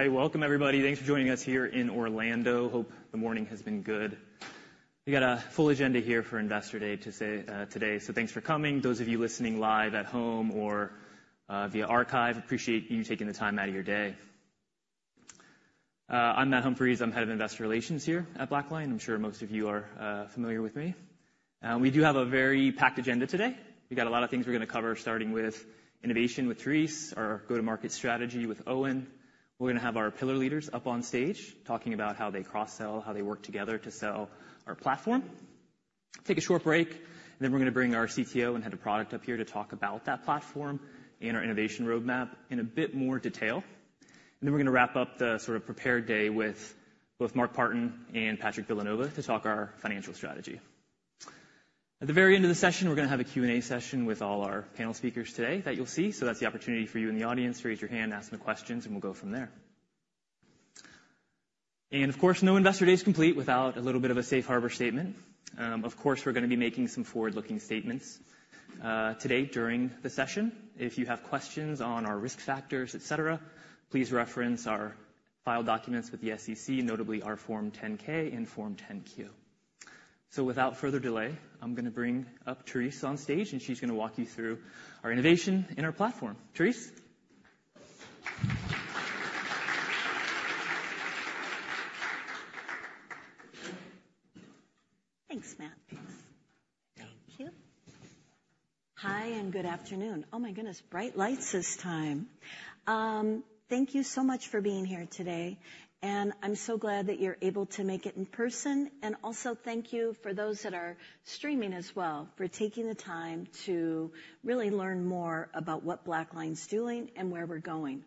All right. Welcome, everybody. Thanks for joining us here in Orlando. Hope the morning has been good. We got a full agenda here for Investor Day today. So thanks for coming. Those of you listening live at home or via archive, appreciate you taking the time out of your day. I'm Matt Humphries. I'm head of investor relations here at BlackLine. I'm sure most of you are familiar with me. We do have a very packed agenda today. We got a lot of things we're gonna cover, starting with innovation with Therese, our go-to-market strategy with Owen. We're gonna have our pillar leaders up on stage talking about how they cross-sell, how they work together to sell our platform. Take a short break, and then we're gonna bring our CTO and head of product up here to talk about that platform and our innovation roadmap in a bit more detail. And then we're gonna wrap up the sort of prepared day with both Mark Partin and Patrick Villanova to talk our financial strategy. At the very end of the session, we're gonna have a Q&A session with all our panel speakers today that you'll see. So that's the opportunity for you in the audience to raise your hand, ask some questions, and we'll go from there. And of course, no Investor Day is complete without a little bit of a safe harbor statement. Of course, we're gonna be making some forward-looking statements today during the session. If you have questions on our Risk Factors, etc., please reference our filed documents with the SEC, notably our Form 10-K and Form 10-Q. So without further delay, I'm gonna bring up Therese on stage, and she's gonna walk you through our innovation and our platform. Therese. Hi and good afternoon. Oh my goodness, bright lights this time. Thank you so much for being here today. And I'm so glad that you're able to make it in person. And also, thank you for those that are streaming as well for taking the time to really learn more about what BlackLine's doing and where we're going.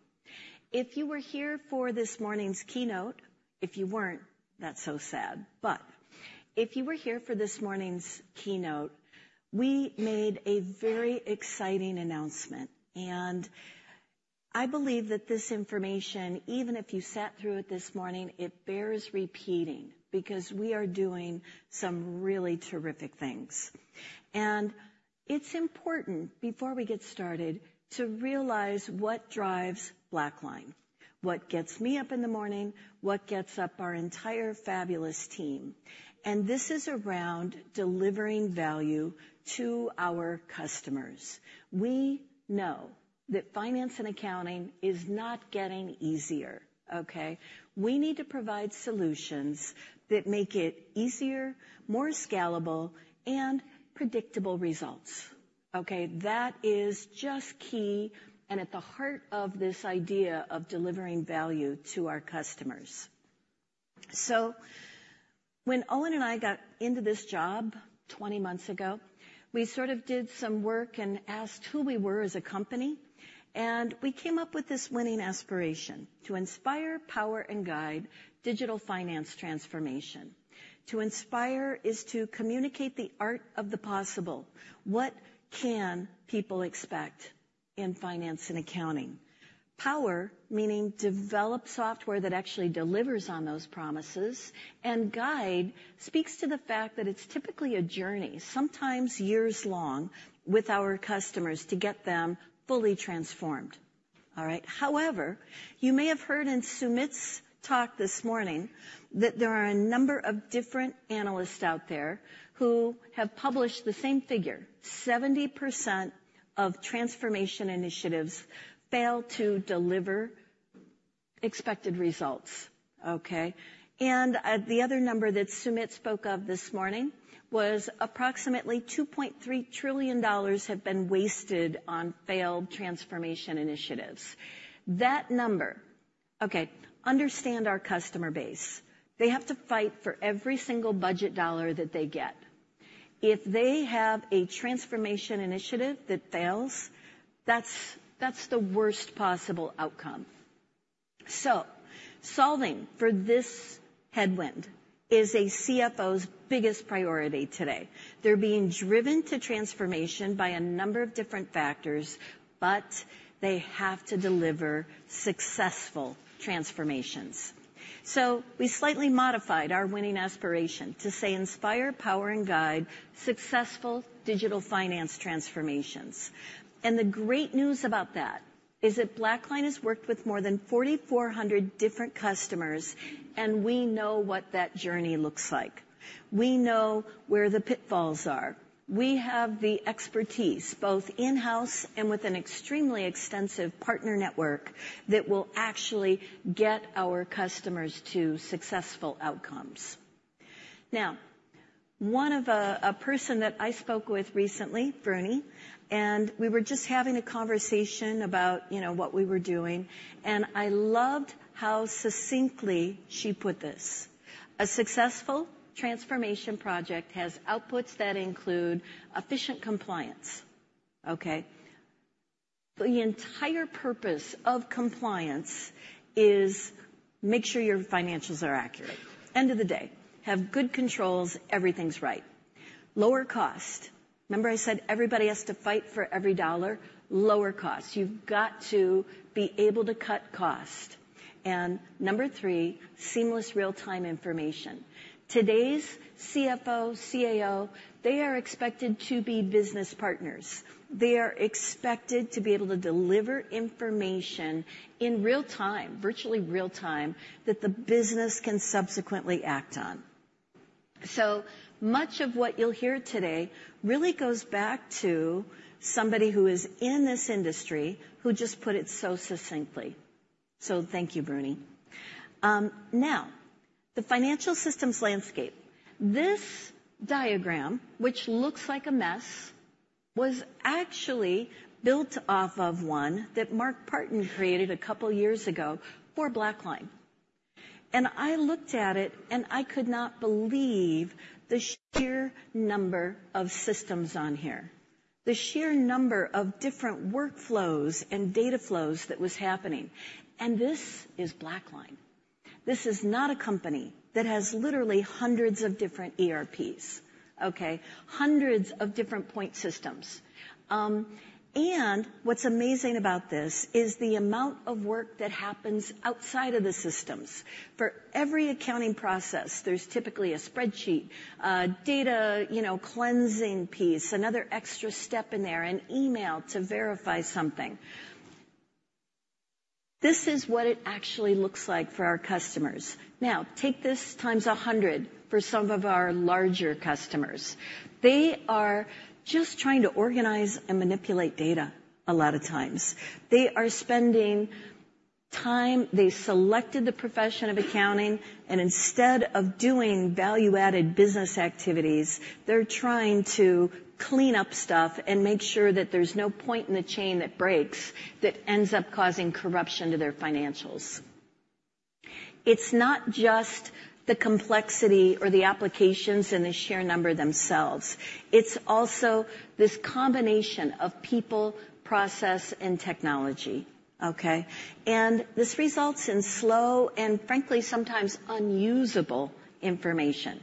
If you were here for this morning's keynote, if you weren't, that's so sad. But if you were here for this morning's keynote, we made a very exciting announcement. And I believe that this information, even if you sat through it this morning, it bears repeating because we are doing some really terrific things. And it's important, before we get started, to realize what drives BlackLine, what gets me up in the morning, what gets up our entire fabulous team. And this is around delivering value to our customers. We know that finance and accounting is not getting easier, okay? We need to provide solutions that make it easier, more scalable, and predictable results, okay? That is just key and at the heart of this idea of delivering value to our customers. So when Owen and I got into this job 20 months ago, we sort of did some work and asked who we were as a company. And we came up with this winning aspiration: to inspire, power, and guide digital finance transformation. To inspire is to communicate the art of the possible. What can people expect in finance and accounting? Power, meaning develop software that actually delivers on those promises, and guide speaks to the fact that it's typically a journey, sometimes years long, with our customers to get them fully transformed. All right. However, you may have heard in Sumit's talk this morning that there are a number of different analysts out there who have published the same figure: 70% of transformation initiatives fail to deliver expected results, okay, and the other number that Sumit spoke of this morning was approximately $2.3 trillion have been wasted on failed transformation initiatives. That number, okay, understand our customer base. They have to fight for every single budget dollar that they get. If they have a transformation initiative that fails, that's, that's the worst possible outcome, so solving for this headwind is a CFO's biggest priority today. They're being driven to transformation by a number of different factors, but they have to deliver successful transformations, so we slightly modified our winning aspiration to say, inspire, power, and guide successful digital finance transformations. And the great news about that is that BlackLine has worked with more than 4,400 different customers, and we know what that journey looks like. We know where the pitfalls are. We have the expertise both in-house and with an extremely extensive partner network that will actually get our customers to successful outcomes. Now, one of, a person that I spoke with recently, Vernie, and we were just having a conversation about, you know, what we were doing. And I loved how succinctly she put this: a successful transformation project has outputs that include efficient compliance, okay? The entire purpose of compliance is to make sure your financials are accurate. End of the day: have good controls, everything's right. Lower cost. Remember I said everybody has to fight for every dollar? Lower cost. You've got to be able to cut cost. And number three, seamless real-time information. Today's CFO, CAO, they are expected to be business partners. They are expected to be able to deliver information in real time, virtually real time, that the business can subsequently act on. So much of what you'll hear today really goes back to somebody who is in this industry who just put it so succinctly. So thank you, Vernie. Now, the financial systems landscape. This diagram, which looks like a mess, was actually built off of one that Mark Partin created a couple of years ago for BlackLine, and I looked at it, and I could not believe the sheer number of systems on here, the sheer number of different workflows and data flows that was happening, and this is BlackLine. This is not a company that has literally hundreds of different ERPs, okay? Hundreds of different point systems. And what's amazing about this is the amount of work that happens outside of the systems. For every accounting process, there's typically a spreadsheet, data, you know, cleansing piece, another extra step in there, an email to verify something. This is what it actually looks like for our customers. Now, take this times 100 for some of our larger customers. They are just trying to organize and manipulate data a lot of times. They are spending time. They selected the profession of accounting, and instead of doing value-added business activities, they're trying to clean up stuff and make sure that there's no point in the chain that breaks that ends up causing corruption to their financials. It's not just the complexity or the applications and the sheer number themselves. It's also this combination of people, process, and technology, okay? And this results in slow and, frankly, sometimes unusable information.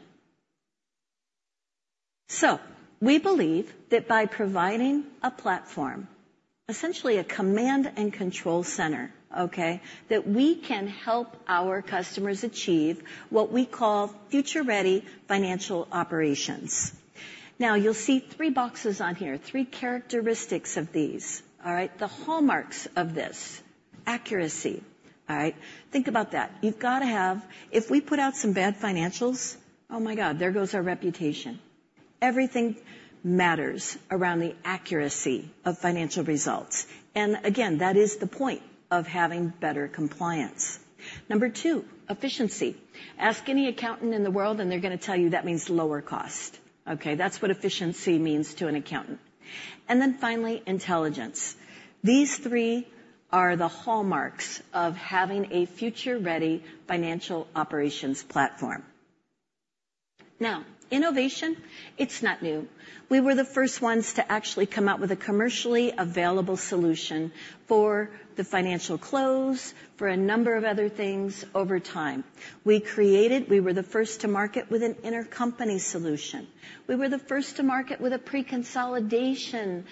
We believe that by providing a platform, essentially a command and control center, okay, that we can help our customers achieve what we call future-ready financial operations. Now, you'll see three boxes on here, three characteristics of these, all right? The hallmarks of this: accuracy, all right? Think about that. You've got to have if we put out some bad financials, oh my God, there goes our reputation. Everything matters around the accuracy of financial results. And again, that is the point of having better compliance. Number two, efficiency. Ask any accountant in the world, and they're gonna tell you that means lower cost, okay? That's what efficiency means to an accountant. And then finally, intelligence. These three are the hallmarks of having a future-ready financial operations platform. Now, innovation, it's not new. We were the first ones to actually come out with a commercially available solution for the Financial Close, for a number of other things over time. We were the first to market with an Intercompany solution. We were the first to market with a pre-consolidation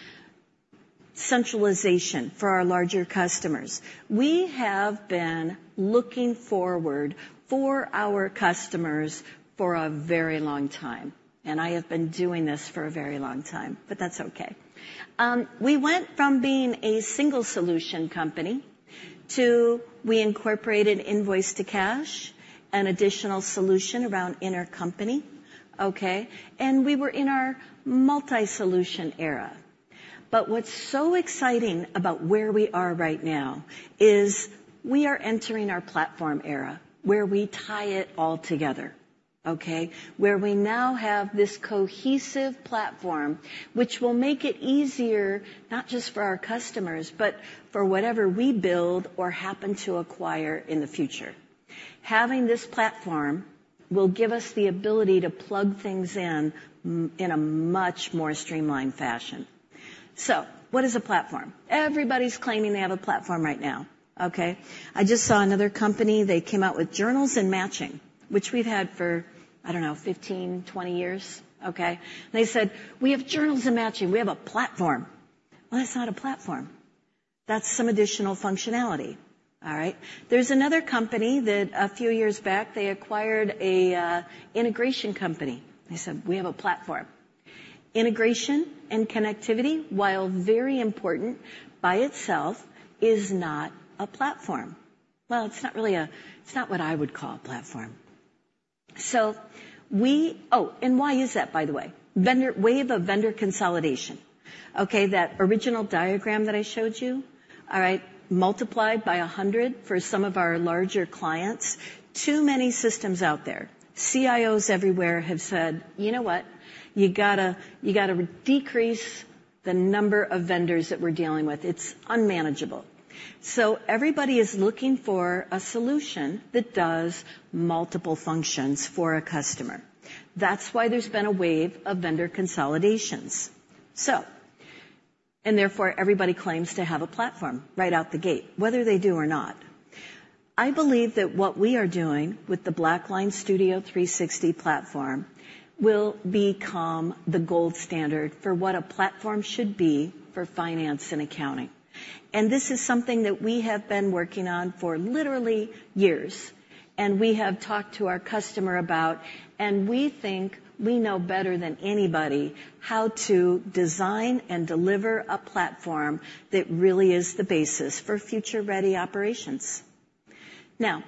centralization for our larger customers. We have been looking out for our customers for a very long time. And I have been doing this for a very long time, but that's okay. We went from being a single-solution company to we incorporated Invoice-to-Cash, an additional solution around Intercompany. Okay? And we were in our multi-solution era. But what's so exciting about where we are right now is we are entering our platform era where we tie it all together, okay? Where we now have this cohesive platform, which will make it easier not just for our customers, but for whatever we build or happen to acquire in the future. Having this platform will give us the ability to plug things in in a much more streamlined fashion. So what is a platform? Everybody's claiming they have a platform right now, okay? I just saw another company. They came out with journals and matching, which we've had for, I don't know, 15-20 years, okay? They said, "We have journals and matching. We have a platform." Well, that's not a platform. That's some additional functionality, all right? There's another company that a few years back, they acquired a integration company. They said, "We have a platform." Integration and connectivity, while very important by itself, is not a platform. Well, it's not really. It's not what I would call a platform. Why is that, by the way? Wave of vendor consolidation, okay? That original diagram that I showed you, all right? Multiplied by 100 for some of our larger clients. Too many systems out there. CIOs everywhere have said, "You know what? You gotta decrease the number of vendors that we're dealing with. It's unmanageable." Everybody is looking for a solution that does multiple functions for a customer. That's why there's been a wave of vendor consolidations. And therefore, everybody claims to have a platform right out the gate, whether they do or not. I believe that what we are doing with the BlackLine Studio 360 platform will become the gold standard for what a platform should be for finance and accounting. And this is something that we have been working on for literally years. We have talked to our customer about, and we think we know better than anybody how to design and deliver a platform that really is the basis for future-ready operations. Now,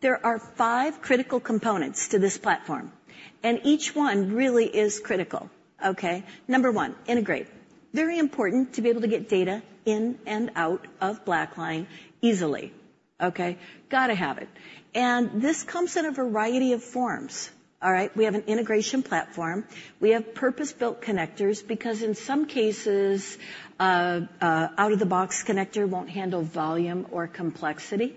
there are five critical components to this platform, and each one really is critical, okay? Number one, Integrate. Very important to be able to get data in and out of BlackLine easily, okay? Gotta have it. And this comes in a variety of forms, all right? We have an integration platform. We have purpose-built connectors because in some cases, out-of-the-box connector won't handle volume or complexity.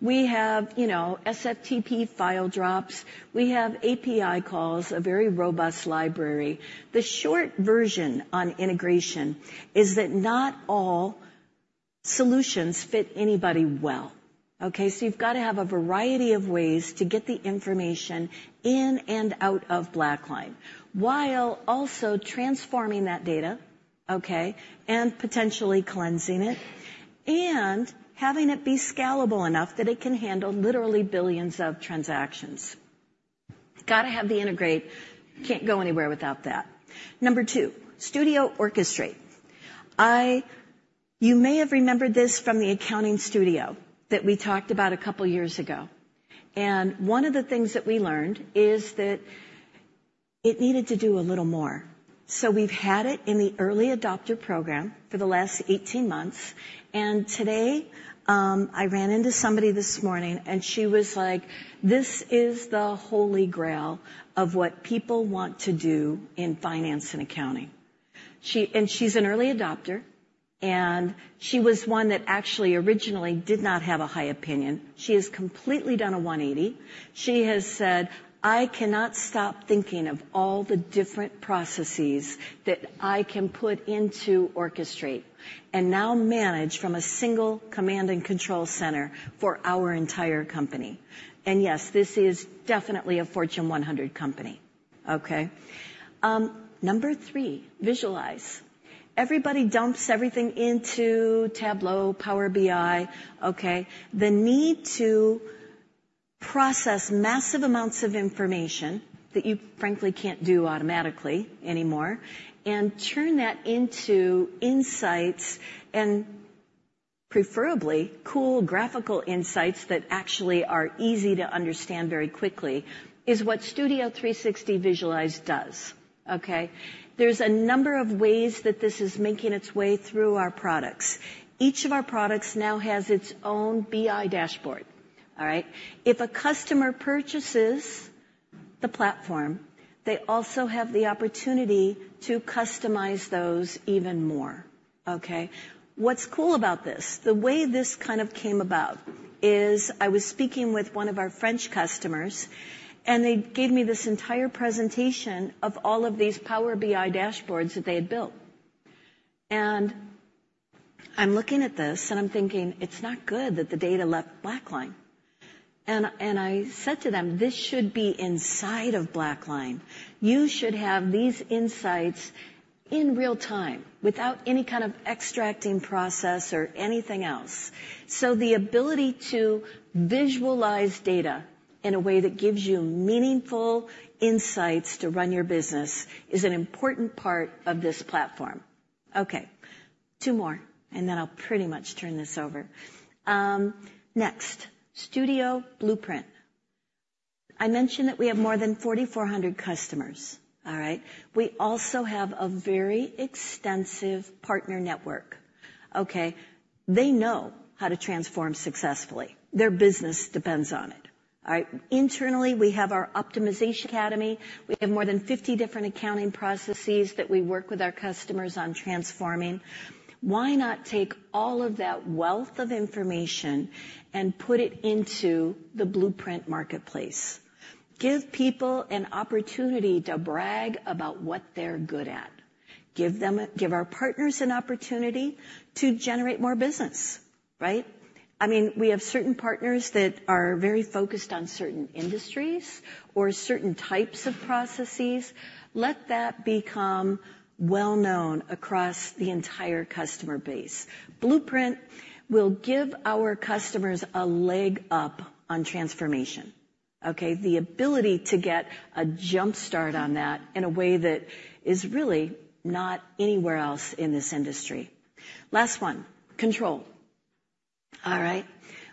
We have, you know, SFTP file drops. We have API calls, a very robust library. The short version on integration is that not all solutions fit anybody well, okay? So you've got to have a variety of ways to get the information in and out of BlackLine while also transforming that data, okay, and potentially cleansing it and having it be scalable enough that it can handle literally billions of transactions. Gotta have the Integrate. Can't go anywhere without that. Number two, Studio Orchestrate. You may have remembered this from the Accounting Studio that we talked about a couple of years ago, and one of the things that we learned is that it needed to do a little more, so we've had it in the Early Adopter Program for the last 18 months. Today, I ran into somebody this morning, and she was like, "This is the Holy Grail of what people want to do in finance and accounting." She and she's an early adopter, and she was one that actually originally did not have a high opinion. She has completely done a 180. She has said, "I cannot stop thinking of all the different processes that I can put into Orchestrate and now manage from a single command and control center for our entire company." Yes, this is definitely a Fortune 100 company, okay? Number three, visualize. Everybody dumps everything into Tableau, Power BI, okay? The need to process massive amounts of information that you, frankly, can't do automatically anymore and turn that into insights and preferably cool graphical insights that actually are easy to understand very quickly is what Studio 360 Visualize does, okay? There's a number of ways that this is making its way through our products. Each of our products now has its own BI dashboard, all right? If a customer purchases the platform, they also have the opportunity to customize those even more, okay? What's cool about this? The way this kind of came about is I was speaking with one of our French customers, and they gave me this entire presentation of all of these Power BI dashboards that they had built. And I'm looking at this, and I'm thinking, "It's not good that the data left BlackLine." And I said to them, "This should be inside of BlackLine. You should have these insights in real time without any kind of extracting process or anything else." So the ability to visualize data in a way that gives you meaningful insights to run your business is an important part of this platform, okay? Two more, and then I'll pretty much turn this over. Next, Studio Blueprint. I mentioned that we have more than 4,400 customers, all right? We also have a very extensive partner network, okay? They know how to transform successfully. Their business depends on it, all right? Internally, we have our Optimization Academy. We have more than 50 different accounting processes that we work with our customers on transforming. Why not take all of that wealth of information and put it into the Blueprint Marketplace? Give people an opportunity to brag about what they're good at. Give them, give our partners an opportunity to generate more business, right? I mean, we have certain partners that are very focused on certain industries or certain types of processes. Let that become well-known across the entire customer base. Blueprint will give our customers a leg up on transformation, okay? The ability to get a jumpstart on that in a way that is really not anywhere else in this industry. Last one, control, all right?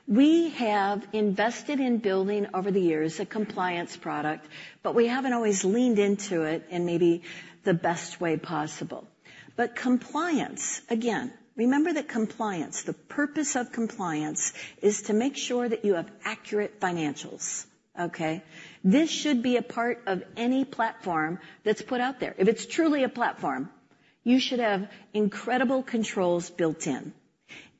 We have invested in building over the years a compliance product, but we haven't always leaned into it in maybe the best way possible. But compliance, again, remember that compliance, the purpose of compliance is to make sure that you have accurate financials, okay? This should be a part of any platform that's put out there. If it's truly a platform, you should have incredible controls built in.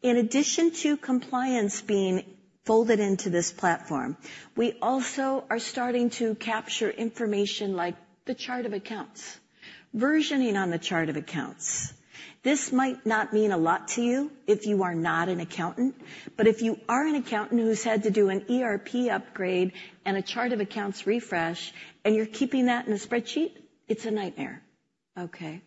In addition to compliance being folded into this platform, we also are starting to capture information like the chart of accounts, versioning on the chart of accounts. This might not mean a lot to you if you are not an accountant, but if you are an accountant who's had to do an ERP upgrade and a chart of accounts refresh and you're keeping that in a spreadsheet, it's a nightmare, okay?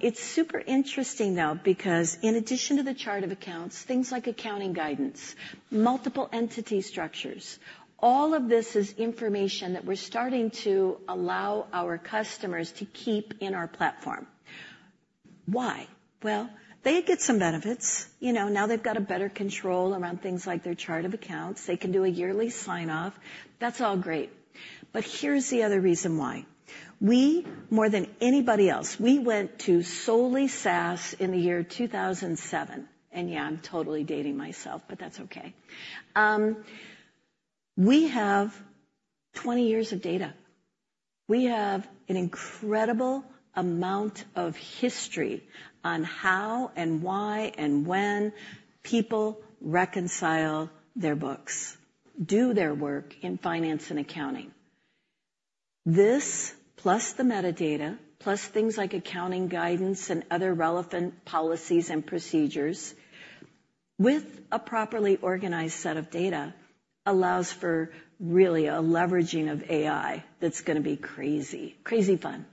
It's super interesting though because in addition to the chart of accounts, things like accounting guidance, multiple entity structures, all of this is information that we're starting to allow our customers to keep in our platform. Why? Well, they get some benefits. You know, now they've got a better control around things like their chart of accounts. They can do a yearly sign-off. That's all great. But here's the other reason why. We, more than anybody else, we went to solely SaaS in the year 2007. And yeah, I'm totally dating myself, but that's okay. We have 20 years of data. We have an incredible amount of history on how and why and when people reconcile their books, do their work in finance and accounting. This, plus the metadata, plus things like accounting guidance and other relevant policies and procedures with a properly organized set of data, allows for really a leveraging of AI that's gonna be crazy, crazy fun.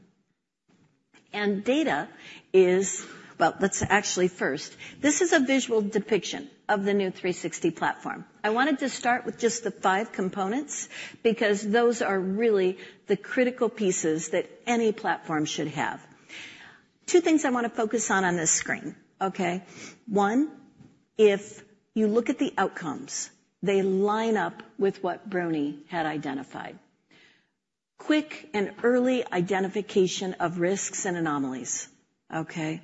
And data is well, let's actually first, this is a visual depiction of the new 360 platform. I wanted to start with just the five components because those are really the critical pieces that any platform should have. Two things I wanna focus on on this screen, okay? One, if you look at the outcomes, they line up with what Vernie had identified. Quick and early identification of risks and anomalies, okay?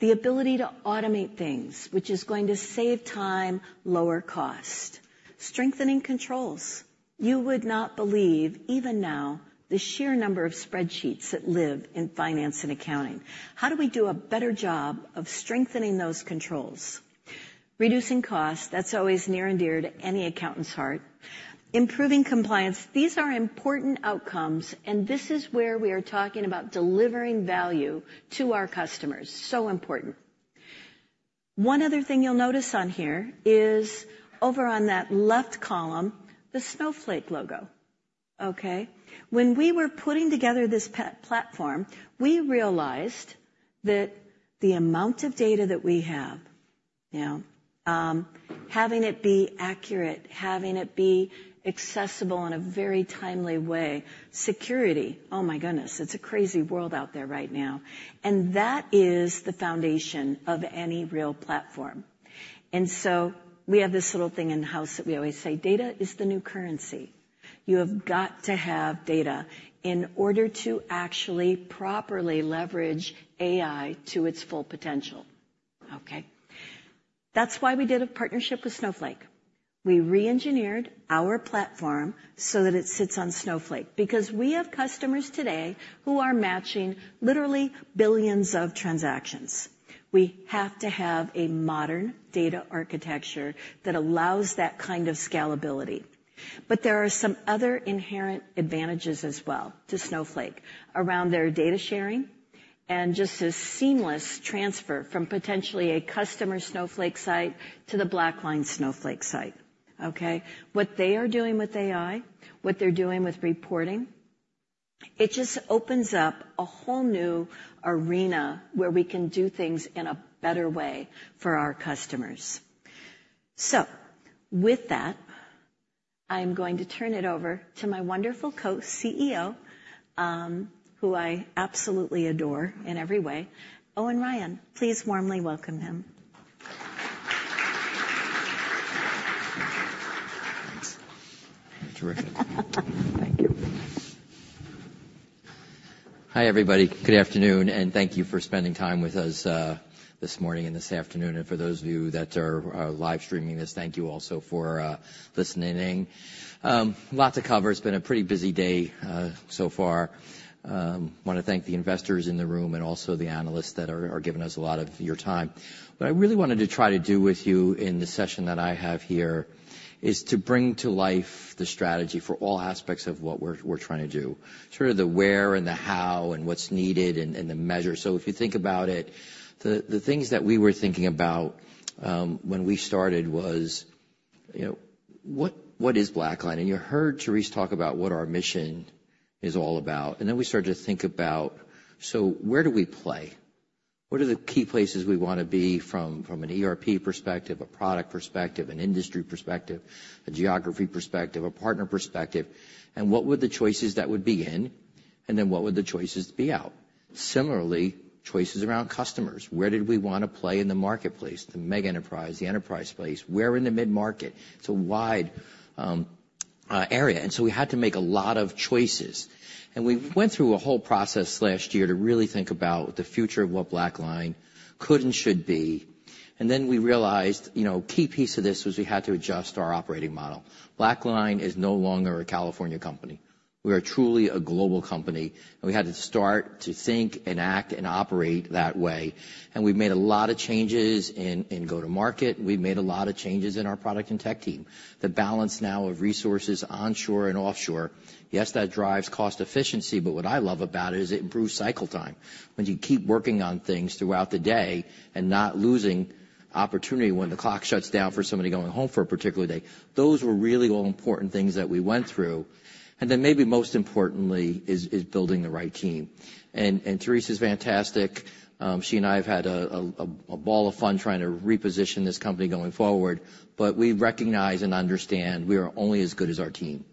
The ability to automate things, which is going to save time, lower cost. Strengthening controls. You would not believe, even now, the sheer number of spreadsheets that live in finance and accounting. How do we do a better job of strengthening those controls? Reducing costs, that's always near and dear to any accountant's heart. Improving compliance. These are important outcomes, and this is where we are talking about delivering value to our customers. So important. One other thing you'll notice on here is over on that left column, the Snowflake logo, okay? When we were putting together this platform, we realized that the amount of data that we have, you know, having it be accurate, having it be accessible in a very timely way, security, oh my goodness, it's a crazy world out there right now, and that is the foundation of any real platform, and so we have this little thing in-house that we always say, "Data is the new currency." You have got to have data in order to actually properly leverage AI to its full potential, okay? That's why we did a partnership with Snowflake. We re-engineered our platform so that it sits on Snowflake because we have customers today who are matching literally billions of transactions. We have to have a modern data architecture that allows that kind of scalability. But there are some other inherent advantages as well to Snowflake around their data sharing and just a seamless transfer from potentially a customer Snowflake site to the BlackLine Snowflake site, okay? What they are doing with AI, what they're doing with reporting, it just opens up a whole new arena where we can do things in a better way for our customers. So with that, I'm going to turn it over to my wonderful Co-CEO, who I absolutely adore in every way. Owen Ryan, please warmly welcome him. Terrific. Thank you. Hi everybody. Good afternoon, and thank you for spending time with us this morning and this afternoon. And for those of you that are live streaming this, thank you also for listening. Lots to cover. It's been a pretty busy day so far. Wanna thank the investors in the room and also the analysts that are giving us a lot of your time. What I really wanted to try to do with you in the session that I have here is to bring to life the strategy for all aspects of what we're trying to do. Sort of the where and the how and what's needed and the measure. So if you think about it, the things that we were thinking about when we started was, you know, what is BlackLine? And you heard Therese talk about what our mission is all about. Then we started to think about, so where do we play? What are the key places we wanna be from, from an ERP perspective, a product perspective, an industry perspective, a geography perspective, a partner perspective? What were the choices that would be in, and then what would the choices be out? Similarly, choices around customers. Where did we wanna play in the marketplace, the mega enterprise, the enterprise space? Where in the mid-market? It's a wide area. So we had to make a lot of choices. We went through a whole process last year to really think about the future of what BlackLine could and should be. Then we realized, you know, a key piece of this was we had to adjust our operating model. BlackLine is no longer a California company. We are truly a global company. And we had to start to think and act and operate that way. And we've made a lot of changes in go-to-market. We've made a lot of changes in our product and tech team. The balance now of resources onshore and offshore, yes, that drives cost efficiency, but what I love about it is it improves cycle time. When you keep working on things throughout the day and not losing opportunity when the clock shuts down for somebody going home for a particular day, those were really all important things that we went through. And then maybe most importantly is building the right team. And Therese is fantastic. She and I have had a ball of fun trying to reposition this company going forward, but we recognize and understand we are only as good as our team.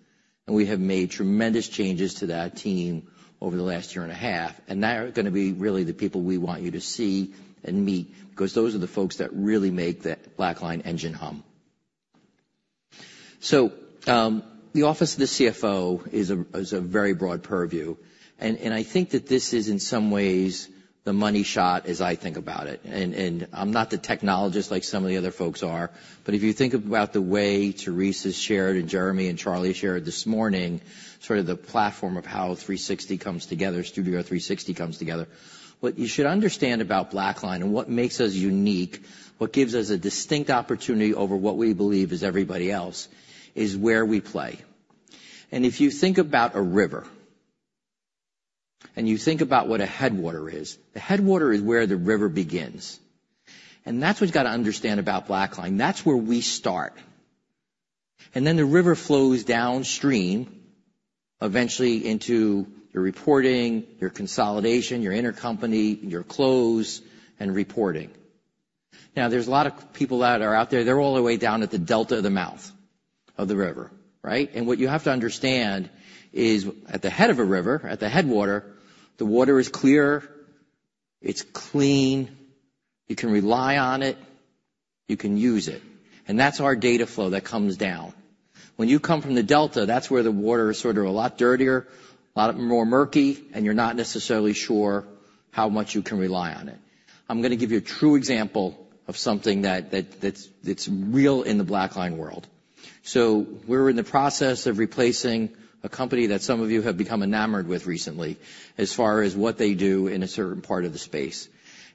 We have made tremendous changes to that team over the last year and a half. They're gonna be really the people we want you to see and meet because those are the folks that really make that BlackLine engine hum. The office of the CFO is a very broad purview. I think that this is in some ways the money shot as I think about it. I'm not the technologist like some of the other folks are, but if you think about the way Therese has shared and Jeremy and Charlie shared this morning, sort of the platform of how 360 comes together, Studio 360 comes together, what you should understand about BlackLine and what makes us unique, what gives us a distinct opportunity over what we believe is everybody else is where we play. And if you think about a river and you think about what a headwater is, the headwater is where the river begins. And that's what you gotta understand about BlackLine. That's where we start. And then the river flows downstream eventually into your reporting, your consolidation, your Intercompany, your close, and reporting. Now, there's a lot of people that are out there. They're all the way down at the delta of the mouth of the river, right? And what you have to understand is at the head of a river, at the headwater, the water is clear. It's clean. You can rely on it. You can use it. And that's our data flow that comes down. When you come from the delta, that's where the water is sort of a lot dirtier, a lot more murky, and you're not necessarily sure how much you can rely on it. I'm gonna give you a true example of something that's real in the BlackLine world. So we're in the process of replacing a company that some of you have become enamored with recently as far as what they do in a certain part of the space.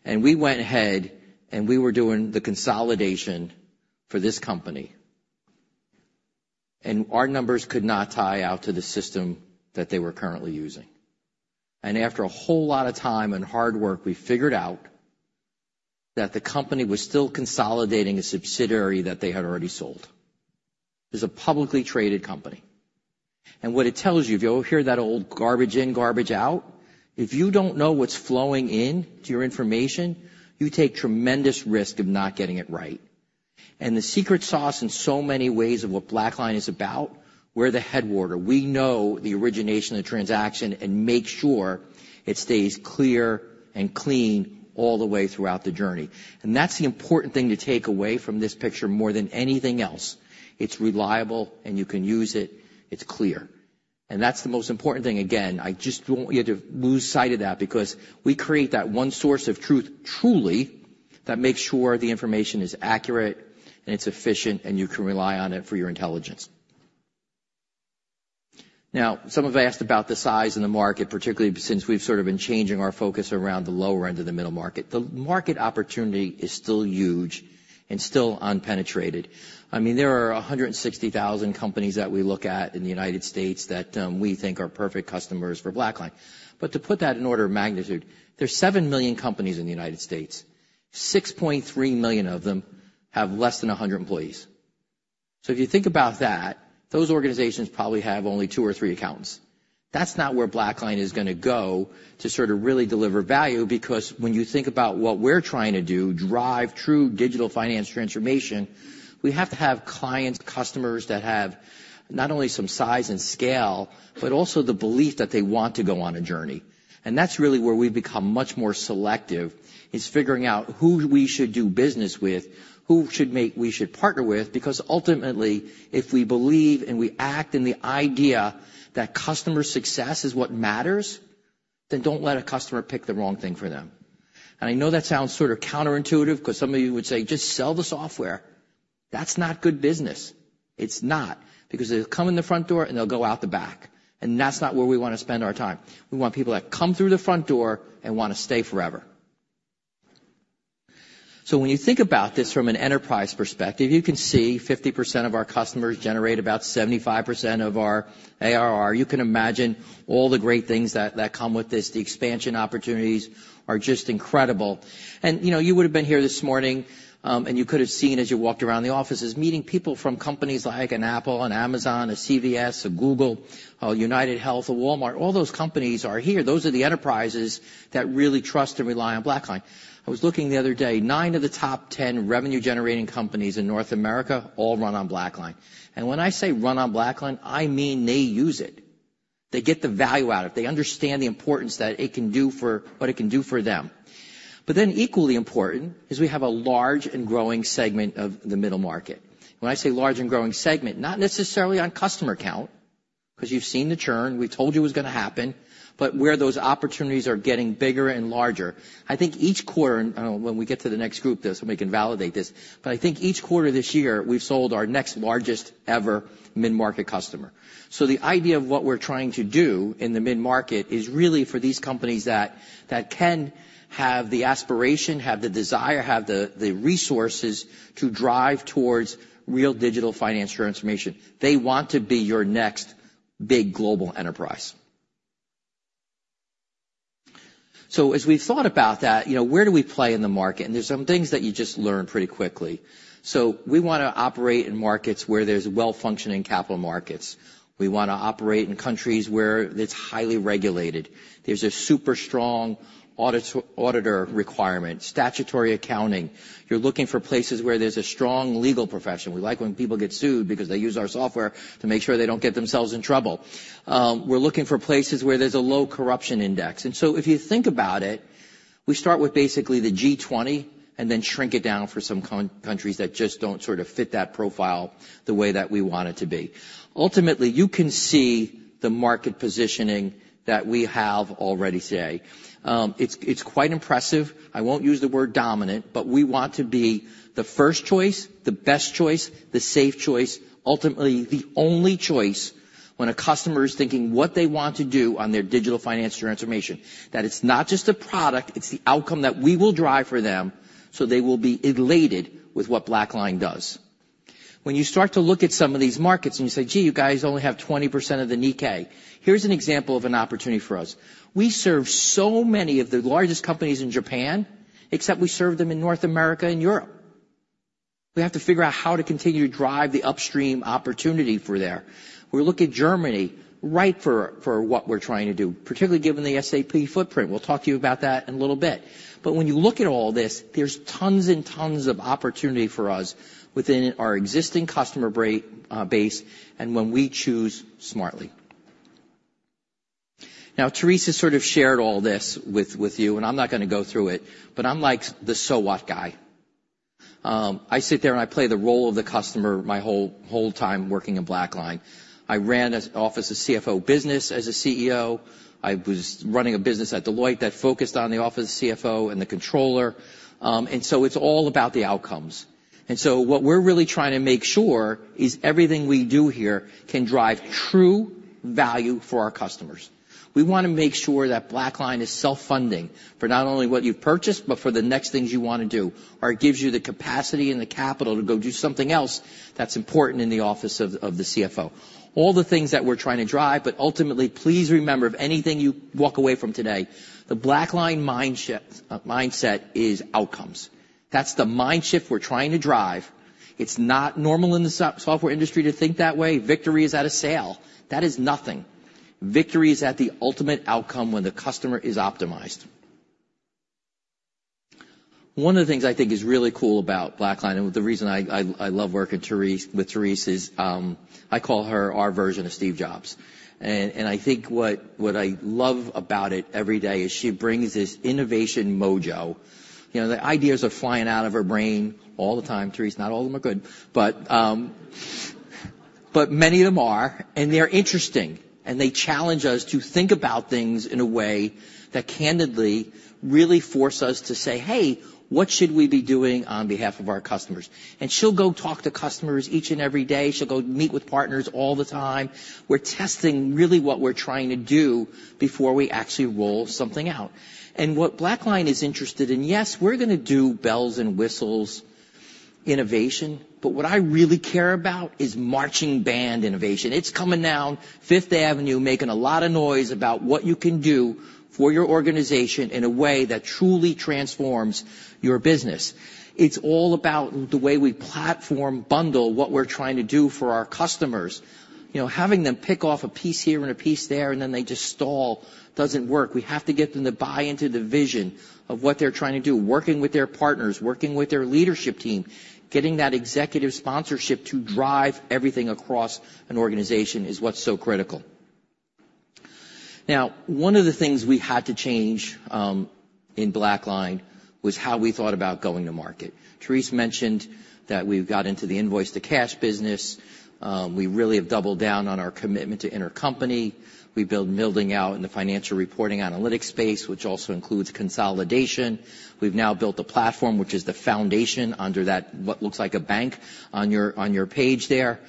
And we went ahead and we were doing the consolidation for this company. And our numbers could not tie out to the system that they were currently using. And after a whole lot of time and hard work, we figured out that the company was still consolidating a subsidiary that they had already sold. It's a publicly traded company. And what it tells you, if you ever hear that old garbage in, garbage out, if you don't know what's flowing into your information, you take tremendous risk of not getting it right. And the secret sauce in so many ways of what BlackLine is about, we're the headwater. We know the origination of the transaction and make sure it stays clear and clean all the way throughout the journey. And that's the important thing to take away from this picture more than anything else. It's reliable and you can use it. It's clear. And that's the most important thing. Again, I just want you to lose sight of that because we create that one source of truth truly that makes sure the information is accurate and it's efficient and you can rely on it for your intelligence. Now, some of you asked about the size in the market, particularly since we've sort of been changing our focus around the lower end of the middle market. The market opportunity is still huge and still unpenetrated. I mean, there are 160,000 companies that we look at in the United States that, we think are perfect customers for BlackLine. But to put that in order of magnitude, there's 7 million companies in the United States. 6.3 million of them have less than 100 employees. So if you think about that, those organizations probably have only two or three accountants. That's not where BlackLine is gonna go to sort of really deliver value because when you think about what we're trying to do, drive true digital finance transformation, we have to have clients, customers that have not only some size and scale, but also the belief that they want to go on a journey. That's really where we've become much more selective is figuring out who we should do business with, who we should partner with, because ultimately, if we believe and we act in the idea that customer success is what matters, then don't let a customer pick the wrong thing for them. I know that sounds sort of counterintuitive 'cause some of you would say, "Just sell the software." That's not good business. It's not because they'll come in the front door and they'll go out the back. That's not where we wanna spend our time. We want people that come through the front door and wanna stay forever. So when you think about this from an enterprise perspective, you can see 50% of our customers generate about 75% of our ARR. You can imagine all the great things that come with this. The expansion opportunities are just incredible, and you know, you would've been here this morning, and you could have seen as you walked around the offices, meeting people from companies like an Apple, an Amazon, a CVS, a Google, UnitedHealth, a Walmart, all those companies are here. Those are the enterprises that really trust and rely on BlackLine. I was looking the other day, nine of the top 10 revenue-generating companies in North America all run on BlackLine, and when I say run on BlackLine, I mean they use it. They get the value out of it. They understand the importance that it can do for what it can do for them, but then equally important is we have a large and growing segment of the middle market. When I say large and growing segment, not necessarily on customer count 'cause you've seen the churn. We told you it was gonna happen, but where those opportunities are getting bigger and larger. I think each quarter, and I don't know when we get to the next group, this, and we can validate this, but I think each quarter this year we've sold our next largest ever mid-market customer. So the idea of what we're trying to do in the mid-market is really for these companies that, that can have the aspiration, have the desire, have the, the resources to drive towards real digital finance transformation. They want to be your next big global enterprise. So as we've thought about that, you know, where do we play in the market? And there's some things that you just learn pretty quickly. So we wanna operate in markets where there's well-functioning capital markets. We wanna operate in countries where it's highly regulated. There's a super strong auditor requirement, statutory accounting. You're looking for places where there's a strong legal profession. We like when people get sued because they use our software to make sure they don't get themselves in trouble. We're looking for places where there's a low corruption index. And so if you think about it, we start with basically the G20 and then shrink it down for some countries that just don't sort of fit that profile the way that we want it to be. Ultimately, you can see the market positioning that we have already today. It's quite impressive. I won't use the word dominant, but we want to be the first choice, the best choice, the safe choice, ultimately the only choice when a customer is thinking what they want to do on their digital finance transformation, that it's not just a product, it's the outcome that we will drive for them so they will be elated with what BlackLine does. When you start to look at some of these markets and you say, "Gee, you guys only have 20% of the Nikkei," here's an example of an opportunity for us. We serve so many of the largest companies in Japan, except we serve them in North America and Europe. We have to figure out how to continue to drive the upstream opportunity for there. We look at Germany right for what we're trying to do, particularly given the SAP footprint. We'll talk to you about that in a little bit, but when you look at all this, there's tons and tons of opportunity for us within our existing customer base and when we choose smartly. Now, Therese has sort of shared all this with you, and I'm not gonna go through it, but I'm like the SWAT guy. I sit there and I play the role of the customer my whole time working at BlackLine. I ran an office of CFO business as a CEO. I was running a business at Deloitte that focused on the office of CFO and the controller, and so it's all about the outcomes, and so what we're really trying to make sure is everything we do here can drive true value for our customers. We wanna make sure that BlackLine is self-funding for not only what you've purchased, but for the next things you wanna do, or it gives you the capacity and the capital to go do something else that's important in the office of the CFO. All the things that we're trying to drive, but ultimately, please remember, if anything you walk away from today, the BlackLine mindset is outcomes. That's the mindshift we're trying to drive. It's not normal in the software industry to think that way. Victory is at a sale. That is nothing. Victory is at the ultimate outcome when the customer is optimized. One of the things I think is really cool about BlackLine, and the reason I love working with Therese is, I call her our version of Steve Jobs. And I think what I love about it every day is she brings this innovation mojo. You know, the ideas are flying out of her brain all the time. Therese, not all of them are good, but many of them are, and they're interesting, and they challenge us to think about things in a way that candidly really force us to say, "Hey, what should we be doing on behalf of our customers?" And she'll go talk to customers each and every day. She'll go meet with partners all the time. We're testing really what we're trying to do before we actually roll something out. And what BlackLine is interested in, yes, we're gonna do bells and whistles innovation, but what I really care about is marching band innovation. It's coming down Fifth Avenue, making a lot of noise about what you can do for your organization in a way that truly transforms your business. It's all about the way we platform bundle what we're trying to do for our customers. You know, having them pick off a piece here and a piece there and then they just stall doesn't work. We have to get them to buy into the vision of what they're trying to do, working with their partners, working with their leadership team, getting that executive sponsorship to drive everything across an organization is what's so critical. Now, one of the things we had to change in BlackLine was how we thought about going to market. Therese mentioned that we've got into the Invoice-to-Cash business. We really have doubled down on our commitment to Intercompany. We've been building out in the Financial Reporting Analytics space, which also includes consolidation. We've now built the platform, which is the foundation under that what looks like a bank on your page there,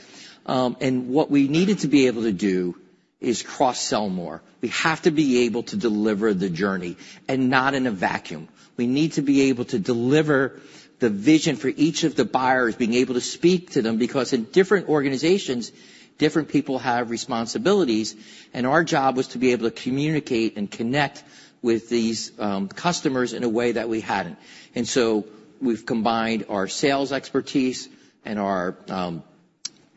and what we needed to be able to do is cross-sell more. We have to be able to deliver the journey and not in a vacuum. We need to be able to deliver the vision for each of the buyers, being able to speak to them because in different organizations, different people have responsibilities, and our job was to be able to communicate and connect with these customers in a way that we hadn't. And so we've combined our sales expertise and our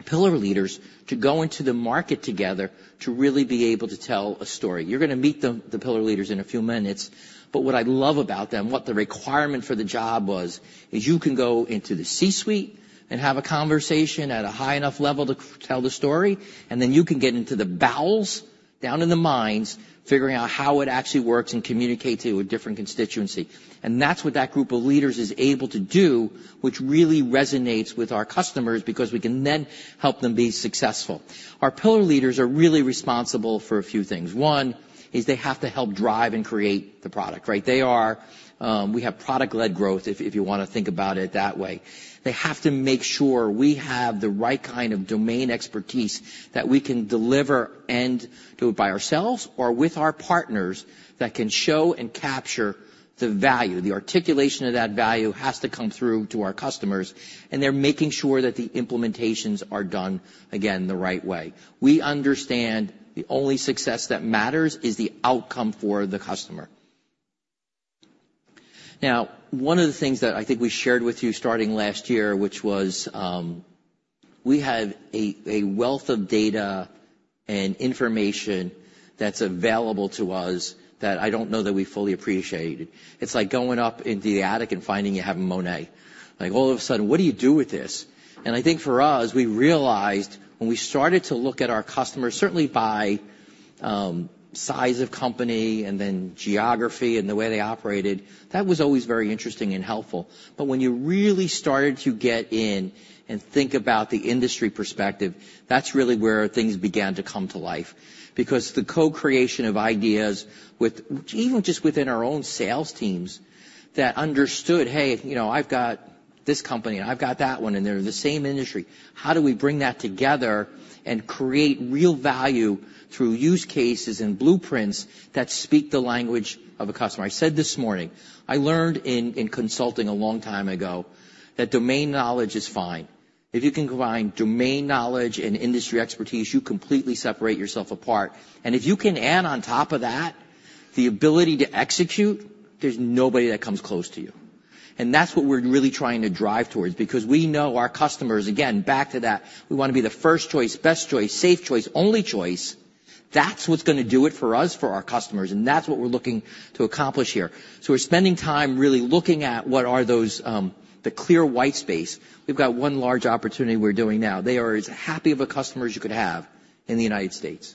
pillar leaders to go into the market together to really be able to tell a story. You're gonna meet the pillar leaders in a few minutes, but what I love about them, what the requirement for the job was, is you can go into the C-suite and have a conversation at a high enough level to tell the story, and then you can get into the bowels down in the mines, figuring out how it actually works and communicating with different constituencies. And that's what that group of leaders is able to do, which really resonates with our customers because we can then help them be successful. Our pillar leaders are really responsible for a few things. One is they have to help drive and create the product, right? They are, we have product-led growth if you wanna think about it that way. They have to make sure we have the right kind of domain expertise that we can deliver and do it by ourselves or with our partners that can show and capture the value. The articulation of that value has to come through to our customers, and they're making sure that the implementations are done, again, the right way. We understand the only success that matters is the outcome for the customer. Now, one of the things that I think we shared with you starting last year, which was, we have a wealth of data and information that's available to us that I don't know that we fully appreciated. It's like going up into the attic and finding you have a Monet. Like, all of a sudden, what do you do with this? And I think for us, we realized when we started to look at our customers, certainly by size of company and then geography and the way they operated, that was always very interesting and helpful. But when you really started to get in and think about the industry perspective, that's really where things began to come to life because the co-creation of ideas with even just within our own sales teams that understood, "Hey, you know, I've got this company and I've got that one, and they're in the same industry. How do we bring that together and create real value through use cases and blueprints that speak the language of a customer?" I said this morning, I learned in consulting a long time ago that domain knowledge is fine. If you can combine domain knowledge and industry expertise, you completely separate yourself apart. If you can add on top of that the ability to execute, there's nobody that comes close to you. That's what we're really trying to drive towards because we know our customers, again, back to that, we wanna be the first choice, best choice, safe choice, only choice. That's what's gonna do it for us, for our customers, and that's what we're looking to accomplish here. We're spending time really looking at what are those, the clear white space. We've got one large opportunity we're doing now. They are as happy of a customer as you could have in the United States.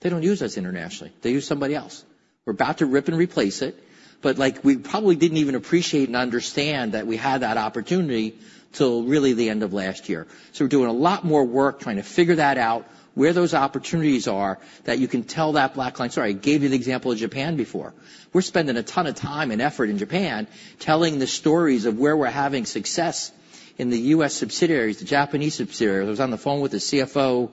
They don't use us internationally. They use somebody else. We're about to rip and replace it, but, like, we probably didn't even appreciate and understand that we had that opportunity till really the end of last year. So we're doing a lot more work trying to figure that out, where those opportunities are that you can tell that BlackLine. Sorry, I gave you the example of Japan before. We're spending a ton of time and effort in Japan telling the stories of where we're having success in the U.S. subsidiaries, the Japanese subsidiaries. I was on the phone with the CFO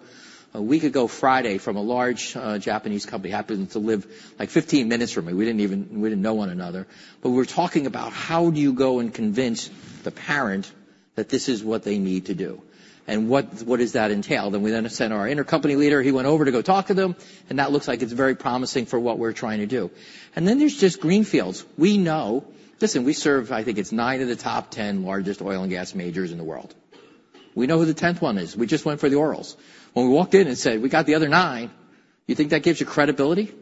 a week ago Friday from a large Japanese company. Happened to live like 15 minutes from me. We didn't even know one another, but we were talking about how do you go and convince the parent that this is what they need to do and what does that entail? Then we sent our Intercompany leader. He went over to go talk to them, and that looks like it's very promising for what we're trying to do. And then there's just greenfields. We know, listen, we serve, I think it's nine of the top 10 largest oil and gas majors in the world. We know who the 10th one is. We just went for the Orals. When we walked in and said, "We got the other nine," you think that gives you credibility?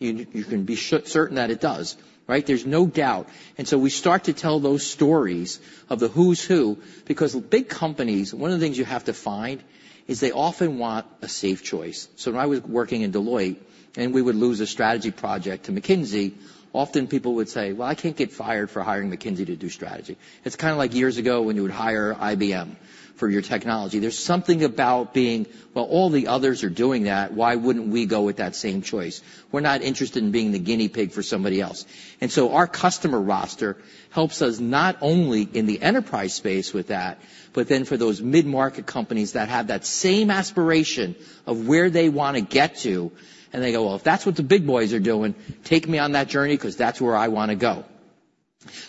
You, you can be certain that it does, right? There's no doubt. And so we start to tell those stories of the who's who because big companies, one of the things you have to find is they often want a safe choice. So when I was working in Deloitte and we would lose a strategy project to McKinsey, often people would say, "Well, I can't get fired for hiring McKinsey to do strategy." It's kinda like years ago when you would hire IBM for your technology. There's something about being, "Well, all the others are doing that. Why wouldn't we go with that same choice? We're not interested in being the guinea pig for somebody else," and so our customer roster helps us not only in the enterprise space with that, but then for those mid-market companies that have that same aspiration of where they wanna get to, and they go, "Well, if that's what the big boys are doing, take me on that journey 'cause that's where I wanna go,"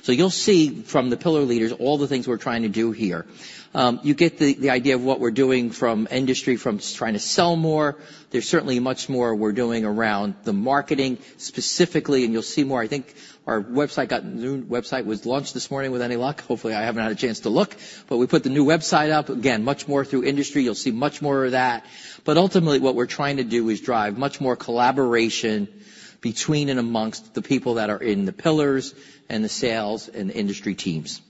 so you'll see from the pillar leaders all the things we're trying to do here. You get the idea of what we're doing from industry, from trying to sell more. There's certainly much more we're doing around the marketing specifically, and you'll see more. I think our new website was launched this morning with any luck. Hopefully, I haven't had a chance to look, but we put the new website up. Again, much more through industry. You'll see much more of that. But ultimately, what we're trying to do is drive much more collaboration between and amongst the people that are in the pillars and the sales and industry teams.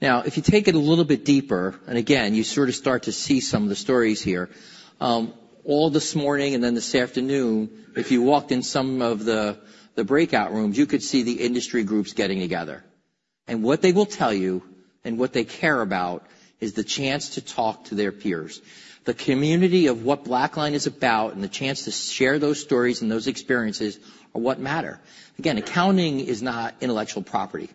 Now, if you take it a little bit deeper, and again, you sorta start to see some of the stories here, all this morning and then this afternoon, if you walked in some of the, the breakout rooms, you could see the industry groups getting together, and what they will tell you and what they care about is the chance to talk to their peers. The community of what BlackLine is about and the chance to share those stories and those experiences are what matter. Again, accounting is not intellectual property,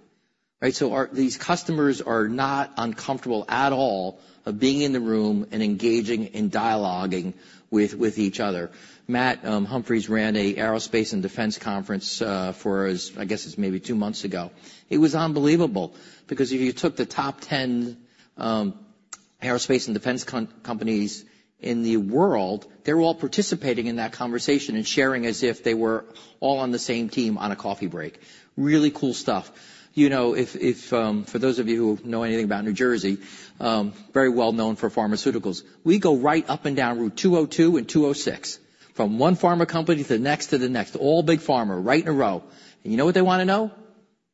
right? So these customers are not uncomfortable at all with being in the room and engaging in dialoguing with each other. Matt Humphries ran an aerospace and defense conference for us. I guess it was maybe two months ago. It was unbelievable because if you took the top 10 aerospace and defense companies in the world, they were all participating in that conversation and sharing as if they were all on the same team on a coffee break. Really cool stuff. You know, if for those of you who know anything about New Jersey, very well known for pharmaceuticals, we go right up and down Route 202 and 206 from one pharma company to the next to the next, all big pharma right in a row. And you know what they wanna know?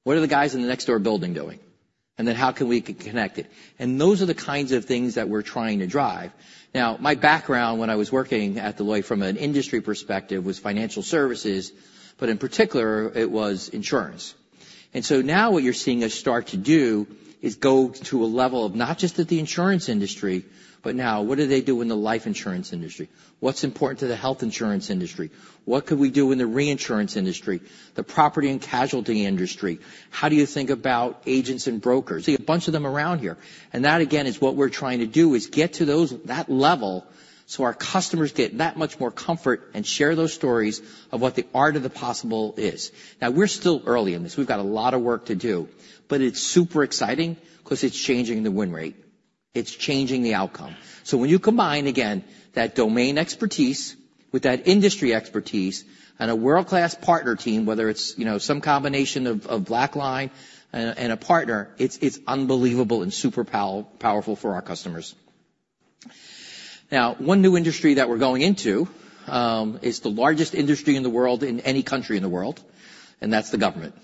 What are the guys in the next door building doing? And then how can we connect it? And those are the kinds of things that we're trying to drive. Now, my background when I was working at Deloitte from an industry perspective was financial services, but in particular, it was insurance. And so now what you're seeing us start to do is go to a level of not just at the insurance industry, but now what do they do in the life insurance industry? What's important to the health insurance industry? What could we do in the reinsurance industry, the property and casualty industry? How do you think about agents and brokers? See a bunch of them around here. And that, again, is what we're trying to do is get to those that level so our customers get that much more comfort and share those stories of what the art of the possible is. Now, we're still early in this. We've got a lot of work to do, but it's super exciting 'cause it's changing the win rate. It's changing the outcome. So when you combine, again, that domain expertise with that industry expertise and a world-class partner team, whether it's, you know, some combination of BlackLine and a partner, it's unbelievable and super powerful for our customers. Now, one new industry that we're going into is the largest industry in the world in any country in the world, and that's the government,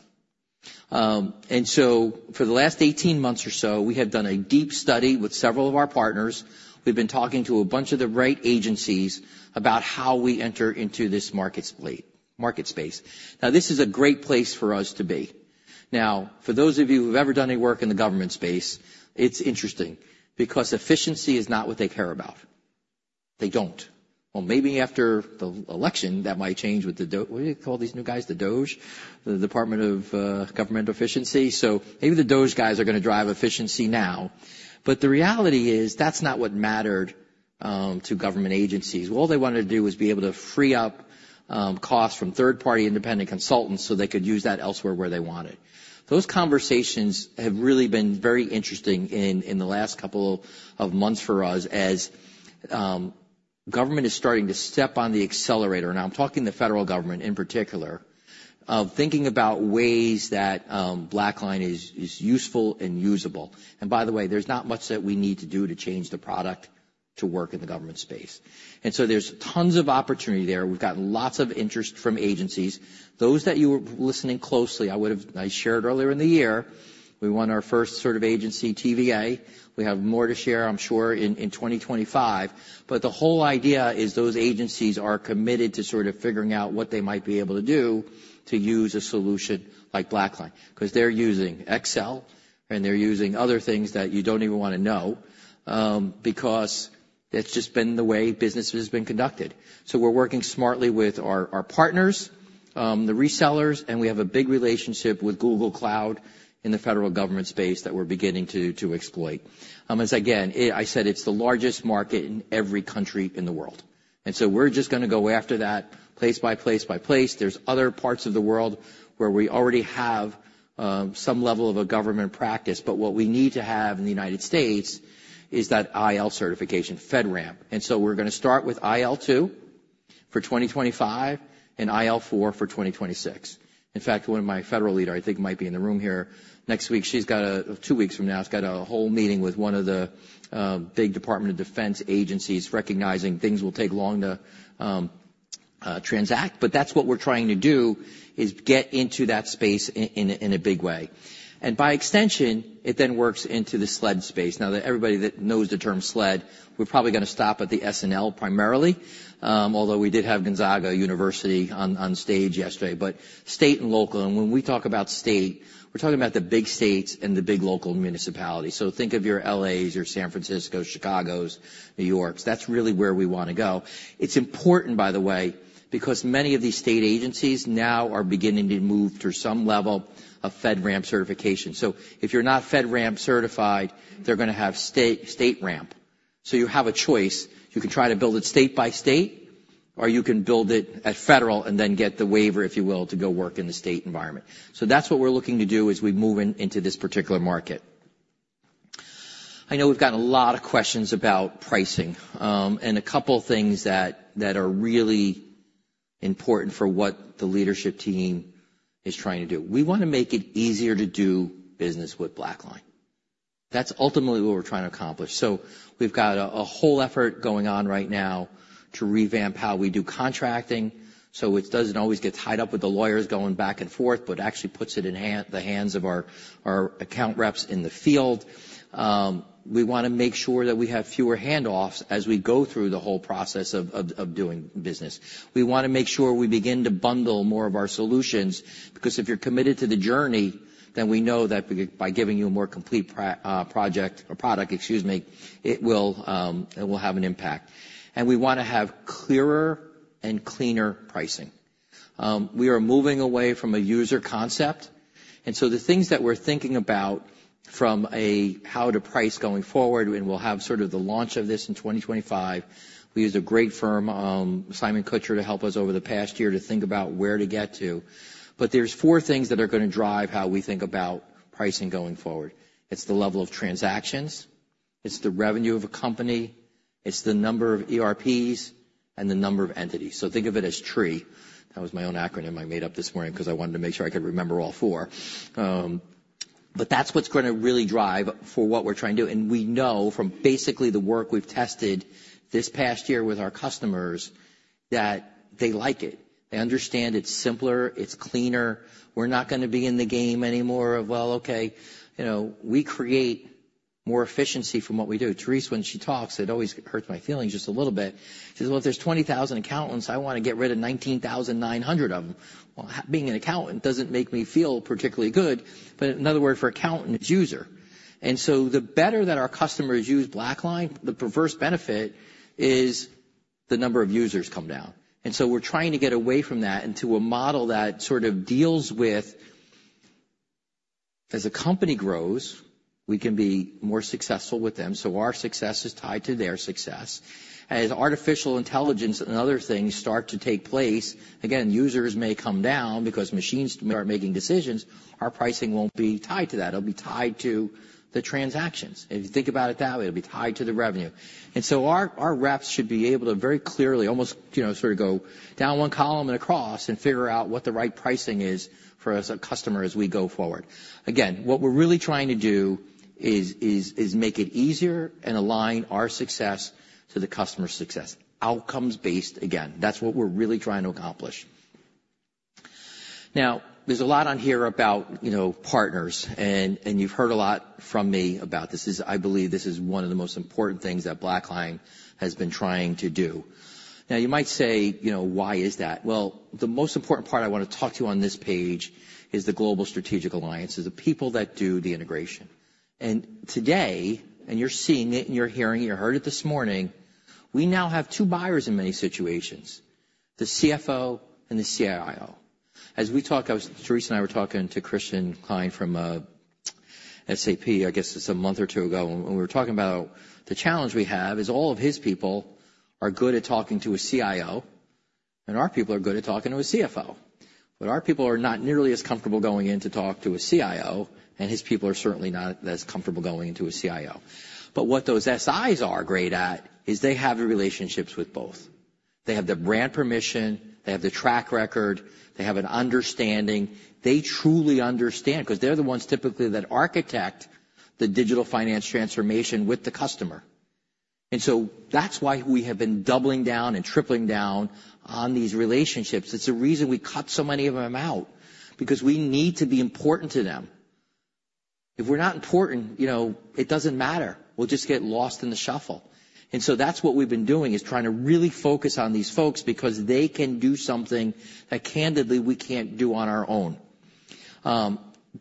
and so for the last 18 months or so, we have done a deep study with several of our partners. We've been talking to a bunch of the right agencies about how we enter into this SLED market space. Now, this is a great place for us to be. Now, for those of you who've ever done any work in the government space, it's interesting because efficiency is not what they care about. They don't. Maybe after the election, that might change with the, what do you call these new guys, the DOGE, the Department of Government Efficiency. So maybe the DOGE guys are gonna drive efficiency now, but the reality is that's not what mattered to government agencies. All they wanted to do was be able to free up costs from third-party independent consultants so they could use that elsewhere where they wanted. Those conversations have really been very interesting in the last couple of months for us as government is starting to step on the accelerator. Now, I'm talking the federal government in particular of thinking about ways that BlackLine is useful and usable. And by the way, there's not much that we need to do to change the product to work in the government space. And so there's tons of opportunity there. We've got lots of interest from agencies. Those that you were listening closely, I would've shared earlier in the year, we won our first sort of agency, TVA. We have more to share, I'm sure, in 2025, but the whole idea is those agencies are committed to sorta figuring out what they might be able to do to use a solution like BlackLine 'cause they're using Excel and they're using other things that you don't even wanna know, because that's just been the way business has been conducted. So we're working smartly with our partners, the resellers, and we have a big relationship with Google Cloud in the federal government space that we're beginning to exploit. As I said again, it's the largest market in every country in the world. So we're just gonna go after that place by place by place. There's other parts of the world where we already have some level of a government practice, but what we need to have in the United States is that IL certification, FedRAMP. So we're gonna start with IL2 for 2025 and IL4 for 2026. In fact, one of my federal leader, I think, might be in the room here next week. She's got a two weeks from now, she's got a whole meeting with one of the big Department of Defense agencies recognizing things will take long to transact, but that's what we're trying to do is get into that space in a big way. By extension, it then works into the SLED space. Now, everybody that knows the term SLED, we're probably gonna stop at the S&L primarily, although we did have Gonzaga University on stage yesterday, but state and local, and when we talk about state, we're talking about the big states and the big local municipalities, so think of your LAs, your San Franciscos, Chicagos, New Yorks. That's really where we wanna go. It's important, by the way, because many of these state agencies now are beginning to move to some level of FedRAMP certification, so if you're not FedRAMP certified, they're gonna have StateRAMP, so you have a choice. You can try to build it state by state, or you can build it at federal and then get the waiver, if you will, to go work in the state environment, so that's what we're looking to do as we move into this particular market. I know we've got a lot of questions about pricing, and a couple things that are really important for what the leadership team is trying to do. We wanna make it easier to do business with BlackLine. That's ultimately what we're trying to accomplish. So we've got a whole effort going on right now to revamp how we do contracting so it doesn't always get tied up with the lawyers going back and forth, but actually puts it in the hands of our account reps in the field. We wanna make sure that we have fewer handoffs as we go through the whole process of doing business. We wanna make sure we begin to bundle more of our solutions because if you're committed to the journey, then we know that by giving you a more complete pra project or product, excuse me, it will, it will have an impact. We wanna have clearer and cleaner pricing. We are moving away from a user concept. So the things that we're thinking about from a how to price going forward, and we'll have sorta the launch of this in 2025. We used a great firm, Simon-Kucher, to help us over the past year to think about where to get to. But there's four things that are gonna drive how we think about pricing going forward. It's the level of transactions. It's the revenue of a company. It's the number of ERPs and the number of entities. So think of it as TREE. That was my own acronym I made up this morning 'cause I wanted to make sure I could remember all four. But that's what's gonna really drive for what we're trying to do. And we know from basically the work we've tested this past year with our customers that they like it. They understand it's simpler. It's cleaner. We're not gonna be in the game anymore of, "Well, okay, you know, we create more efficiency from what we do." Therese, when she talks, it always hurts my feelings just a little bit. She says, "Well, if there's 20,000 accountants, I wanna get rid of 19,900 of them." Well, being an accountant doesn't make me feel particularly good, but in other words, for accountant, it's user. And so the better that our customers use BlackLine, the perverse benefit is the number of users come down. And so we're trying to get away from that into a model that sorta deals with, as a company grows, we can be more successful with them. So our success is tied to their success. As artificial intelligence and other things start to take place, again, users may come down because machines may start making decisions, our pricing won't be tied to that. It'll be tied to the transactions. If you think about it that way, it'll be tied to the revenue. And so our reps should be able to very clearly, almost, you know, sorta go down one column and across and figure out what the right pricing is for us, our customer, as we go forward. Again, what we're really trying to do is make it easier and align our success to the customer's success, outcomes-based again. That's what we're really trying to accomplish. Now, there's a lot on here about, you know, partners, and you've heard a lot from me about this. I believe this is one of the most important things that BlackLine has been trying to do. Now, you might say, you know, "Why is that?" Well, the most important part I wanna talk to you on this page is the global strategic alliances, the people that do the integration. And today, you're seeing it and you're hearing it, you heard it this morning, we now have two buyers in many situations, the CFO and the CIO. As we talked, Therese and I were talking to Christian Klein from SAP, I guess it's a month or two ago, and we were talking about the challenge we have is all of his people are good at talking to a CIO, and our people are good at talking to a CFO. But our people are not nearly as comfortable going in to talk to a CIO, and his people are certainly not as comfortable going in to talk to a CIO. But what those SIs are great at is they have the relationships with both. They have the brand permission. They have the track record. They have an understanding. They truly understand 'cause they're the ones typically that architect the digital finance transformation with the customer. And so that's why we have been doubling down and tripling down on these relationships. It's a reason we cut so many of them out because we need to be important to them. If we're not important, you know, it doesn't matter. We'll just get lost in the shuffle, and so that's what we've been doing is trying to really focus on these folks because they can do something that candidly we can't do on our own.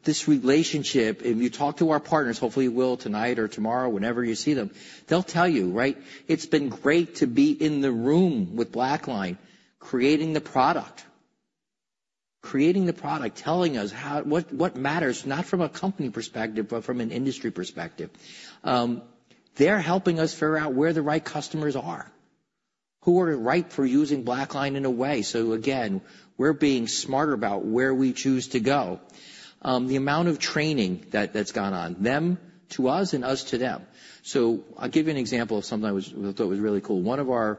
This relationship, if you talk to our partners, hopefully you will tonight or tomorrow, whenever you see them, they'll tell you, right? It's been great to be in the room with BlackLine creating the product, creating the product, telling us how what, what matters, not from a company perspective, but from an industry perspective. They're helping us figure out where the right customers are, who are right for using BlackLine in a way. So again, we're being smarter about where we choose to go. The amount of training that's gone on, them to us and us to them. I'll give you an example of something I thought was really cool. One of our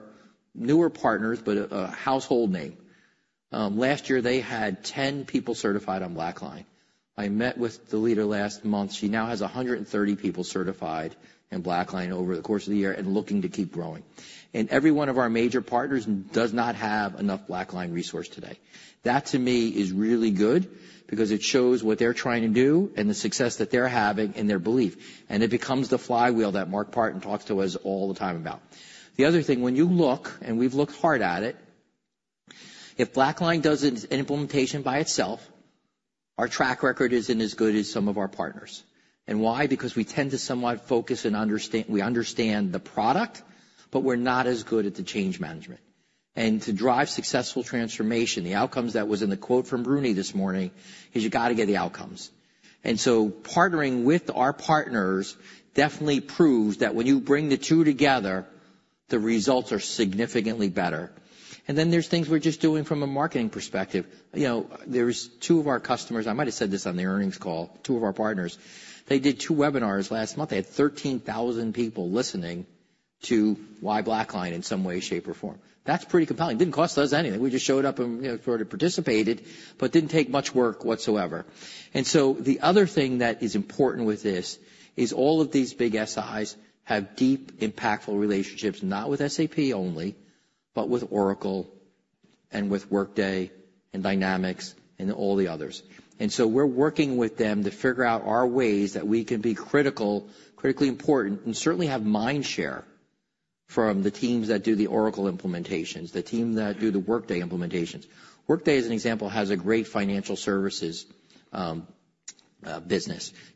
newer partners, but a household name, last year they had 10 people certified on BlackLine. I met with the leader last month. She now has 130 people certified in BlackLine over the course of the year and looking to keep growing. Every one of our major partners does not have enough BlackLine resource today. That, to me, is really good because it shows what they're trying to do and the success that they're having and their belief, and it becomes the flywheel that Mark Partin talks to us all the time about. The other thing, when you look, and we've looked hard at it, if BlackLine does an implementation by itself, our track record isn't as good as some of our partners. And why? Because we tend to somewhat focus and understand the product, but we're not as good at the change management. And to drive successful transformation, the outcomes that was in the quote from Rooney this morning is you gotta get the outcomes. And so partnering with our partners definitely proves that when you bring the two together, the results are significantly better. And then there's things we're just doing from a marketing perspective. You know, there's two of our customers, I might've said this on the earnings call, two of our partners, they did two webinars last month. They had 13,000 people listening to why BlackLine in some way, shape, or form. That's pretty compelling. Didn't cost us anything. We just showed up and, you know, sorta participated, but didn't take much work whatsoever. And so the other thing that is important with this is all of these big SIs have deep, impactful relationships, not with SAP only, but with Oracle and with Workday and Dynamics and all the others. And so we're working with them to figure out our ways that we can be critical, critically important, and certainly have mind share from the teams that do the Oracle implementations, the team that do the Workday implementations. Workday, as an example, has a great financial services business.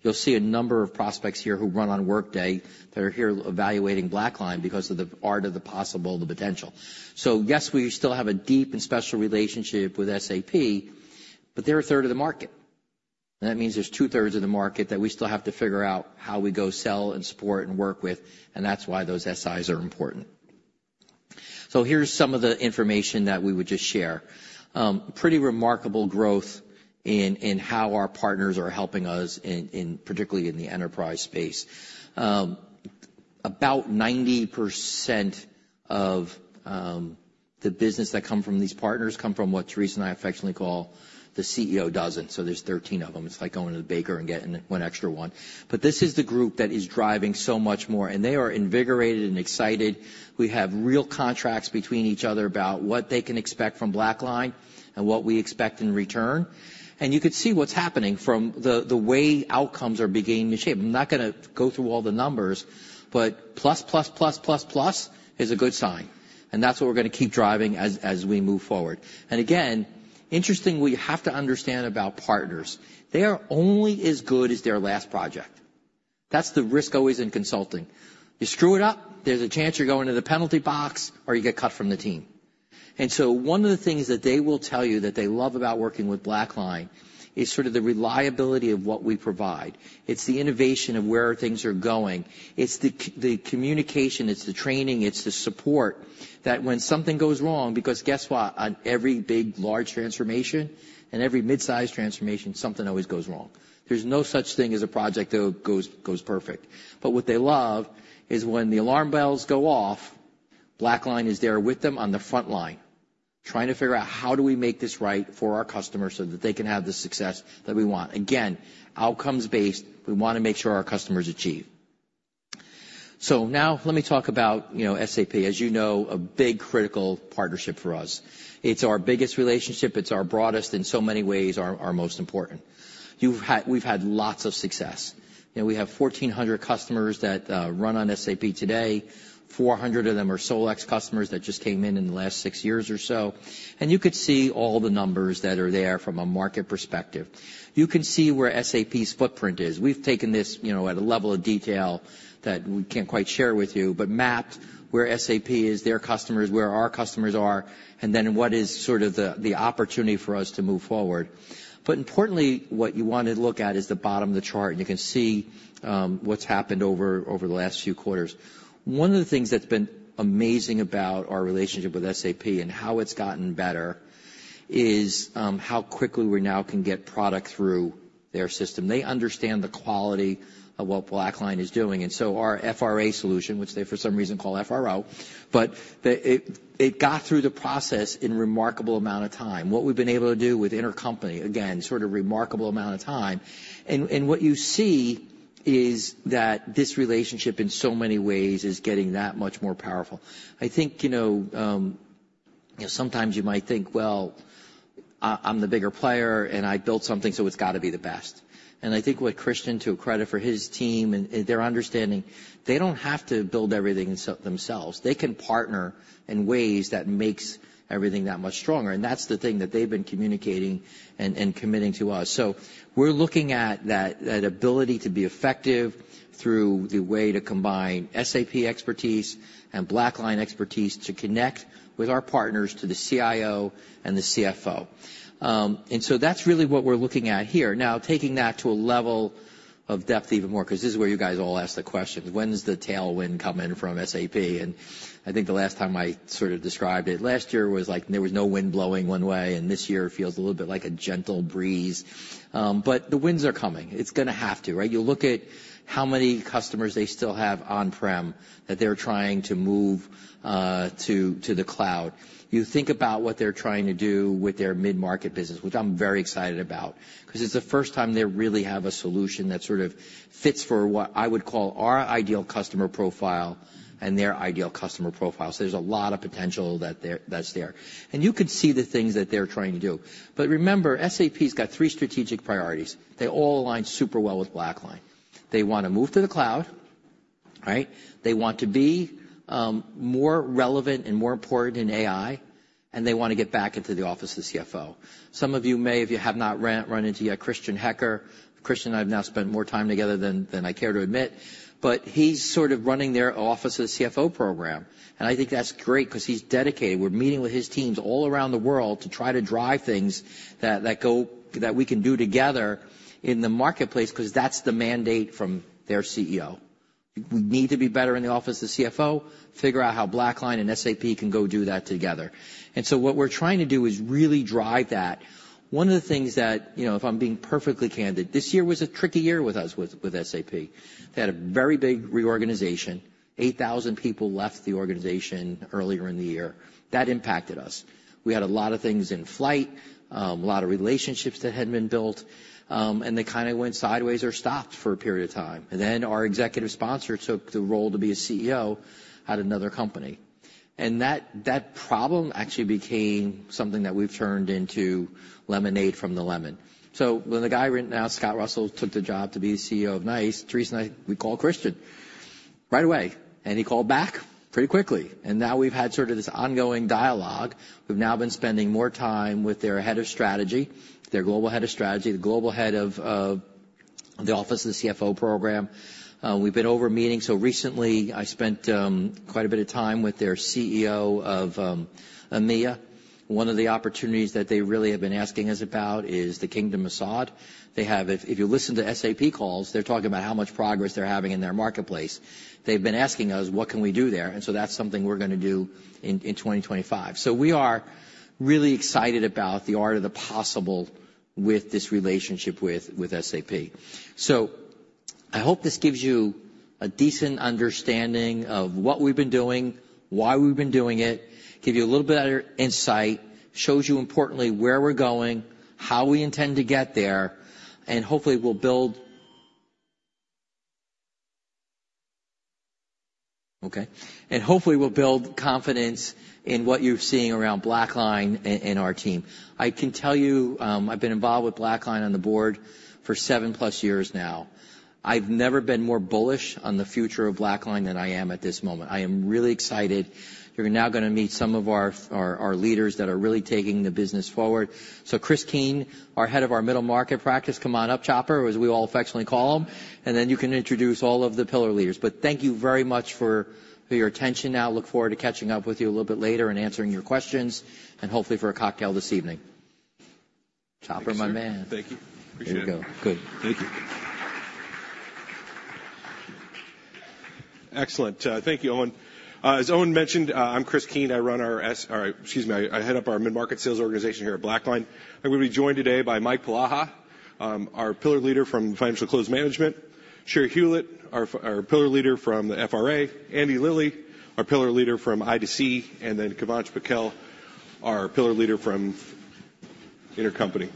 You'll see a number of prospects here who run on Workday that are here evaluating BlackLine because of the art of the possible, the potential. So yes, we still have a deep and special relationship with SAP, but they're a third of the market. That means there's 2/3 of the market that we still have to figure out how we go sell and support and work with, and that's why those SIs are important, so here's some of the information that we would just share: pretty remarkable growth in how our partners are helping us, particularly in the enterprise space. About 90% of the business that come from these partners come from what Therese and I affectionately call the CEO dozen, so there's 13 of them. It's like going to the baker and getting one extra one, but this is the group that is driving so much more, and they are invigorated and excited. We have real contracts between each other about what they can expect from BlackLine and what we expect in return, and you could see what's happening from the way outcomes are beginning to shape. I'm not gonna go through all the numbers, but plus, plus, plus, plus, plus is a good sign. That's what we're gonna keep driving as we move forward. Again, it's interesting we have to understand about partners. They are only as good as their last project. That's the risk always in consulting. You screw it up, there's a chance you're going to the penalty box or you get cut from the team. So one of the things that they will tell you that they love about working with BlackLine is sorta the reliability of what we provide. It's the innovation of where things are going. It's the communication. It's the training. It's the support that when something goes wrong, because guess what? On every big, large transformation and every mid-sized transformation, something always goes wrong. There's no such thing as a project that goes perfect. But what they love is when the alarm bells go off. BlackLine is there with them on the front line trying to figure out how do we make this right for our customers so that they can have the success that we want. Again, outcomes-based, we wanna make sure our customers achieve. So now let me talk about, you know, SAP, as you know, a big critical partnership for us. It's our biggest relationship. It's our broadest in so many ways, our, our most important. You've had, we've had lots of success. You know, we have 1,400 customers that run on SAP today. 400 of them are Solex customers that just came in in the last six years or so. And you could see all the numbers that are there from a market perspective. You can see where SAP's footprint is. We've taken this, you know, at a level of detail that we can't quite share with you, but mapped where SAP is, their customers, where our customers are, and then what is sorta the opportunity for us to move forward. But importantly, what you wanna look at is the bottom of the chart, and you can see what's happened over the last few quarters. One of the things that's been amazing about our relationship with SAP and how it's gotten better is how quickly we now can get product through their system. They understand the quality of what BlackLine is doing. And so our FRA solution, which they for some reason call FRO, but it got through the process in remarkable amount of time. What we've been able to do with Intercompany again, sorta remarkable amount of time. What you see is that this relationship in so many ways is getting that much more powerful. I think, you know, sometimes you might think, "Well, I'm the bigger player, and I built something, so it's gotta be the best." I think what Christian, to a credit for his team and their understanding, they don't have to build everything themselves. They can partner in ways that makes everything that much stronger. That's the thing that they've been communicating and committing to us. We're looking at that ability to be effective through the way to combine SAP expertise and BlackLine expertise to connect with our partners to the CIO and the CFO. That's really what we're looking at here. Now, taking that to a level of depth even more 'cause this is where you guys all ask the questions. When's the tailwind coming from SAP? And I think the last time I sorta described it last year was like there was no wind blowing one way, and this year it feels a little bit like a gentle breeze. But the winds are coming. It's gonna have to, right? You look at how many customers they still have on-prem that they're trying to move to the cloud. You think about what they're trying to do with their mid-market business, which I'm very excited about 'cause it's the first time they really have a solution that sorta fits for what I would call our ideal customer profile and their ideal customer profile. So there's a lot of potential that's there. And you could see the things that they're trying to do. But remember, SAP's got three strategic priorities. They all align super well with BlackLine. They wanna move to the cloud, right? They want to be more relevant and more important in AI, and they wanna get back into the office of the CFO. Some of you may, if you have not run into yet Christian Hecker. Christian and I have now spent more time together than I care to admit, but he's sorta running their office of the CFO program. I think that's great 'cause he's dedicated. We're meeting with his teams all around the world to try to drive things that we can do together in the marketplace 'cause that's the mandate from their CEO. We need to be better in the office of the CFO, figure out how BlackLine and SAP can go do that together. So what we're trying to do is really drive that. One of the things that, you know, if I'm being perfectly candid, this year was a tricky year with us with SAP. They had a very big reorganization. 8,000 people left the organization earlier in the year. That impacted us. We had a lot of things in flight, a lot of relationships that had been built, and they kinda went sideways or stopped for a period of time, and then our executive sponsor took the role to be a CEO at another company, and that problem actually became something that we've turned into lemonade from the lemon. So when the guy right now, Scott Russell, took the job to be the CEO of NICE, Therese and I, we called Christian right away, and he called back pretty quickly, and now we've had sorta this ongoing dialogue. We've now been spending more time with their head of strategy, their global head of strategy, the global head of the office of the CFO program. We've been over meeting. So recently, I spent quite a bit of time with their CEO of EMEA. One of the opportunities that they really have been asking us about is the Kingdom of Saud. If you listen to SAP calls, they're talking about how much progress they're having in their marketplace. They've been asking us, "What can we do there?" And so that's something we're gonna do in 2025. We are really excited about the art of the possible with this relationship with SAP. I hope this gives you a decent understanding of what we've been doing, why we've been doing it, give you a little better insight, shows you importantly where we're going, how we intend to get there, and hopefully we'll build confidence in what you're seeing around BlackLine and our team. I can tell you, I've been involved with BlackLine on the board for seven-plus years now. I've never been more bullish on the future of BlackLine than I am at this moment. I am really excited. You're now gonna meet some of our leaders that are really taking the business forward. So Chris Kiehn, our Head of Middle Market Practice, come on up, Chopper, as we all affectionately call him. And then you can introduce all of the pillar leaders. But thank you very much for your attention now. nLook forward to catching up with you a little bit later and answering your questions and hopefully for a cocktail this evening. Chopper, my man. Thank you. Appreciate it. There you go. Good. Thank you. Excellent. Thank you, Owen. As Owen mentioned, I'm Chris Kiehn. I run our, excuse me, I head up our mid-market sales organization here at BlackLine. I'm gonna be joined today by Mike Polaha, our pillar leader from Financial Close Management, Cheri Hewlett, our pillar leader from the FRA, Andy Lilley, our pillar leader from I2C, and then Kivanc Pakel, our pillar leader from Intercompany.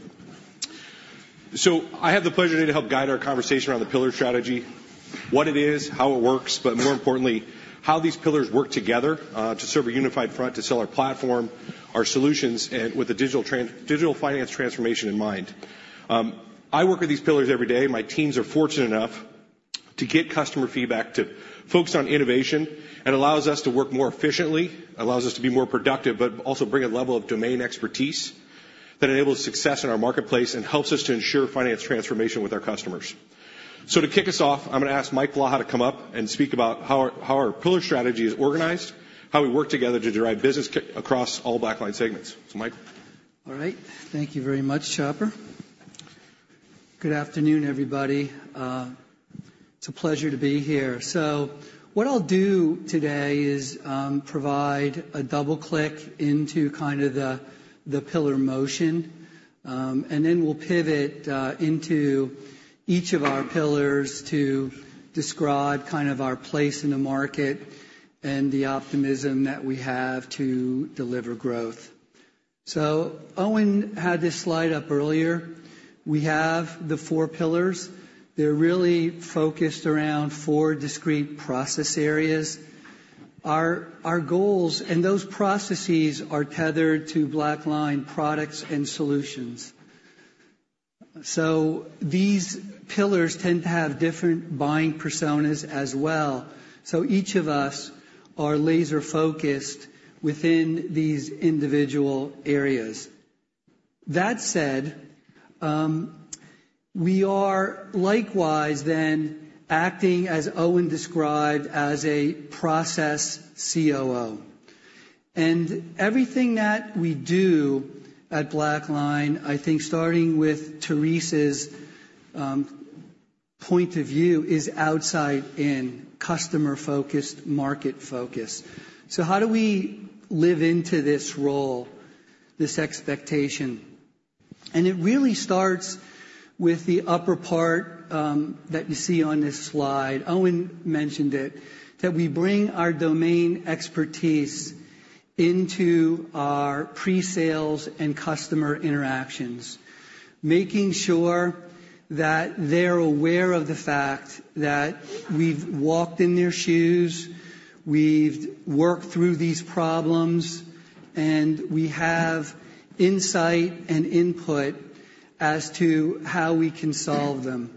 I have the pleasure today to help guide our conversation around the pillar strategy, what it is, how it works, but more importantly, how these pillars work together, to serve a unified front, to sell our platform, our solutions, and with a digital finance transformation in mind. I work at these pillars every day. My teams are fortunate enough to get customer feedback to focus on innovation. It allows us to work more efficiently, allows us to be more productive, but also bring a level of domain expertise that enables success in our marketplace and helps us to ensure finance transformation with our customers. To kick us off, I'm gonna ask Mike Polaha to come up and speak about how our pillar strategy is organized, how we work together to drive business across all BlackLine segments. Mike. All right. Thank you very much, Chopper. Good afternoon, everybody. It's a pleasure to be here. So what I'll do today is provide a double-click into kind of the pillar motion, and then we'll pivot into each of our pillars to describe kind of our place in the market and the optimism that we have to deliver growth. So Owen had this slide up earlier. We have the four pillars. They're really focused around four discrete process areas. Our goals and those processes are tethered to BlackLine products and solutions. So these pillars tend to have different buying personas as well. So each of us are laser-focused within these individual areas. That said, we are likewise then acting as Owen described as a process COO. And everything that we do at BlackLine, I think starting with Therese's point of view is outside in customer-focused, market-focused. So how do we live into this role, this expectation? And it really starts with the upper part, that you see on this slide. Owen mentioned it, that we bring our domain expertise into our pre-sales and customer interactions, making sure that they're aware of the fact that we've walked in their shoes, we've worked through these problems, and we have insight and input as to how we can solve them.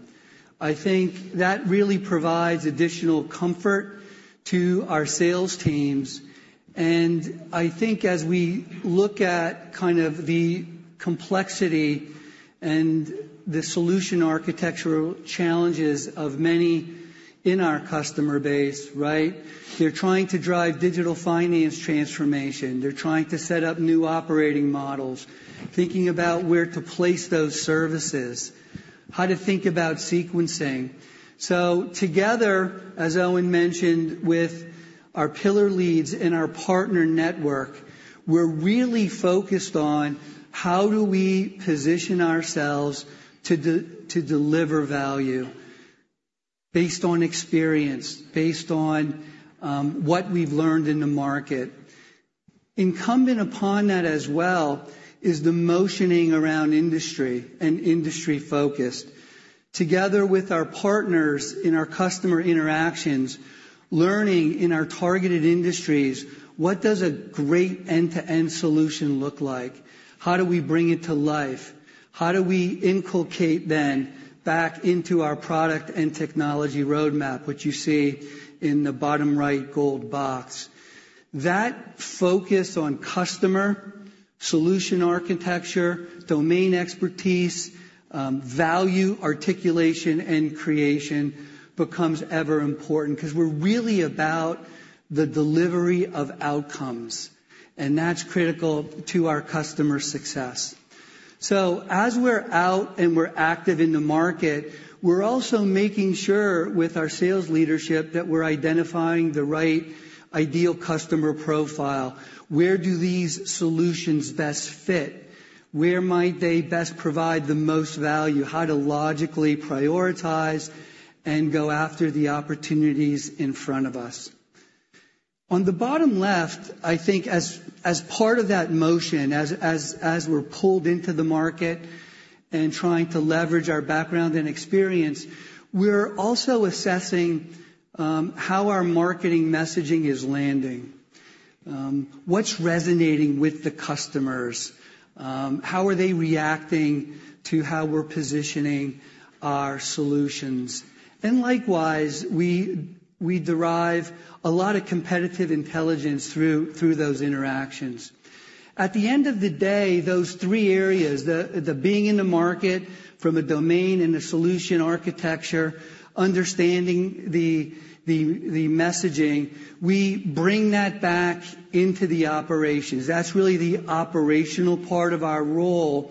I think that really provides additional comfort to our sales teams. And I think as we look at kind of the complexity and the solution architectural challenges of many in our customer base, right? They're trying to drive digital finance transformation. They're trying to set up new operating models, thinking about where to place those services, how to think about sequencing. So, together, as Owen mentioned, with our pillar leads and our partner network, we're really focused on how do we position ourselves to deliver value based on experience, based on what we've learned in the market. Incumbent upon that as well is the focusing around industry and industry-focused. Together with our partners in our customer interactions, learning in our targeted industries, what does a great end-to-end solution look like? How do we bring it to life? How do we inculcate then back into our product and technology roadmap, which you see in the bottom right gold box? That focus on customer solution architecture, domain expertise, value articulation and creation becomes ever important 'cause we're really about the delivery of outcomes, and that's critical to our customer success. So as we're out and we're active in the market, we're also making sure with our sales leadership that we're identifying the right ideal customer profile. Where do these solutions best fit? Where might they best provide the most value? How to logically prioritize and go after the opportunities in front of us. On the bottom left, I think as part of that motion, as we're pulled into the market and trying to leverage our background and experience, we're also assessing how our marketing messaging is landing, what's resonating with the customers, how are they reacting to how we're positioning our solutions. And likewise, we derive a lot of competitive intelligence through those interactions. At the end of the day, those three areas, the being in the market from a domain and a solution architecture, understanding the messaging, we bring that back into the operations. That's really the operational part of our role,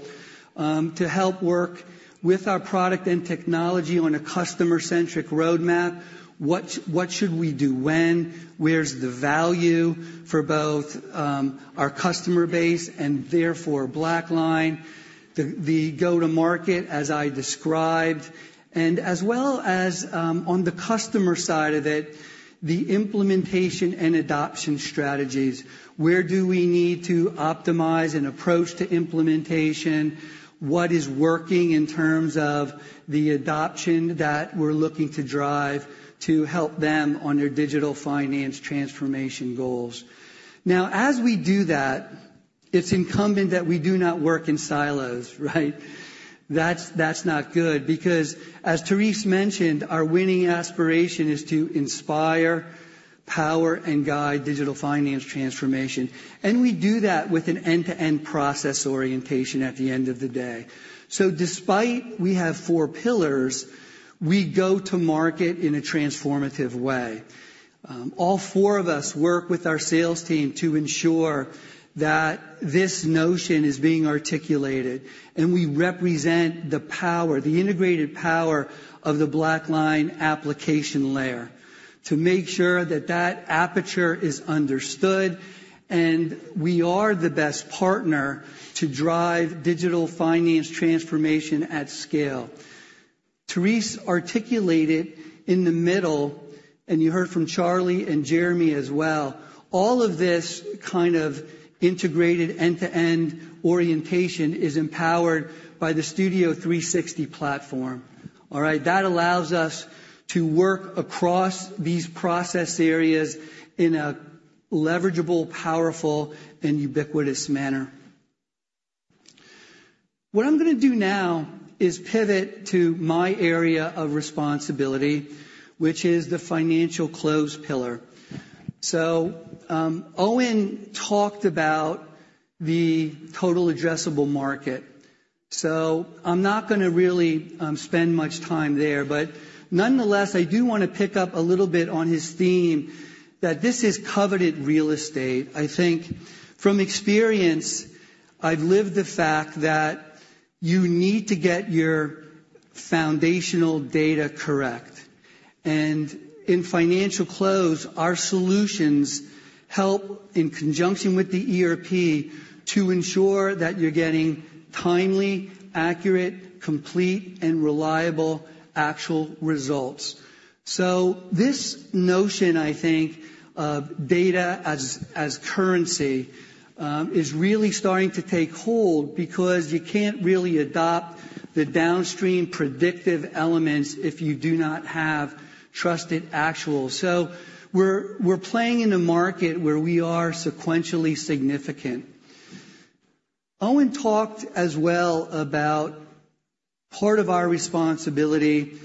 to help work with our product and technology on a customer-centric roadmap. What should we do when, where's the value for both our customer base and therefore BlackLine, the go-to-market as I described, and as well as on the customer side of it, the implementation and adoption strategies. Where do we need to optimize an approach to implementation? What is working in terms of the adoption that we're looking to drive to help them on their digital finance transformation goals? Now, as we do that, it's incumbent that we do not work in silos, right? That's, that's not good because, as Therese mentioned, our winning aspiration is to inspire, power, and guide digital finance transformation. And we do that with an end-to-end process orientation at the end of the day. So despite we have four pillars, we go to market in a transformative way. All four of us work with our sales team to ensure that this notion is being articulated, and we represent the power, the integrated power of the BlackLine application layer to make sure that that aperture is understood and we are the best partner to drive digital finance transformation at scale. Therese articulated in the middle, and you heard from Charlie and Jeremy as well, all of this kind of integrated end-to-end orientation is empowered by the Studio 360 platform. All right. That allows us to work across these process areas in a leverageable, powerful, and ubiquitous manner. What I'm gonna do now is pivot to my area of responsibility, which is the Financial Close pillar. Owen talked about the total addressable market. I'm not gonna really spend much time there, but nonetheless, I do wanna pick up a little bit on his theme that this is coveted real estate. I think from experience, I've lived the fact that you need to get your foundational data correct. And in Financial Close, our solutions help in conjunction with the ERP to ensure that you're getting timely, accurate, complete, and reliable actual results. This notion, I think, of data as currency is really starting to take hold because you can't really adopt the downstream predictive elements if you do not have trusted actuals. We're playing in a market where we are sequentially significant. Owen talked as well about part of our responsibility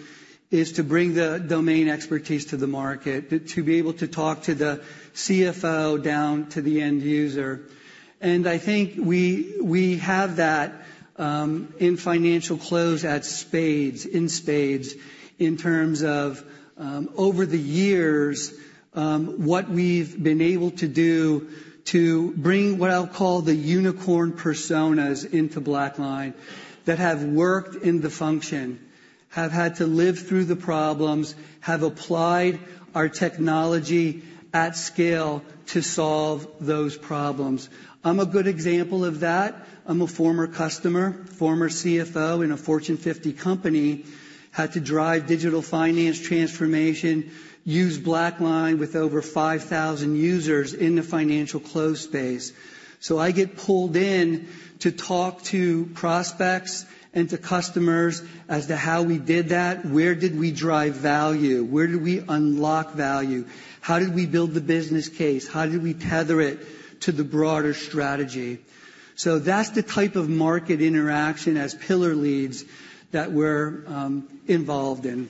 is to bring the domain expertise to the market, to be able to talk to the CFO down to the end user. And I think we have that in Financial Close, in spades, in terms of over the years what we've been able to do to bring what I'll call the unicorn personas into BlackLine that have worked in the function, have had to live through the problems, have applied our technology at scale to solve those problems. I'm a good example of that. I'm a former customer, former CFO in a Fortune 50 company, had to drive digital finance transformation, use BlackLine with over 5,000 users in the Financial Close space. So I get pulled in to talk to prospects and to customers as to how we did that. Where did we drive value? Where did we unlock value? How did we build the business case? How did we tether it to the broader strategy? So that's the type of market interaction as pillar leads that we're involved in.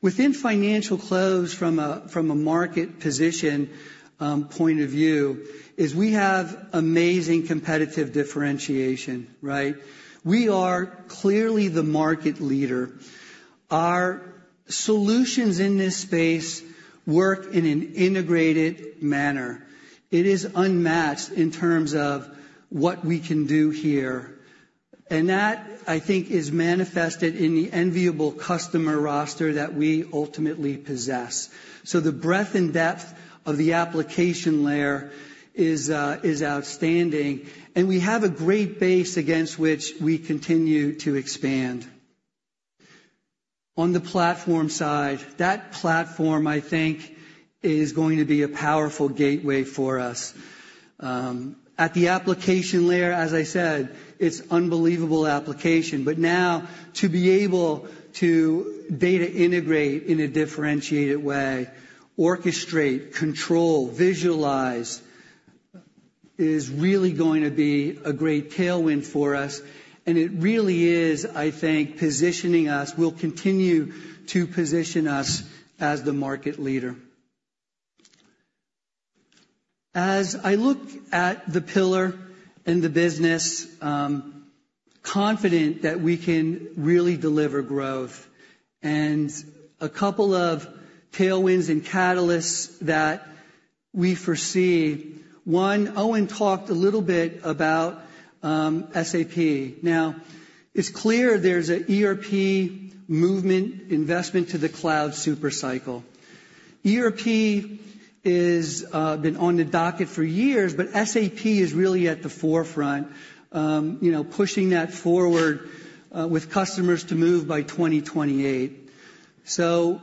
Within Financial Close from a market position point of view is we have amazing competitive differentiation, right? We are clearly the market leader. Our solutions in this space work in an integrated manner. It is unmatched in terms of what we can do here. And that, I think, is manifested in the enviable customer roster that we ultimately possess. So the breadth and depth of the application layer is outstanding, and we have a great base against which we continue to expand. On the platform side, that platform, I think, is going to be a powerful gateway for us. At the application layer, as I said, it's unbelievable application, but now to be able to data integrate in a differentiated way, orchestrate, control, visualize is really going to be a great tailwind for us. And it really is, I think, positioning us. We'll continue to position us as the market leader. As I look at the pillar and the business, confident that we can really deliver growth and a couple of tailwinds and catalysts that we foresee. One, Owen talked a little bit about SAP. Now, it's clear there's an ERP movement, investment to the cloud supercycle. ERP has been on the docket for years, but SAP is really at the forefront, you know, pushing that forward, with customers to move by 2028. So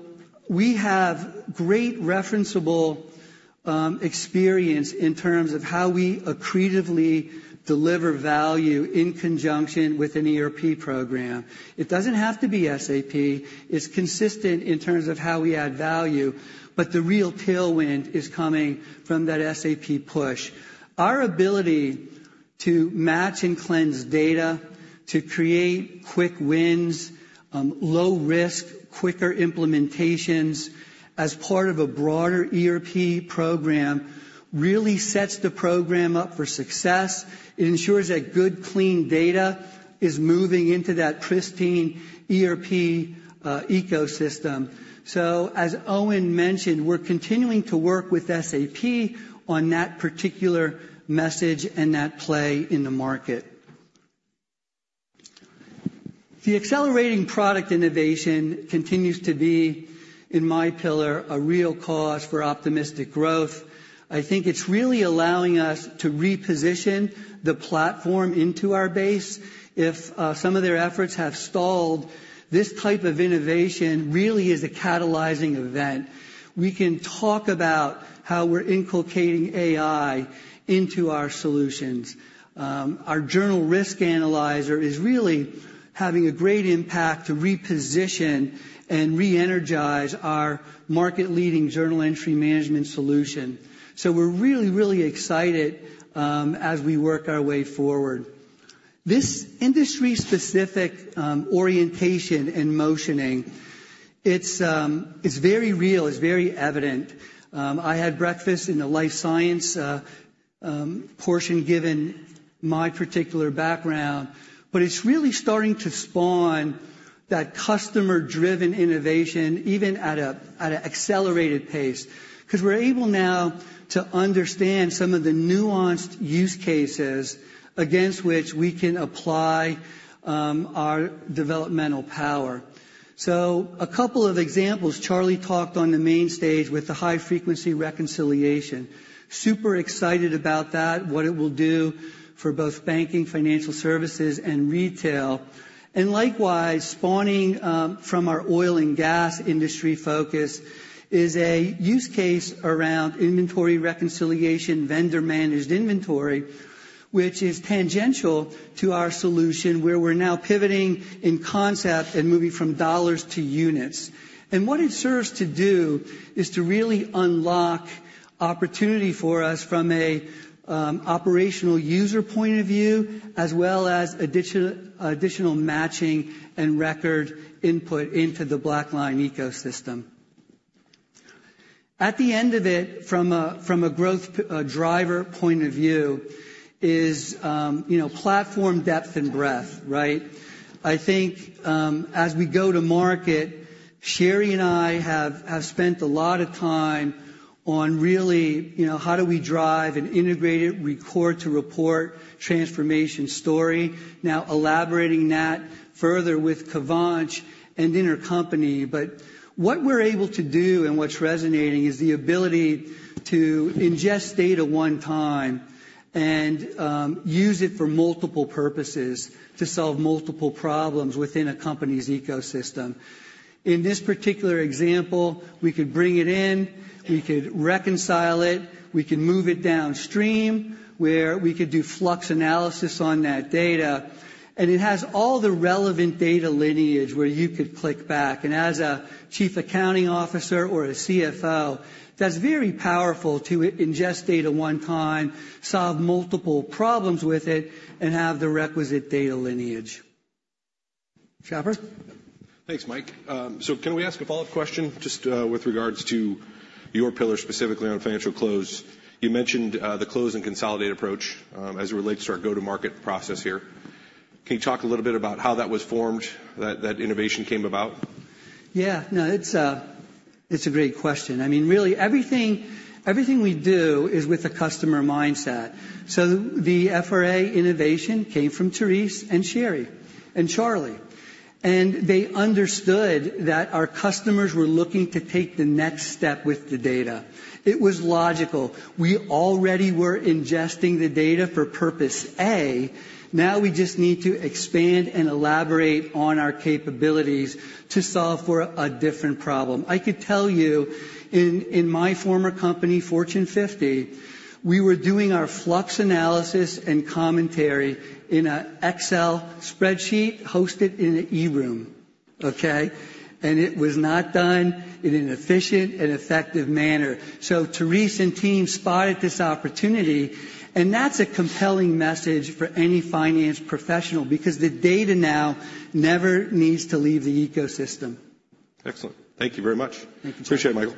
we have great referenceable experience in terms of how we accretively deliver value in conjunction with an ERP program. It doesn't have to be SAP. It's consistent in terms of how we add value, but the real tailwind is coming from that SAP push. Our ability to match and cleanse data, to create quick wins, low risk, quicker implementations as part of a broader ERP program really sets the program up for success. It ensures that good, clean data is moving into that pristine ERP ecosystem. So, as Owen mentioned, we're continuing to work with SAP on that particular message and that play in the market. The accelerating product innovation continues to be, in my pillar, a real cause for optimistic growth. I think it's really allowing us to reposition the platform into our base. If some of their efforts have stalled, this type of innovation really is a catalyzing event. We can talk about how we're inculcating AI into our solutions. Our Journal Risk Analyzer is really having a great impact to reposition and re-energize our market-leading journal entry management solution. So we're really, really excited, as we work our way forward. This industry-specific, orientation and momentum, it's, it's very real. It's very evident. I had breakfast in the life sciences portion given my particular background, but it's really starting to spawn that customer-driven innovation even at a, at an accelerated pace 'cause we're able now to understand some of the nuanced use cases against which we can apply, our developmental power. So a couple of examples. Charlie talked on the main stage with the high-frequency reconciliation. Super excited about that, what it will do for both banking, financial services, and retail. And likewise, spawning from our oil and gas industry focus is a use case around inventory reconciliation, vendor-managed inventory, which is tangential to our solution where we're now pivoting in concept and moving from dollars to units. And what it serves to do is to really unlock opportunity for us from a operational user point of view as well as additional matching and record input into the BlackLine ecosystem. At the end of it, from a growth driver point of view is, you know, platform depth and breadth, right? I think, as we go to market, Cheri and I have spent a lot of time on really, you know, how do we drive an integrated Record-to-Report transformation story. Now, elaborating that further with Kavanch and Intercompany. But what we're able to do and what's resonating is the ability to ingest data one time and use it for multiple purposes to solve multiple problems within a company's ecosystem. In this particular example, we could bring it in, we could reconcile it, we could move it downstream where we could do flux analysis on that data. And it has all the relevant data lineage where you could click back. And as a Chief Accounting Officer or a CFO, that's very powerful to ingest data one time, solve multiple problems with it, and have the requisite data lineage. Chopper. Thanks, Mike. So can we ask a follow-up question just with regards to your pillar specifically on Financial Close? You mentioned the close and consolidate approach, as it relates to our go-to-market process here. Can you talk a little bit about how that was formed, that innovation came about? Yeah. No, it's a great question. I mean, really everything we do is with a customer mindset. So the FRA innovation came from Therese and Cheri and Charlie, and they understood that our customers were looking to take the next step with the data. It was logical. We already were ingesting the data for purpose A. Now we just need to expand and elaborate on our capabilities to solve for a different problem. I could tell you in my former company, Fortune 50, we were doing our flux analysis and commentary in an Excel spreadsheet hosted in an E-room, okay? And it was not done in an efficient and effective manner. So Therese and team spotted this opportunity, and that's a compelling message for any finance professional because the data now never needs to leave the ecosystem. Excellent. Thank you very much. Thank you so much. Appreciate it, Michael.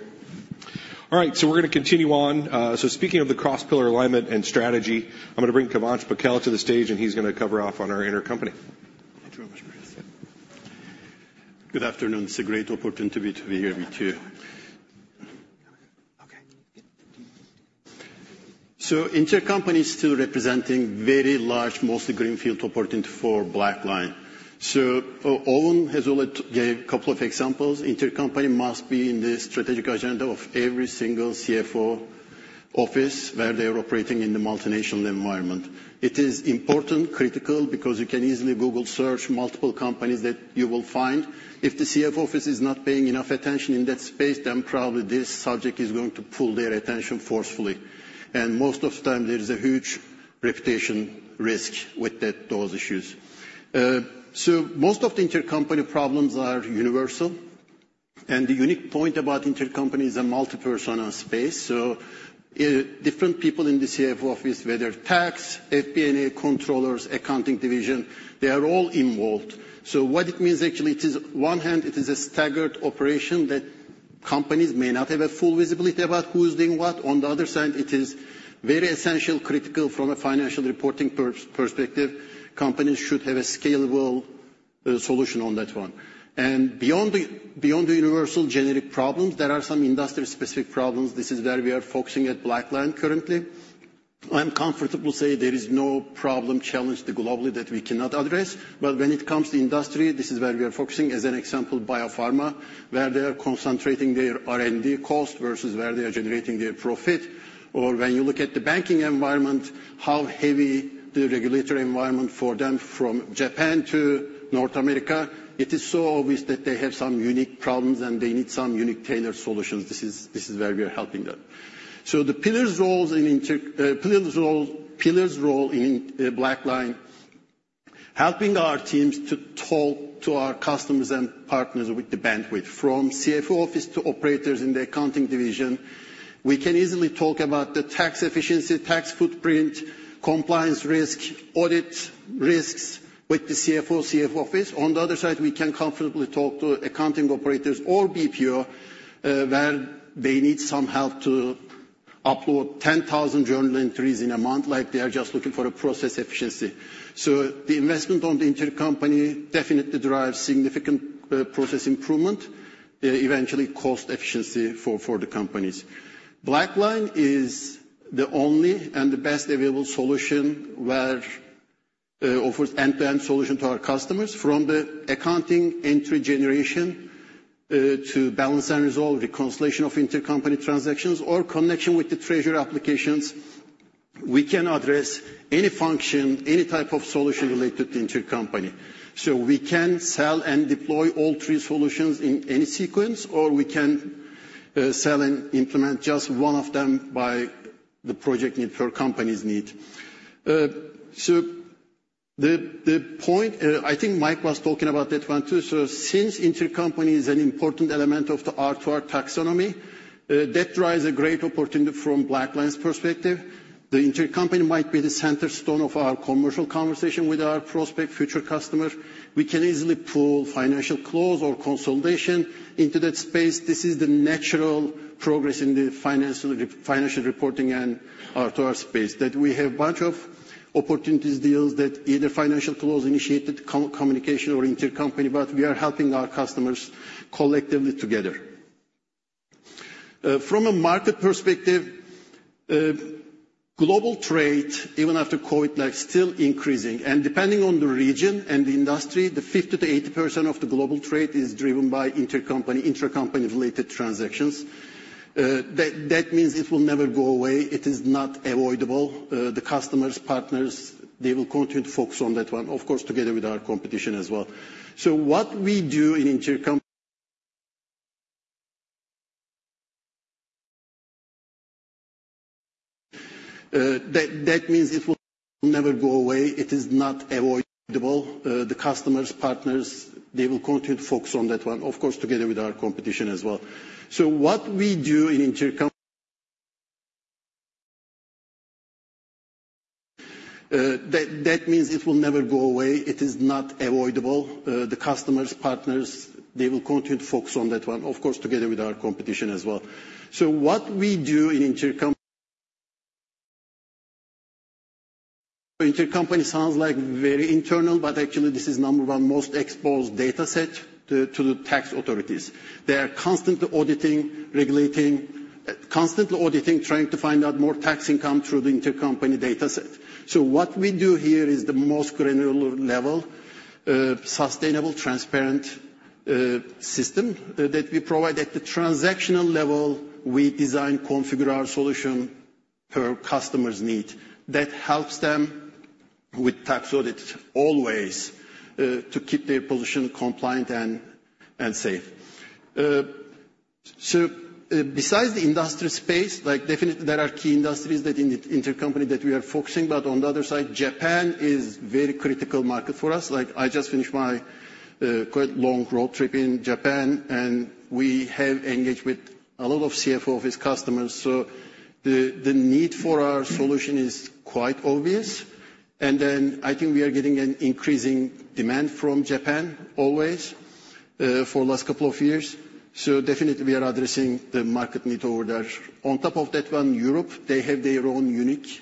All right. So we're gonna continue on. So speaking of the cross-pillar alignment and strategy, I'm gonna bring Kivanc Pakel to the stage, and he's gonna cover off on our Intercompany. Thank you very much, Chris. Good afternoon. It's a great opportunity to be here with you. Okay. So Intercompany is still representing very large, mostly greenfield opportunity for BlackLine. So, Owen has already gave a couple of examples. Intercompany must be in the strategic agenda of every single CFO office where they are operating in the multinational environment. It is important, critical, because you can easily Google search multiple companies that you will find. If the CFO office is not paying enough attention in that space, then probably this subject is going to pull their attention forcefully. And most of the time, there's a huge reputation risk with those issues. So most of the Intercompany problems are universal. And the unique point about Intercompany is a multi-person space. So, different people in the CFO office, whether tax, FP&A, controllers, accounting division, they are all involved. So what it means actually, it is one hand, it is a staggered operation that companies may not have a full visibility about who's doing what. On the other side, it is very essential, critical from a financial reporting perspective. Companies should have a scalable, solution on that one. And beyond the universal generic problems, there are some industry-specific problems. This is where we are focusing at BlackLine currently. I'm comfortable to say there is no problem challenged globally that we cannot address. But when it comes to industry, this is where we are focusing, as an example, biopharma, where they are concentrating their R&D cost versus where they are generating their profit. Or when you look at the banking environment, how heavy the regulatory environment for them from Japan to North America, it is so obvious that they have some unique problems and they need some unique tailored solutions. This is, this is where we are helping them. So the pillars' roles in BlackLine helping our teams to talk to our customers and partners with the bandwidth from CFO office to operators in the accounting division. We can easily talk about the tax efficiency, tax footprint, compliance risk, audit risks with the CFO, CFO office. On the other side, we can comfortably talk to accounting operators or BPO, where they need some help to upload 10,000 journal entries in a month, like they are just looking for a process efficiency. So the investment on the Intercompany definitely drives significant process improvement, eventually cost efficiency for the companies. BlackLine is the only and the best available solution where offers end-to-end solution to our customers from the accounting entry generation, to balance and resolve reconciliation of Intercompany transactions, or connection with the treasury applications. We can address any function, any type of solution related to Intercompany. So we can sell and deploy all three solutions in any sequence, or we can sell and implement just one of them by the project need per company's need. So the point, I think Mike was talking about that one too. So since Intercompany is an important element of the R2R taxonomy, that drives a great opportunity from BlackLine's perspective. The Intercompany might be the keystone of our commercial conversation with our prospective future customers. We can easily pull Financial Close or consolidation into that space. This is the natural progress in the financial reporting and R2R space that we have a bunch of opportunities deals that either Financial Close initiated communication or Intercompany, but we are helping our customers collectively together. From a market perspective, global trade, even after COVID, like still increasing. Depending on the region and the industry, 50%-80% of the global trade is driven by Intercompany, Intercompany -related transactions. That means it will never go away. It is not avoidable. The customers, partners, they will continue to focus on that one, of course, together with our competition as well. What we do in Intercompany. So what we do in Intercompany, that means it will never go away. It is not avoidable. The customers, partners, they will continue to focus on that one, of course, together with our competition as well. So what we do in Intercompany , Intercompany sounds like very internal, but actually this is number one most exposed data set to the tax authorities. They are constantly auditing, regulating, trying to find out more tax income through the Intercompany data set. So what we do here is the most granular level, sustainable, transparent, system, that we provide at the transactional level. We design, configure our solution per customer's need that helps them with tax audit always, to keep their position compliant and safe. So, besides the industry space, like definitely there are key industries that in the Intercompany that we are focusing, but on the other side, Japan is a very critical market for us. Like I just finished my quite long road trip in Japan, and we have engaged with a lot of CFO office customers. So the need for our solution is quite obvious. And then I think we are getting an increasing demand from Japan always, for the last couple of years. So definitely we are addressing the market need over there. On top of that one, Europe, they have their own unique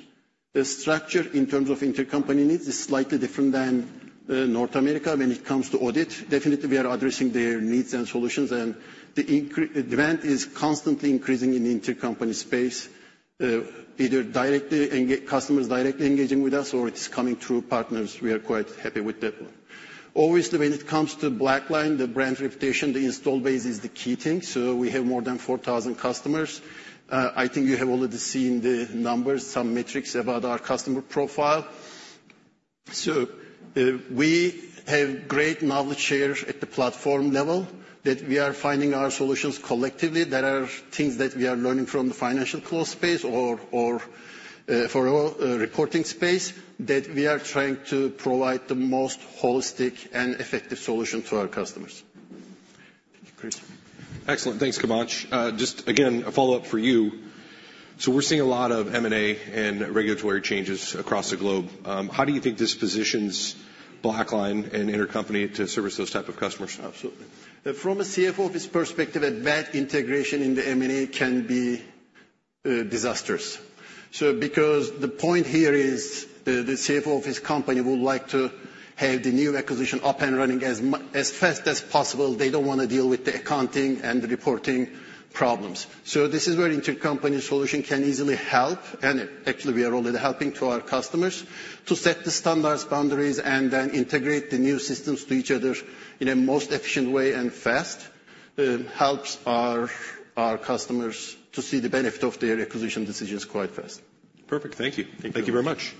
structure in terms of Intercompany needs. It's slightly different than North America when it comes to audit. Definitely we are addressing their needs and solutions, and the increase is constantly increasing in the Intercompany space, either directly, and customers directly engaging with us or it's coming through partners. We are quite happy with that one. Obviously, when it comes to BlackLine, the brand reputation, the installed base is the key thing. So we have more than 4,000 customers. I think you have already seen the numbers, some metrics about our customer profile. So, we have great knowledge share at the platform level that we are finding our solutions collectively. There are things that we are learning from the Financial Close space or for our reporting space that we are trying to provide the most holistic and effective solution to our customers. Thank you, Chris. Execllent. Thanks so much. Just again, a follow-up for you. We're seeing a lot of M&A and regulatory changes across the globe. How do you think this positions BlackLine and Intercompany to service those type of customers? Absolutely. From a CFO office perspective, advanced integration in the M&A can be disastrous. Because the point here is, the CFO of his company would like to have the new acquisition up and running as fast as possible. They don't wanna deal with the accounting and the reporting problems. This is where Intercompany solution can easily help. And actually, we are already helping to our customers to set the standards, boundaries, and then integrate the new systems to each other in a most efficient way and fast. Helps our customers to see the benefit of their acquisition decisions quite fast. Perfect. Thank you. Thank you very much.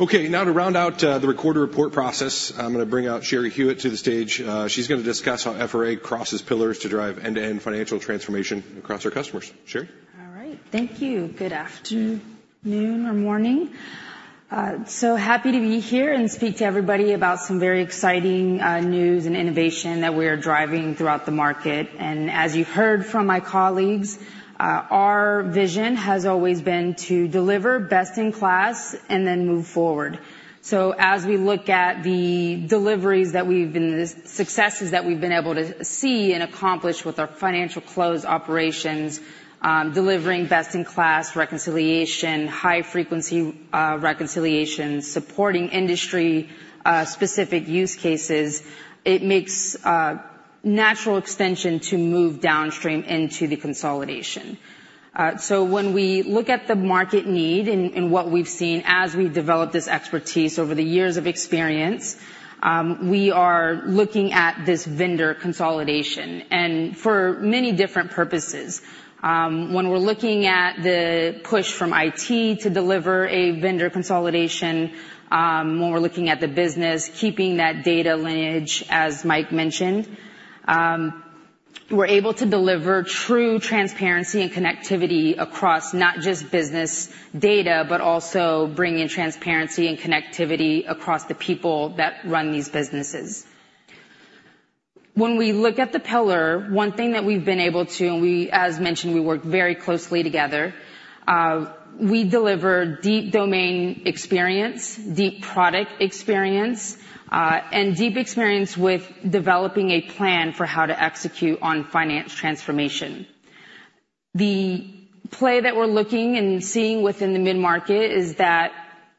Okay. Now to round out the Record-to-Report process, I'm gonna bring out Cheri Hewlett to the stage. She's gonna discuss how FRA crosses pillars to drive end-to-end financial transformation across our customers. Cheri. All right. Thank you. Good afternoon or morning, so happy to be here and speak to everybody about some very exciting news and innovation that we are driving throughout the market, and as you heard from my colleagues, our vision has always been to deliver best in class and then move forward, so as we look at the successes that we've been able to see and accomplish with our Financial Close operations, delivering best in class reconciliation, high-frequency reconciliation, supporting industry specific use cases, it makes natural extension to move downstream into the consolidation. So when we look at the market need and what we've seen as we develop this expertise over the years of experience, we are looking at this vendor consolidation and for many different purposes. When we're looking at the push from IT to deliver a vendor consolidation, when we're looking at the business, keeping that data lineage, as Mike mentioned, we're able to deliver true transparency and connectivity across not just business data, but also bringing transparency and connectivity across the people that run these businesses. When we look at the pillar, one thing that we've been able to, and we, as mentioned, we work very closely together, we deliver deep domain experience, deep product experience, and deep experience with developing a plan for how to execute on finance transformation. The play that we're looking and seeing within the mid-market is that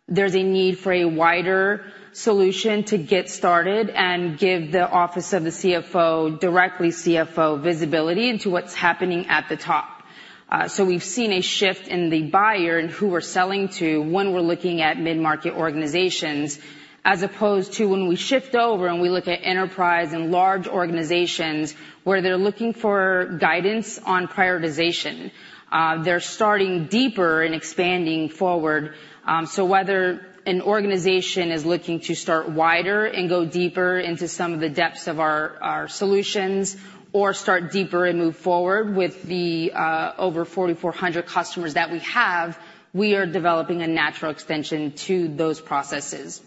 there's a need for a wider solution to get started and give the office of the CFO directly CFO visibility into what's happening at the top. We've seen a shift in the buyer and who we're selling to when we're looking at mid-market organizations, as opposed to when we shift over and we look at enterprise and large organizations where they're looking for guidance on prioritization. They're starting deeper and expanding forward. Whether an organization is looking to start wider and go deeper into some of the depths of our, our solutions or start deeper and move forward with the, over 4,400 customers that we have, we are developing a natural extension to those processes.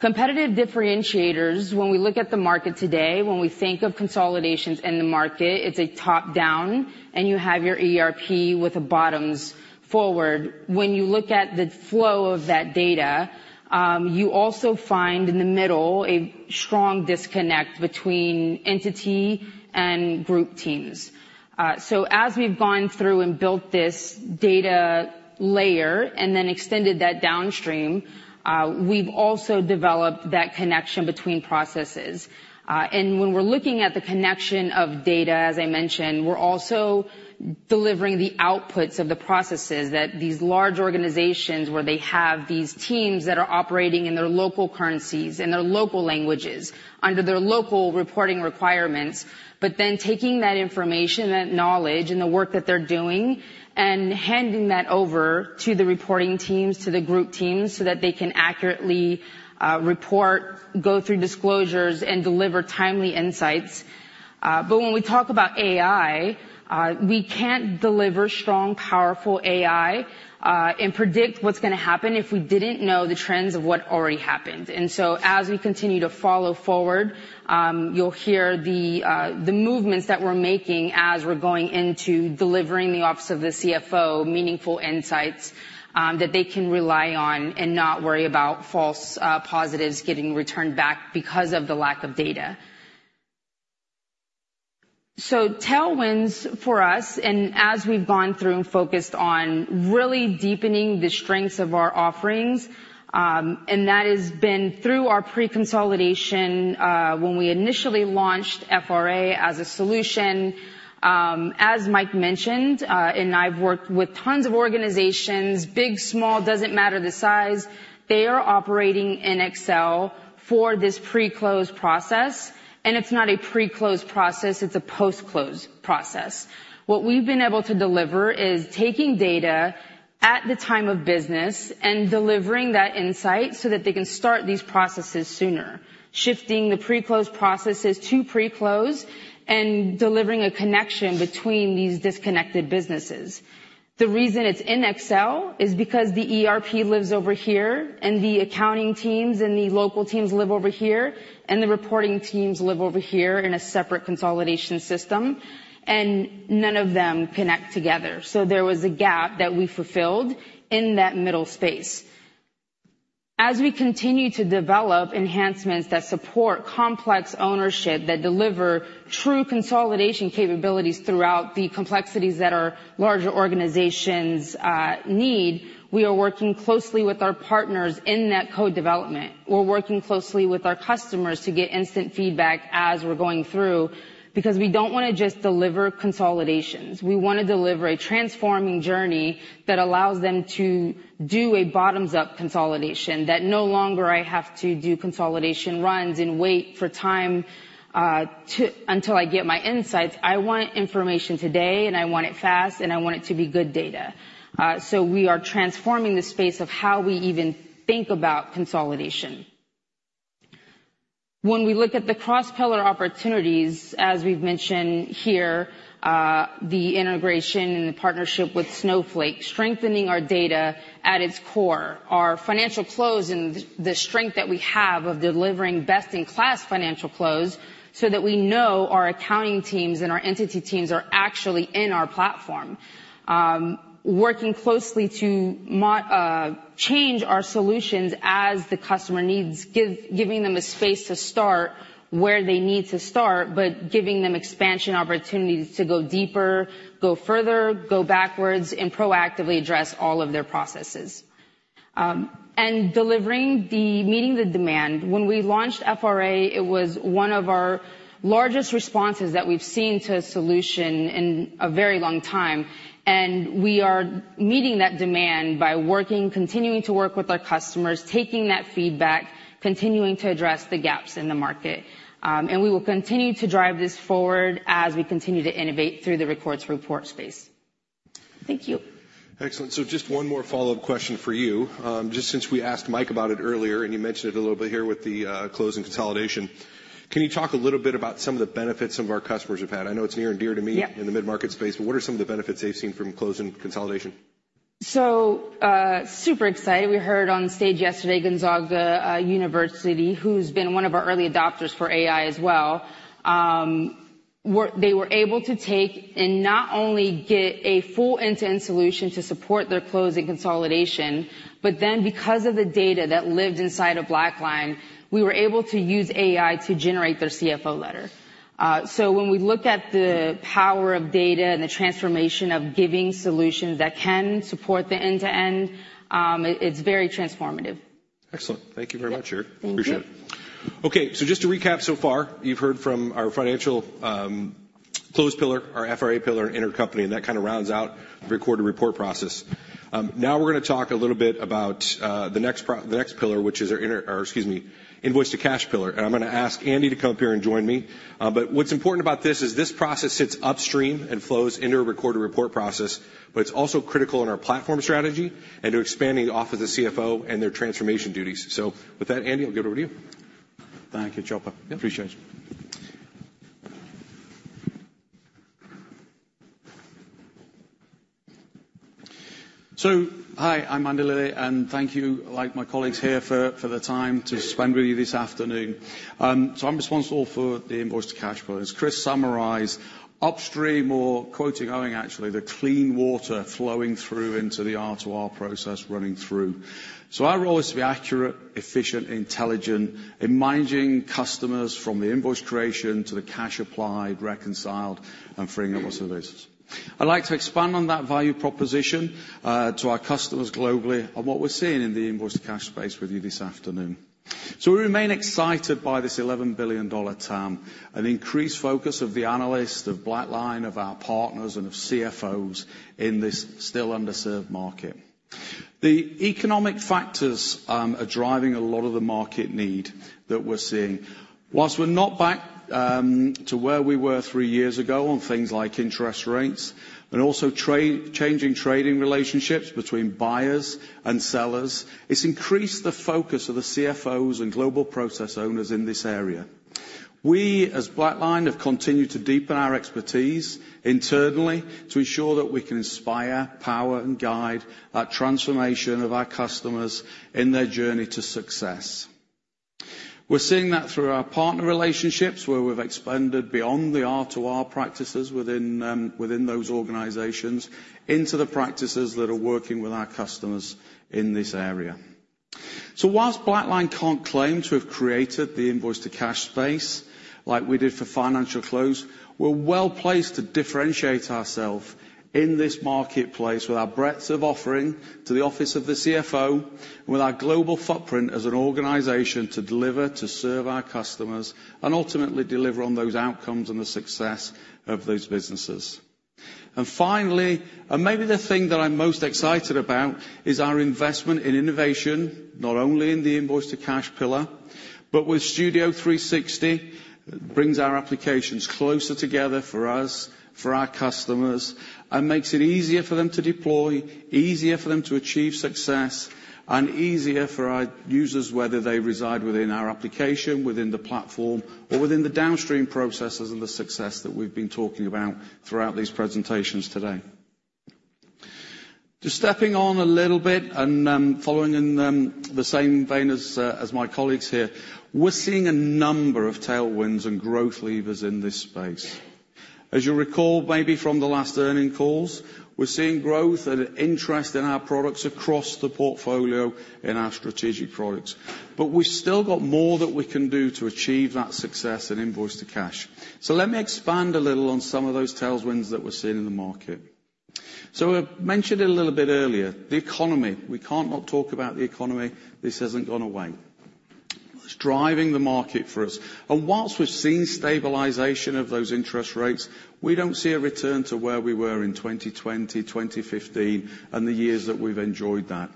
Competitive differentiators, when we look at the market today, when we think of consolidations in the market, it's a top down and you have your ERP with a bottoms forward. When you look at the flow of that data, you also find in the middle a strong disconnect between entity and group teams. So as we've gone through and built this data layer and then extended that downstream, we've also developed that connection between processes. And when we're looking at the connection of data, as I mentioned, we're also delivering the outputs of the processes that these large organizations where they have these teams that are operating in their local currencies and their local languages under their local reporting requirements, but then taking that information, that knowledge and the work that they're doing and handing that over to the reporting teams, to the group teams so that they can accurately report, go through disclosures and deliver timely insights. But when we talk about AI, we can't deliver strong, powerful AI, and predict what's gonna happen if we didn't know the trends of what already happened. And so as we continue to follow forward, you'll hear the movements that we're making as we're going into delivering the office of the CFO meaningful insights that they can rely on and not worry about false positives getting returned back because of the lack of data. So tailwinds for us, and as we've gone through and focused on really deepening the strengths of our offerings, and that has been through our pre-consolidation, when we initially launched FRA as a solution, as Mike mentioned, and I've worked with tons of organizations, big, small, doesn't matter the size, they are operating in Excel for this pre-close process. And it's not a pre-close process, it's a post-close process. What we've been able to deliver is taking data at the time of business and delivering that insight so that they can start these processes sooner, shifting the pre-close processes to pre-close and delivering a connection between these disconnected businesses. The reason it's in Excel is because the ERP lives over here and the accounting teams and the local teams live over here and the reporting teams live over here in a separate consolidation system, and none of them connect together. So there was a gap that we fulfilled in that middle space. As we continue to develop enhancements that support complex ownership that deliver true consolidation capabilities throughout the complexities that our larger organizations need, we are working closely with our partners in that co-development. We're working closely with our customers to get instant feedback as we're going through because we don't wanna just deliver consolidations. We wanna deliver a transforming journey that allows them to do a bottoms-up consolidation that no longer I have to do consolidation runs and wait for time to until I get my insights. I want information today, and I want it fast, and I want it to be good data, so we are transforming the space of how we even think about consolidation. When we look at the cross-pillar opportunities, as we've mentioned here, the integration and the partnership with Snowflake, strengthening our data at its core, our Financial Close and the strength that we have of delivering best in class Financial Close so that we know our accounting teams and our entity teams are actually in our platform, working closely to modify our solutions as the customer needs, giving them a space to start where they need to start, but giving them expansion opportunities to go deeper, go further, go backwards, and proactively address all of their processes and delivering, meeting the demand. When we launched FRA, it was one of our largest responses that we've seen to a solution in a very long time. And we are meeting that demand by working, continuing to work with our customers, taking that feedback, continuing to address the gaps in the market. And we will continue to drive this forward as we continue to innovate through the Record-to-Report space. Thank you. Excellent. So just one more follow-up question for you. Just since we asked Mike about it earlier and you mentioned it a little bit here with the close and consolidation, can you talk a little bit about some of the benefits some of our customers have had? I know it's near and dear to me in the mid-market space, but what are some of the benefits they've seen from close and consolidation? So, super excited. We heard on stage yesterday, Gonzaga University, who's been one of our early adopters for AI as well. Where they were able to take and not only get a full end-to-end solution to support their close and consolidation, but then because of the data that lived inside of BlackLine, we were able to use AI to generate their CFO letter. So when we look at the power of data and the transformation of giving solutions that can support the end-to-end, it's very transformative. Excellent. Thank you very much, Cheri. Thank you. Appreciate it. Okay. Just to recap so far, you've heard from our Financial Close pillar, our FRA pillar, Intercompany. And that kind of rounds out the Record-to-Report process. Now we're gonna talk a little bit about the next pillar, which is our inter, or excuse me, Invoice-to-Cash pillar. And I'm gonna ask Andy to come up here and join me. But what's important about this is this process sits upstream and flows into a record to report process, but it's also critical in our platform strategy and to expanding off of the CFO and their transformation duties. So with that, Andy, I'll give it over to you. Thank you, Chopper. Yep. Appreciate it. So, hi, I'm Andy Lilley, and thank you, like my colleagues here, for the time to spend with you this afternoon. So I'm responsible for the Invoice-to-Cash pillars. Chris summarized upstream or Quote-to-Order, actually, the clean water flowing through into the R2R process running through. So our role is to be accurate, efficient, intelligent, and managing customers from the invoice creation to the cash applied, reconciled, and freeing up what's in the business. I'd like to expand on that value proposition to our customers globally on what we're seeing in the Invoice-to-Cash space with you this afternoon. We remain excited by this $11 billion TAM and increased focus of the analysts, of BlackLine, of our partners, and of CFOs in this still underserved market. The economic factors are driving a lot of the market need that we're seeing. While we're not back to where we were three years ago on things like interest rates and also trade changing trading relationships between buyers and sellers, it's increased the focus of the CFOs and global process owners in this area. We, as BlackLine, have continued to deepen our expertise internally to ensure that we can inspire, power, and guide that transformation of our customers in their journey to success. We're seeing that through our partner relationships where we've expanded beyond the R2R practices within those organizations into the practices that are working with our customers in this area. So while BlackLine can't claim to have created the nvoice-to-cash space like we did for Financial Close, we're well placed to differentiate ourselves in this marketplace with our breadth of offering to the office of the CFO, with our global footprint as an organization to deliver, to serve our customers, and ultimately deliver on those outcomes and the success of those businesses. And finally, and maybe the thing that I'm most excited about is our investment in innovation, not only in the Invoice-to-Cash pillar, but with Studio360, brings our applications closer together for us, for our customers, and makes it easier for them to deploy, easier for them to achieve success, and easier for our users, whether they reside within our application, within the platform, or within the downstream processes and the success that we've been talking about throughout these presentations today. Just stepping on a little bit and following in the same vein as my colleagues here, we're seeing a number of tailwinds and growth levers in this space. As you'll recall, maybe from the last earnings calls, we're seeing growth and interest in our products across the portfolio in our strategic products. But we've still got more that we can do to achieve that success in Invoice-to-Cash. So let me expand a little on some of those tailwinds that we're seeing in the market. So I mentioned it a little bit earlier, the economy. We can't not talk about the economy. This hasn't gone away. It's driving the market for us. And while we've seen stabilization of those interest rates, we don't see a return to where we were in 2020, 2015, and the years that we've enjoyed that.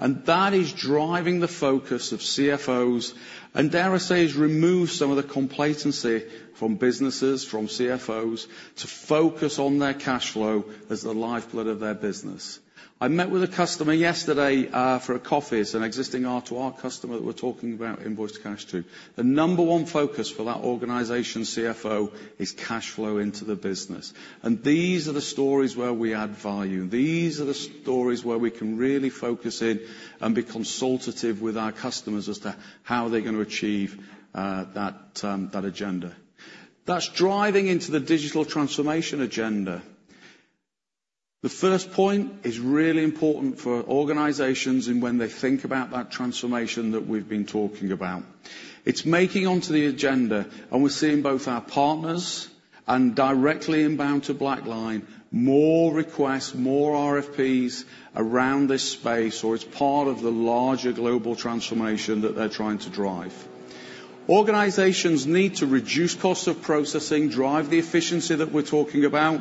And that is driving the focus of CFOs. And dare I say, has removed some of the complacency from businesses, from CFOs, to focus on their cash flow as the lifeblood of their business. I met with a customer yesterday, for a coffee. It's an existing R2R customer that we're talking about Invoice-to-Cash to. The number one focus for that organization's CFO is cash flow into the business, and these are the stories where we add value. These are the stories where we can really focus in and be consultative with our customers as to how they're gonna achieve that, that agenda. That's driving into the digital transformation agenda. The first point is really important for organizations and when they think about that transformation that we've been talking about. It's making onto the agenda, and we're seeing both our partners and directly inbound to BlackLine more requests, more RFPs around this space, or it's part of the larger global transformation that they're trying to drive. Organizations need to reduce cost of processing, drive the efficiency that we're talking about,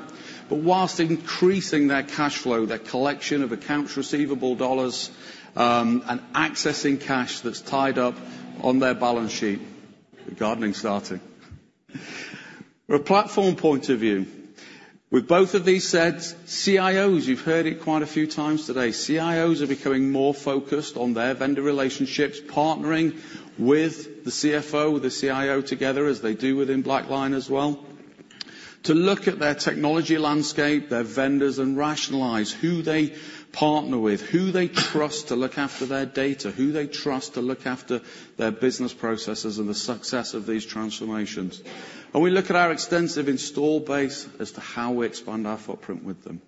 but whilst increasing their cash flow, their collection of accounts receivable dollars, and accessing cash that's tied up on their balance sheet. The gorvening's starting. From a platform point of view, with both of these sets, CIOs, you've heard it quite a few times today, CIOs are becoming more focused on their vendor relationships, partnering with the CFO, with the CIO together, as they do within BlackLine as well, to look at their technology landscape, their vendors, and rationalize who they partner with, who they trust to look after their data, who they trust to look after their business processes and the success of these transformations, and we look at our extensive installed base as to how we expand our footprint with them,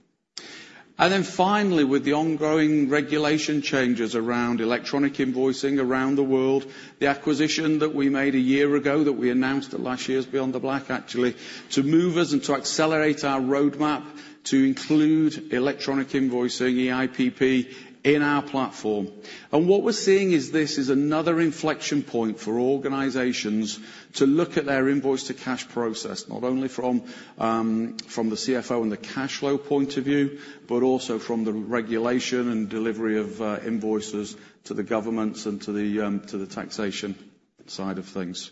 and then finally, with the ongoing regulation changes around electronic invoicing around the world, the acquisition that we made a year ago that we announced at last year's Beyond the Black, actually, to move us and to accelerate our roadmap to include electronic invoicing, EIPP in our platform. What we're seeing is this is another inflection point for organizations to look at their Invoice-to-Cash process, not only from the CFO and the cash flow point of view, but also from the regulation and delivery of invoices to the governments and to the taxation side of things.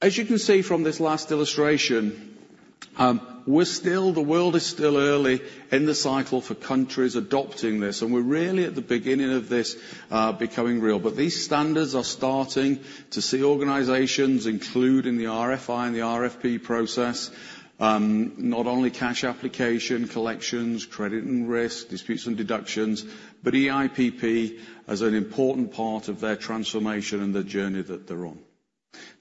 As you can see from this last illustration, we're still, the world is still early in the cycle for countries adopting this, and we're really at the beginning of this becoming real. These standards are starting to see organizations include in the RFI and the RFP process, not only Cash Application collections, credit and risk, disputes and deductions, but EIPP as an important part of their transformation and the journey that they're on.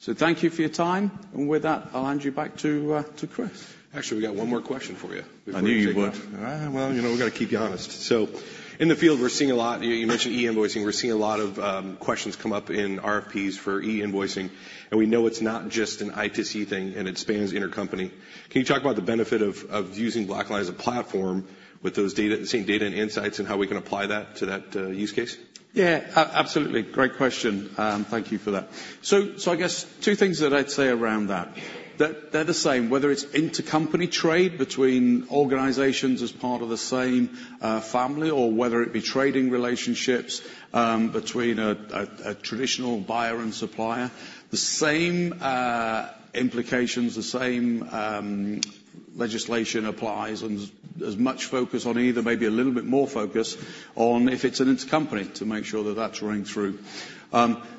Thank you for your time. With that, I'll hand you back to Chris. Actually, we got one more question for you. I knew you would. All right. Well, you know, we gotta keep you honest. So in the field, we're seeing a lot. You mentioned e-invoicing. We're seeing a lot of questions come up in RFPs for e-invoicing. And we know it's not just an ITC thing, and it spans Intercompany. Can you talk about the benefit of using BlackLine as a platform with those data, the same data and insights and how we can apply that to that use case? Yeah. Absolutely. Great question. Thank you for that. So I guess two things that I'd say around that, that they're the same, whether it's Intercompany trade between organizations as part of the same family, or whether it be trading relationships between a traditional buyer and supplier, the same implications, the same legislation applies, and as much focus on either, maybe a little bit more focus on if it's an Intercompany to make sure that that's running through.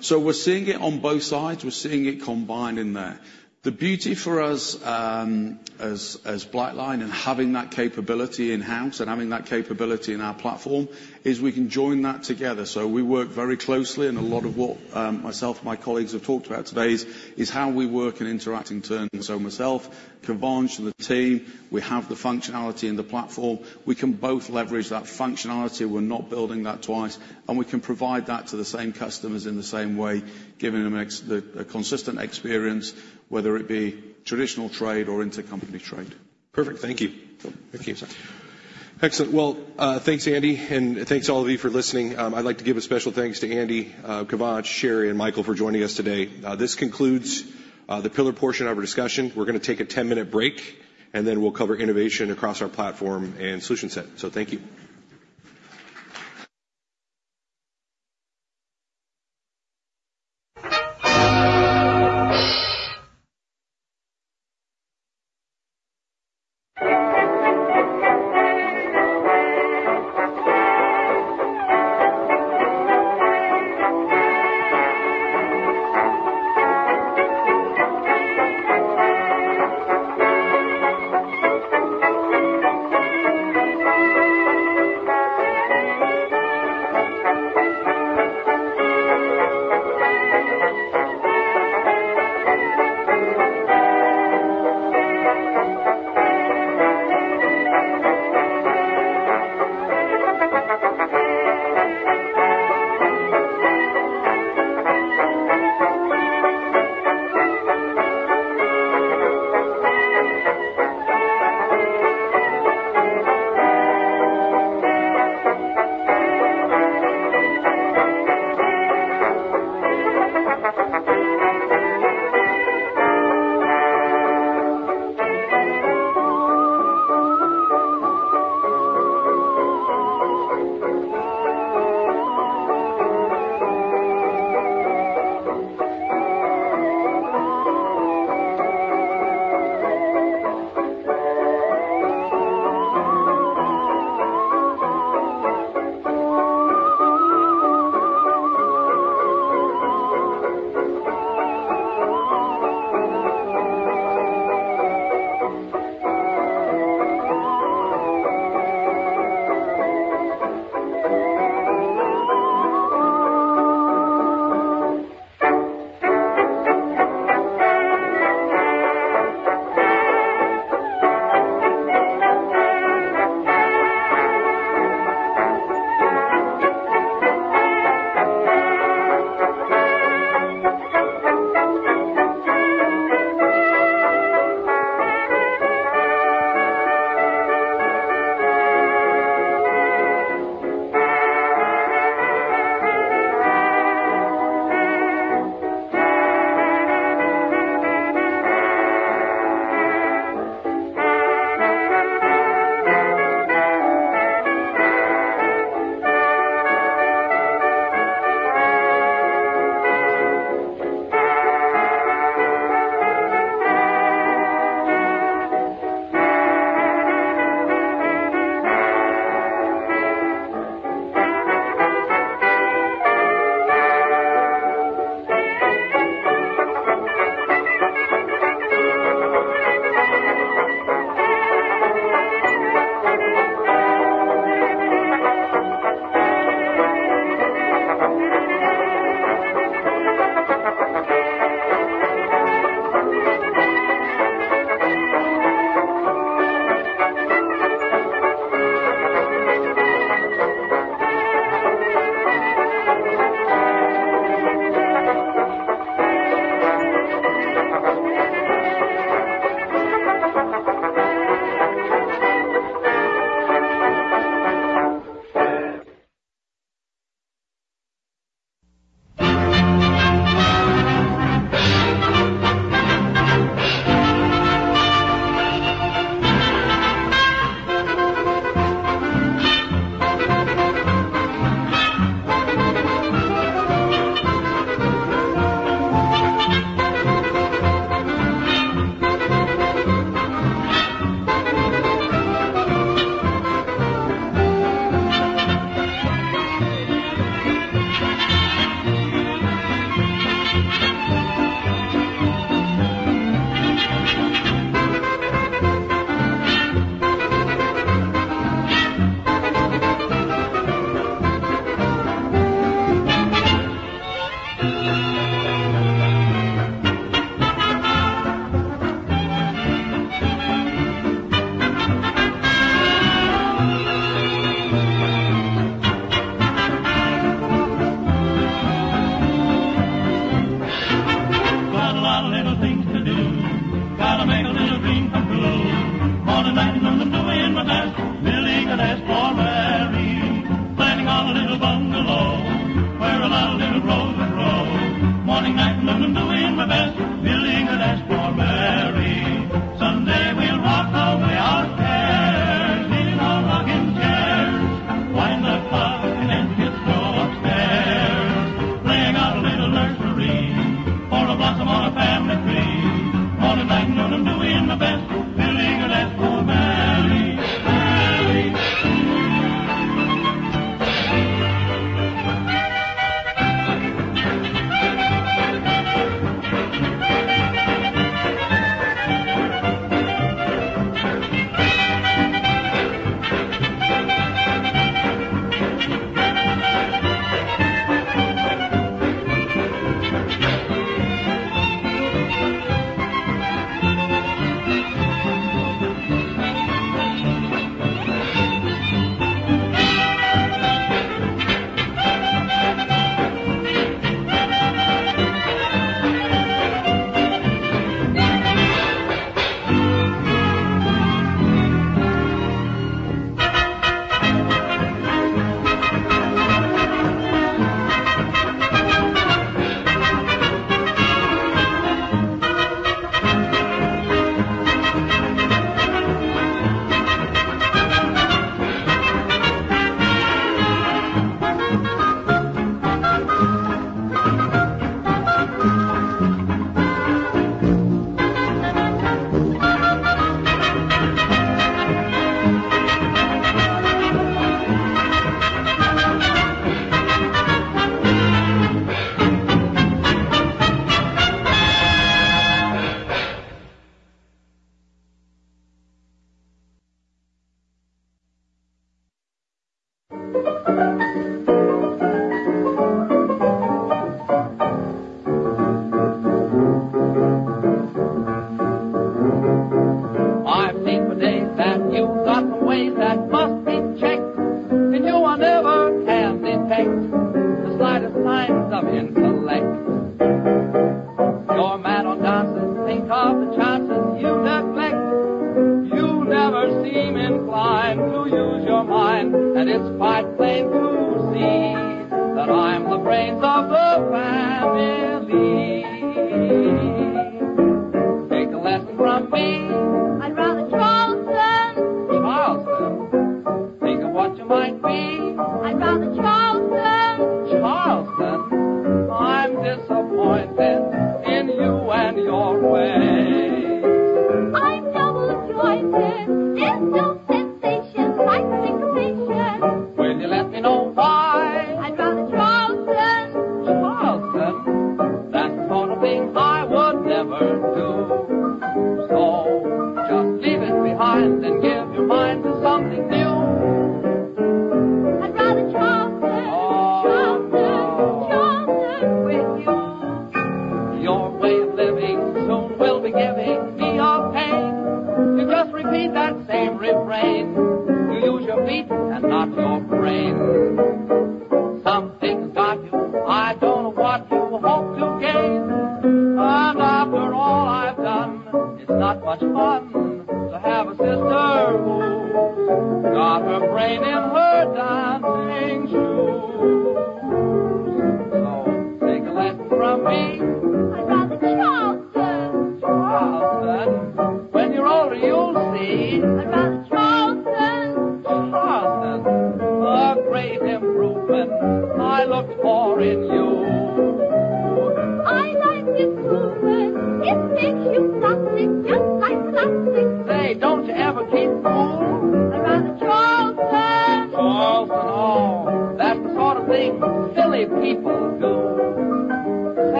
So we're seeing it on both sides. We're seeing it combined in there. The beauty for us, as BlackLine and having that capability in-house and having that capability in our platform is we can join that together. So we work very closely, and a lot of what myself and my colleagues have talked about today is how we work in interacting terms. So myself, Kivanc, and the team, we have the functionality in the platform. We can both leverage that functionality. We're not building that twice. And we can provide that to the same customers in the same way, giving them a consistent experience, whether it be traditional trade or Intercompany trade. Perfect. Thank you. Thank you. Excellent. Well, thanks, Andy, and thanks to all of you for listening. I'd like to give a special thanks to Andy, Kivanc, Cheri, and Michael for joining us today. This concludes the pillar portion of our discussion. We're gonna take a 10-minute break, and then we'll cover innovation across our platform and solution set. So thank you.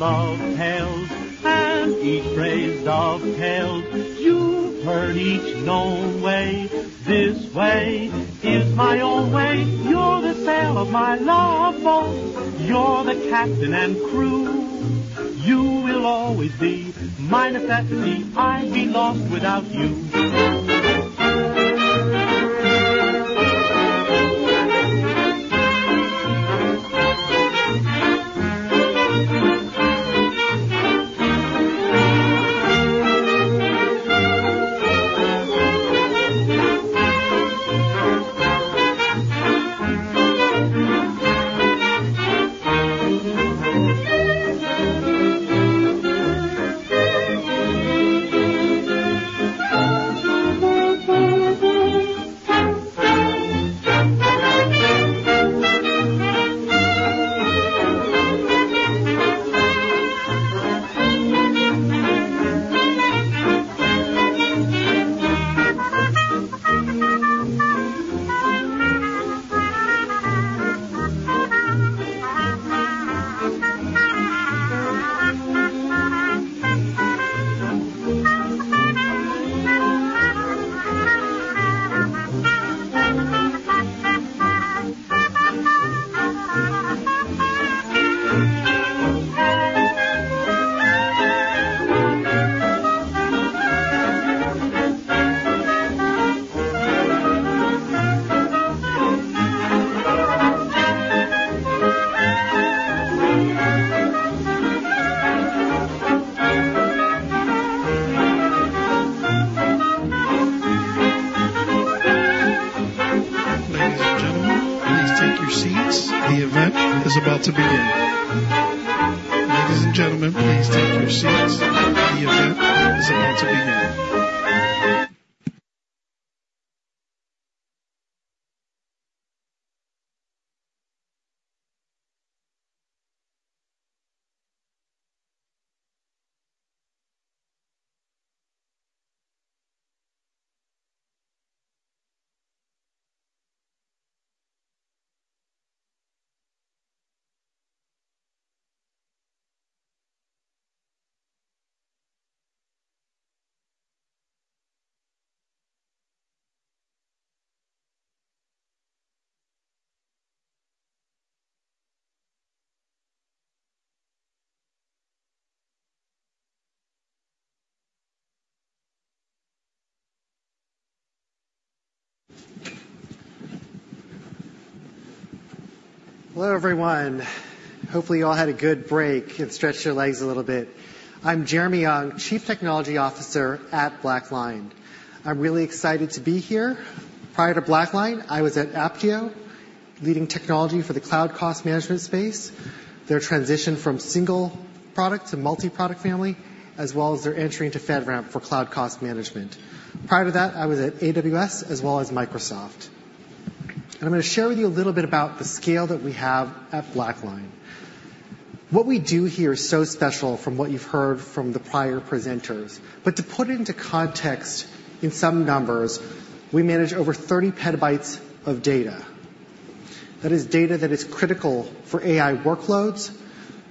Ladies and gentlemen, please take your seats. The event is about to begin. Ladies and gentlemen, please take your seats. The event is about to begin. Hello, everyone. Hopefully, you all had a good break and stretched your legs a little bit. I'm Jeremy Ung, Chief Technology Officer at BlackLine. I'm really excited to be here. Prior to BlackLine, I was at Apptio, leading technology for the cloud cost management space, their transition from single product to multi-product family, as well as their entry into FedRAMP for cloud cost management. Prior to that, I was at AWS as well as Microsoft, and I'm going to share with you a little bit about the scale that we have at BlackLine. What we do here is so special from what you've heard from the prior presenters, but to put it into context in some numbers, we manage over 30 petabytes of data. That is data that is critical for AI workloads,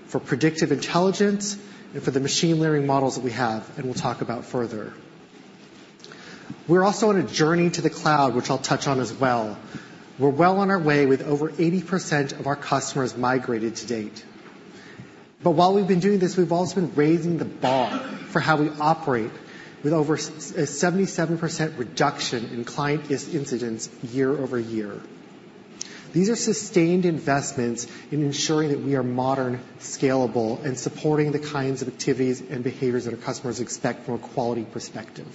for predictive intelligence, and for the machine learning models that we have, and we'll talk about further. We're also on a journey to the cloud, which I'll touch on as well. We're well on our way with over 80% of our customers migrated to date. But while we've been doing this, we've also been raising the bar for how we operate with over a 77% reduction in client incidents year over year. These are sustained investments in ensuring that we are modern, scalable, and supporting the kinds of activities and behaviors that our customers expect from a quality perspective.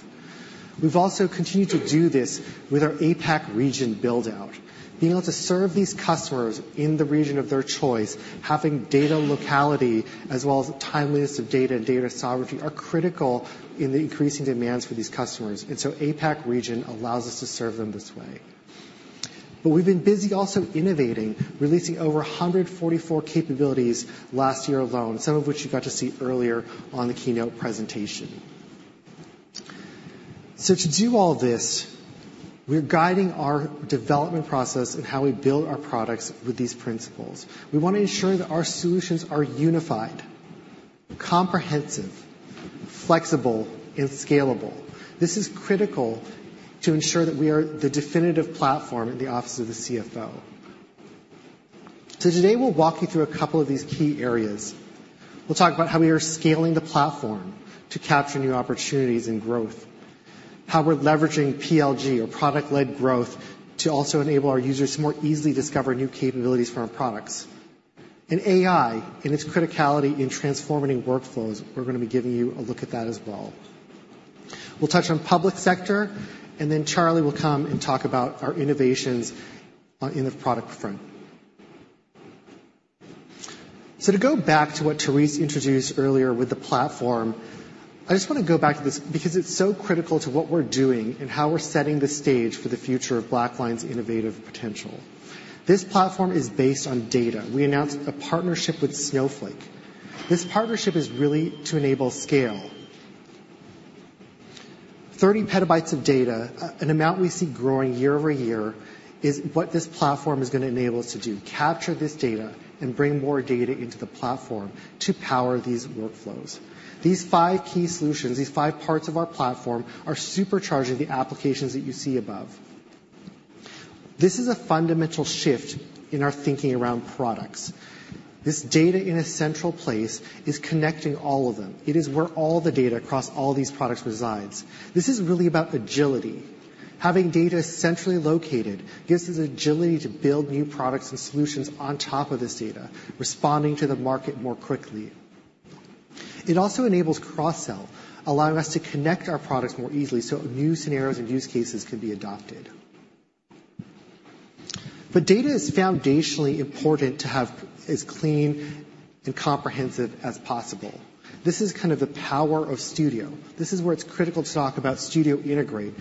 We've also continued to do this with our APAC region build-out. Being able to serve these customers in the region of their choice, having data locality as well as timeliness of data and data sovereignty are critical in the increasing demands for these customers. And so APAC region allows us to serve them this way. But we've been busy also innovating, releasing over 144 capabilities last year alone, some of which you got to see earlier on the keynote presentation. To do all this, we're guiding our development process and how we build our products with these principles. We want to ensure that our solutions are unified, comprehensive, flexible, and scalable. This is critical to ensure that we are the definitive platform at the office of the CFO. Today, we'll walk you through a couple of these key areas. We'll talk about how we are scaling the platform to capture new opportunities and growth, how we're leveraging PLG, or product-led growth, to also enable our users to more easily discover new capabilities for our products, and AI and its criticality in transforming workflows. We're going to be giving you a look at that as well. We'll touch on public sector, and then Charlie will come and talk about our innovations in the product front. To go back to what Therese introduced earlier with the platform, I just want to go back to this because it's so critical to what we're doing and how we're setting the stage for the future of BlackLine's innovative potential. This platform is based on data. We announced a partnership with Snowflake. This partnership is really to enable scale. 30 PB of data, an amount we see growing year over year, is what this platform is going to enable us to do: capture this data and bring more data into the platform to power these workflows. These five key solutions, these five parts of our platform, are supercharging the applications that you see above. This is a fundamental shift in our thinking around products. This data in a central place is connecting all of them. It is where all the data across all these products resides. This is really about agility. Having data centrally located gives us agility to build new products and solutions on top of this data, responding to the market more quickly. It also enables cross-sell, allowing us to connect our products more easily so new scenarios and use cases can be adopted. But data is foundationally important to have as clean and comprehensive as possible. This is kind of the power of Studio. This is where it's critical to talk about Studio Integrate.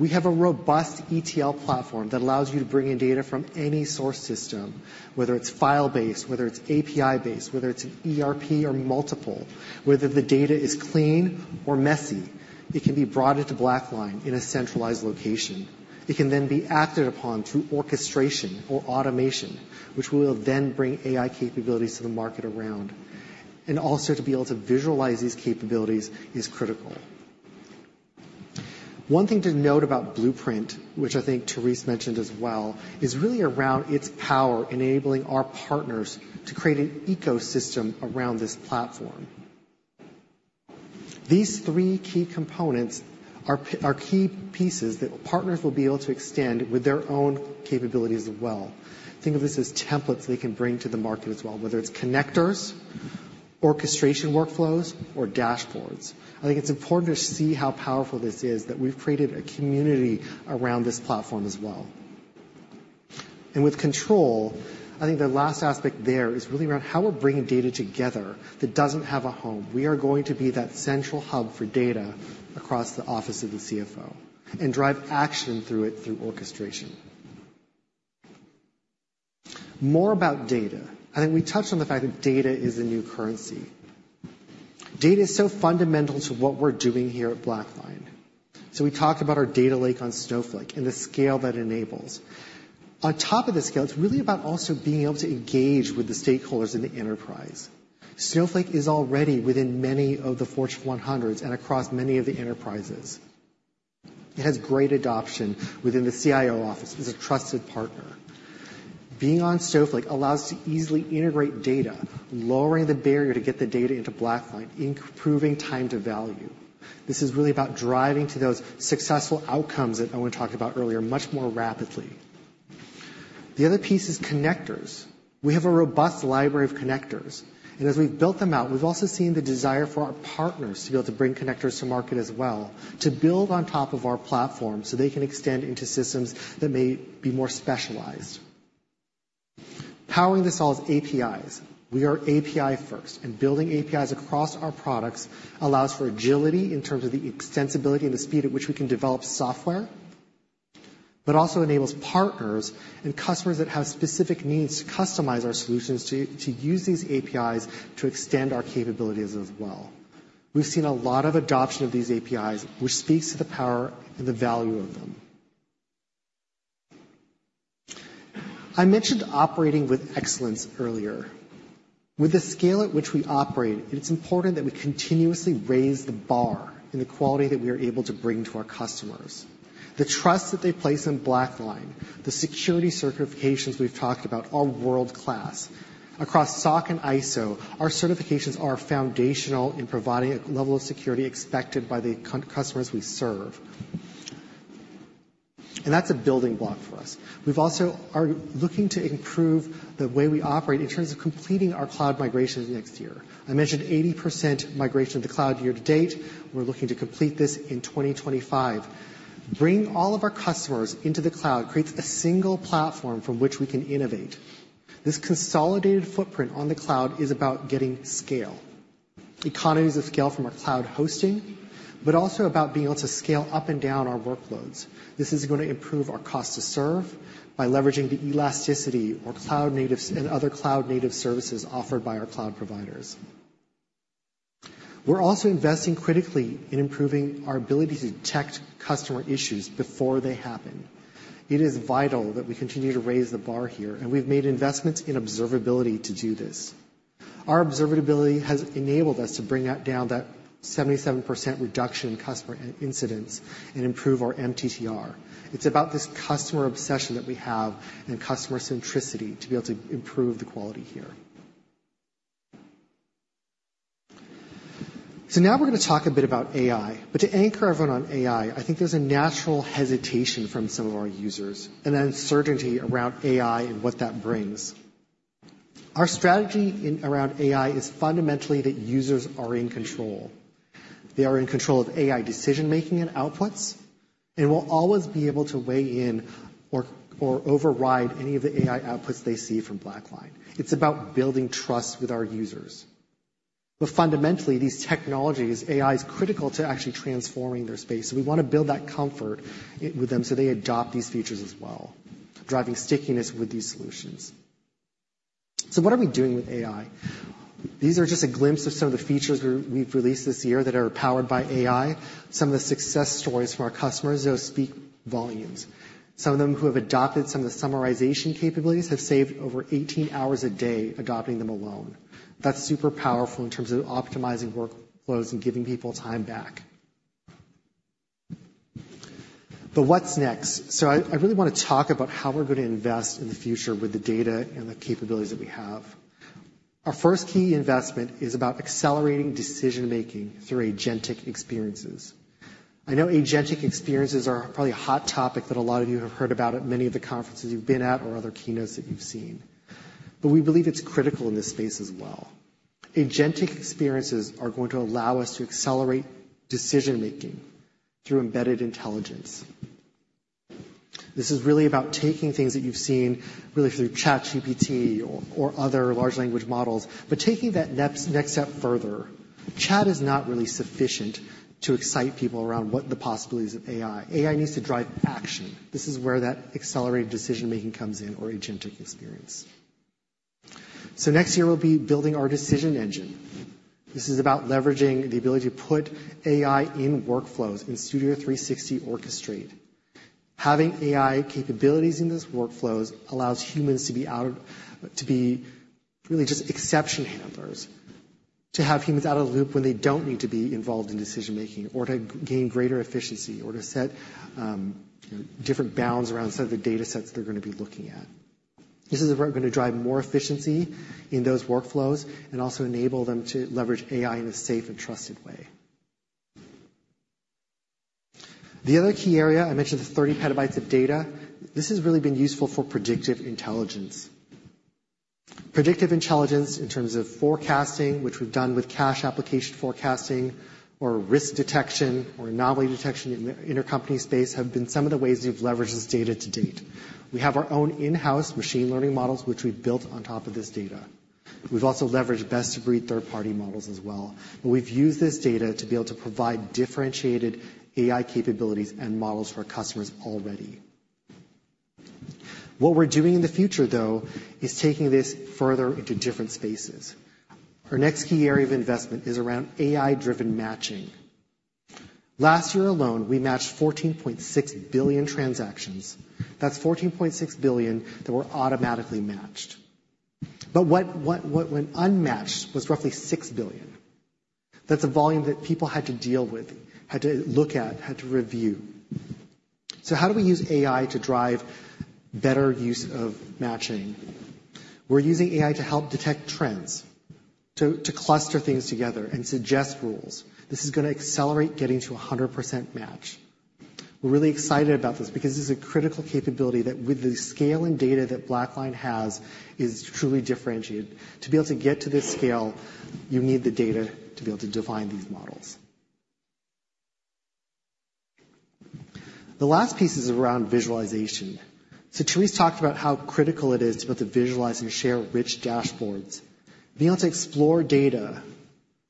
We have a robust ETL platform that allows you to bring in data from any source system, whether it's file-based, whether it's API-based, whether it's an ERP or multiple, whether the data is clean or messy. It can be brought into BlackLine in a centralized location. It can then be acted upon through orchestration or automation, which will then bring AI capabilities to the market around. Also to be able to visualize these capabilities is critical. One thing to note about Blueprint, which I think Therese mentioned as well, is really around its power enabling our partners to create an ecosystem around this platform. These three key components are key pieces that partners will be able to extend with their own capabilities as well. Think of this as templates they can bring to the market as well, whether it's connectors, orchestration workflows, or dashboards. I think it's important to see how powerful this is that we've created a community around this platform as well. With Control, I think the last aspect there is really around how we're bringing data together that doesn't have a home. We are going to be that central hub for data across the office of the CFO and drive action through it through orchestration. More about data. I think we touched on the fact that data is a new currency. Data is so fundamental to what we're doing here at BlackLine. So we talked about our data lake on Snowflake and the scale that enables. On top of the scale, it's really about also being able to engage with the stakeholders in the enterprise. Snowflake is already within many of the Fortune 100s and across many of the enterprises. It has great adoption within the CIO office. It's a trusted partner. Being on Snowflake allows us to easily integrate data, lowering the barrier to get the data into BlackLine, improving time to value. This is really about driving to those successful outcomes that I want to talk about earlier much more rapidly. The other piece is connectors. We have a robust library of connectors. As we've built them out, we've also seen the desire for our partners to be able to bring connectors to market as well, to build on top of our platform so they can extend into systems that may be more specialized. Powering this all is APIs. We are API-first, and building APIs across our products allows for agility in terms of the extensibility and the speed at which we can develop software, but also enables partners and customers that have specific needs to customize our solutions to use these APIs to extend our capabilities as well. We've seen a lot of adoption of these APIs, which speaks to the power and the value of them. I mentioned operating with excellence earlier. With the scale at which we operate, it's important that we continuously raise the bar in the quality that we are able to bring to our customers. The trust that they place on BlackLine, the security certifications we've talked about are world-class. Across SOC and ISO, our certifications are foundational in providing a level of security expected by the customers we serve. That's a building block for us. We are also looking to improve the way we operate in terms of completing our cloud migrations next year. I mentioned 80% migration of the cloud year to date. We're looking to complete this in 2025. Bringing all of our customers into the cloud creates a single platform from which we can innovate. This consolidated footprint on the cloud is about getting scale. Economies of scale from our cloud hosting, but also about being able to scale up and down our workloads. This is going to improve our cost to serve by leveraging the elasticity or cloud-native and other cloud-native services offered by our cloud providers. We're also investing critically in improving our ability to detect customer issues before they happen. It is vital that we continue to raise the bar here, and we've made investments in observability to do this. Our observability has enabled us to bring that down, that 77% reduction in customer incidents and improve our MTTR. It's about this customer obsession that we have and customer centricity to be able to improve the quality here. So now we're going to talk a bit about AI. But to anchor everyone on AI, I think there's a natural hesitation from some of our users and uncertainty around AI and what that brings. Our strategy around AI is fundamentally that users are in control. They are in control of AI decision-making and outputs, and we'll always be able to weigh in or override any of the AI outputs they see from BlackLine. It's about building trust with our users. But fundamentally, these technologies, AI is critical to actually transforming their space. So we want to build that comfort with them so they adopt these features as well, driving stickiness with these solutions. So what are we doing with AI? These are just a glimpse of some of the features we've released this year that are powered by AI. Some of the success stories from our customers speak volumes. Some of them who have adopted some of the summarization capabilities have saved over 18 hours a day adopting them alone. That's super powerful in terms of optimizing workflows and giving people time back. But what's next? So I really want to talk about how we're going to invest in the future with the data and the capabilities that we have. Our first key investment is about accelerating decision-making through agentic experiences. I know agentic experiences are probably a hot topic that a lot of you have heard about at many of the conferences you've been at or other keynotes that you've seen. But we believe it's critical in this space as well. Agentic experiences are going to allow us to accelerate decision-making through embedded intelligence. This is really about taking things that you've seen really through ChatGPT or other large language models, but taking that next step further. Chat is not really sufficient to excite people around what the possibilities of AI. AI needs to drive action. This is where that accelerated decision-making comes in or agentic experience. So next year, we'll be building our decision engine. This is about leveraging the ability to put AI in workflows in Studio 360 Orchestrate. Having AI capabilities in those workflows allows humans to be really just exception handlers, to have humans out of the loop when they don't need to be involved in decision-making or to gain greater efficiency or to set different bounds around some of the data sets they're going to be looking at. This is going to drive more efficiency in those workflows and also enable them to leverage AI in a safe and trusted way. The other key area I mentioned is 30 PB of data. This has really been useful for predictive intelligence. Predictive intelligence in terms of forecasting, which we've done with Cash Application forecasting or risk detection or anomaly detection in the Intercompany space, have been some of the ways we've leveraged this data to date. We have our own in-house machine learning models, which we've built on top of this data. We've also leveraged best-of-breed third-party models as well. But we've used this data to be able to provide differentiated AI capabilities and models for our customers already. What we're doing in the future, though, is taking this further into different spaces. Our next key area of investment is around AI-driven matching. Last year alone, we matched 14.6 billion transactions. That's 14.6 billion that were automatically matched. But when unmatched was roughly 6 billion. That's a volume that people had to deal with, had to look at, had to review. So how do we use AI to drive better use of matching? We're using AI to help detect trends, to cluster things together, and suggest rules. This is going to accelerate getting to 100% match. We're really excited about this because this is a critical capability that, with the scale and data that BlackLine has, is truly differentiated. To be able to get to this scale, you need the data to be able to define these models. The last piece is around visualization, so Therese talked about how critical it is to be able to visualize and share rich dashboards. Being able to explore data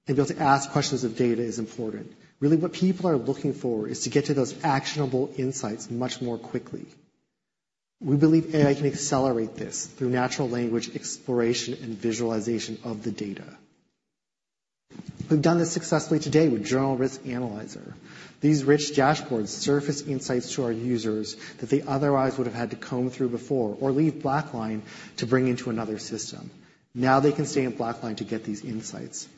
and be able to ask questions of data is important. Really, what people are looking for is to get to those actionable insights much more quickly. We believe AI can accelerate this through natural language exploration and visualization of the data. We've done this successfully today with Journal Risk Analyzer. These rich dashboards surface insights to our users that they otherwise would have had to comb through before or leave BlackLine to bring into another system. Now they can stay in BlackLine to get these insights.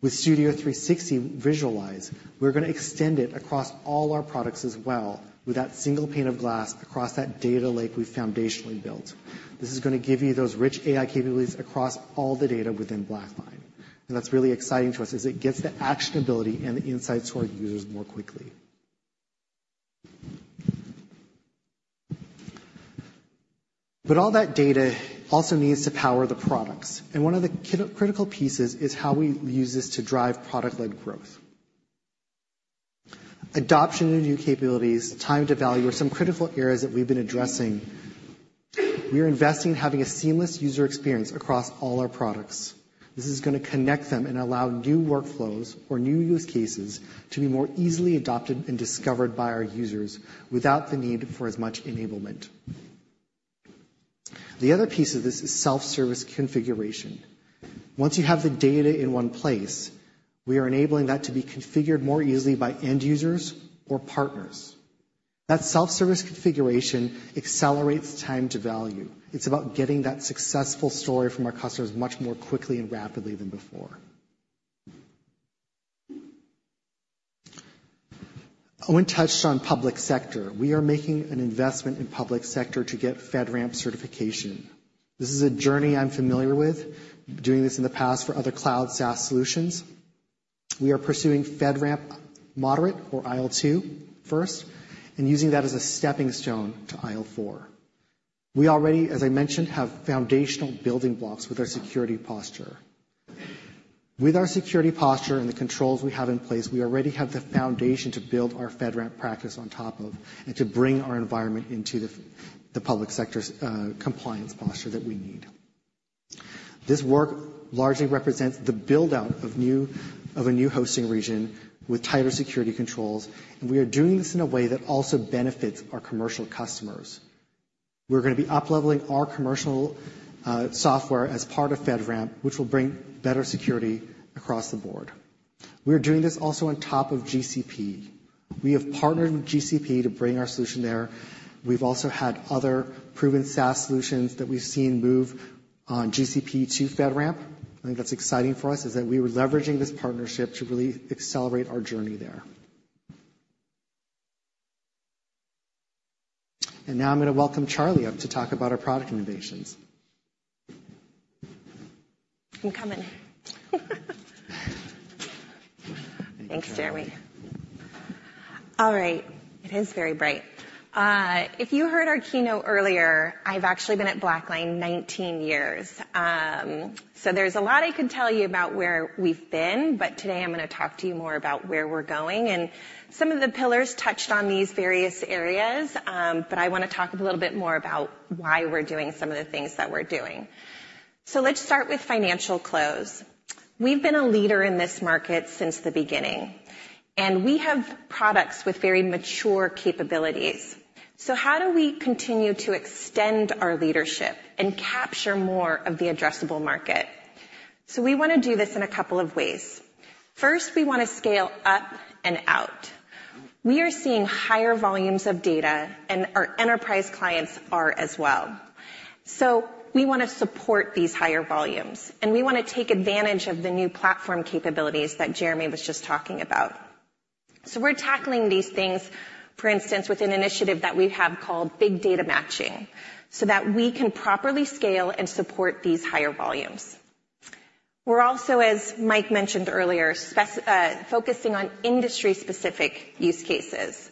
With Studio 360 Visualize, we're going to extend it across all our products as well with that single pane of glass across that data lake we've foundationally built. This is going to give you those rich AI capabilities across all the data within BlackLine, and that's really exciting to us as it gets the actionability and the insights to our users more quickly, but all that data also needs to power the products, and one of the critical pieces is how we use this to drive product-led growth. Adoption of new capabilities, time to value are some critical areas that we've been addressing. We are investing in having a seamless user experience across all our products. This is going to connect them and allow new workflows or new use cases to be more easily adopted and discovered by our users without the need for as much enablement. The other piece of this is self-service configuration. Once you have the data in one place, we are enabling that to be configured more easily by end users or partners. That self-service configuration accelerates time to value. It's about getting that successful story from our customers much more quickly and rapidly than before. I went and touched on public sector. We are making an investment in public sector to get FedRAMP certification. This is a journey I'm familiar with, doing this in the past for other cloud SaaS solutions. We are pursuing FedRAMP Moderate or IL2 first and using that as a stepping stone to IL4. We already, as I mentioned, have foundational building blocks with our security posture. With our security posture and the controls we have in place, we already have the foundation to build our FedRAMP practice on top of and to bring our environment into the public sector's compliance posture that we need. This work largely represents the buildout of a new hosting region with tighter security controls, and we are doing this in a way that also benefits our commercial customers. We're going to be upleveling our commercial software as part of FedRAMP, which will bring better security across the board. We are doing this also on top of GCP. We have partnered with GCP to bring our solution there. We've also had other proven SaaS solutions that we've seen move on GCP to FedRAMP. I think that's exciting for us is that we were leveraging this partnership to really accelerate our journey there. Now I'm going to welcome Charlie up to talk about our product innovations. I'm coming. Thanks, Jeremy. All right. It is very bright. If you heard our keynote earlier, I've actually been at BlackLine 19 years. So there's a lot I could tell you about where we've been, but today I'm going to talk to you more about where we're going, and some of the pillars touched on these various areas, but I want to talk a little bit more about why we're doing some of the things that we're doing, so let's start with Financial Close. We've been a leader in this market since the beginning, and we have products with very mature capabilities, so how do we continue to extend our leadership and capture more of the addressable market, so we want to do this in a couple of ways. First, we want to scale up and out. We are seeing higher volumes of data, and our enterprise clients are as well. So we want to support these higher volumes, and we want to take advantage of the new platform capabilities that Jeremy was just talking about. So we're tackling these things, for instance, with an initiative that we have called Big Data Matching so that we can properly scale and support these higher volumes. We're also, as Mike mentioned earlier, focusing on industry-specific use cases.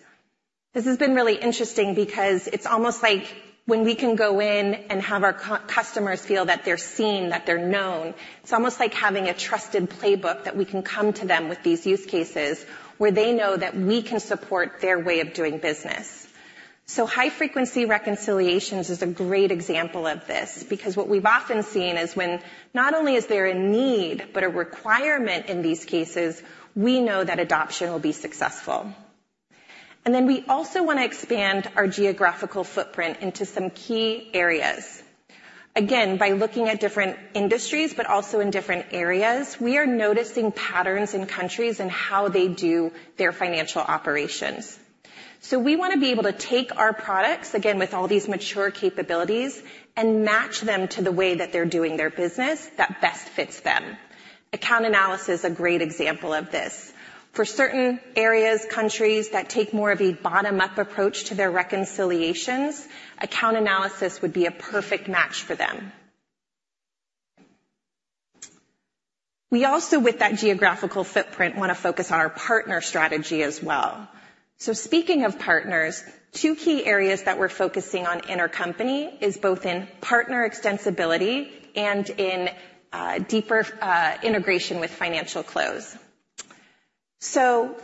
This has been really interesting because it's almost like when we can go in and have our customers feel that they're seen, that they're known. It's almost like having a trusted playbook that we can come to them with these use cases where they know that we can support their way of doing business. So high-frequency reconciliations is a great example of this because what we've often seen is when not only is there a need, but a requirement in these cases, we know that adoption will be successful. And then we also want to expand our geographical footprint into some key areas. Again, by looking at different industries, but also in different areas, we are noticing patterns in countries and how they do their financial operations. So we want to be able to take our products, again, with all these mature capabilities, and match them to the way that they're doing their business that best fits them. Account Analysis is a great example of this. For certain areas, countries that take more of a bottom-up approach to their reconciliations, Account Analysis would be a perfect match for them. We also, with that geographical footprint, want to focus on our partner strategy as well. So speaking of partners, two key areas that we're focusing on Intercompany is both in partner extensibility and in deeper integration with Financial Close. So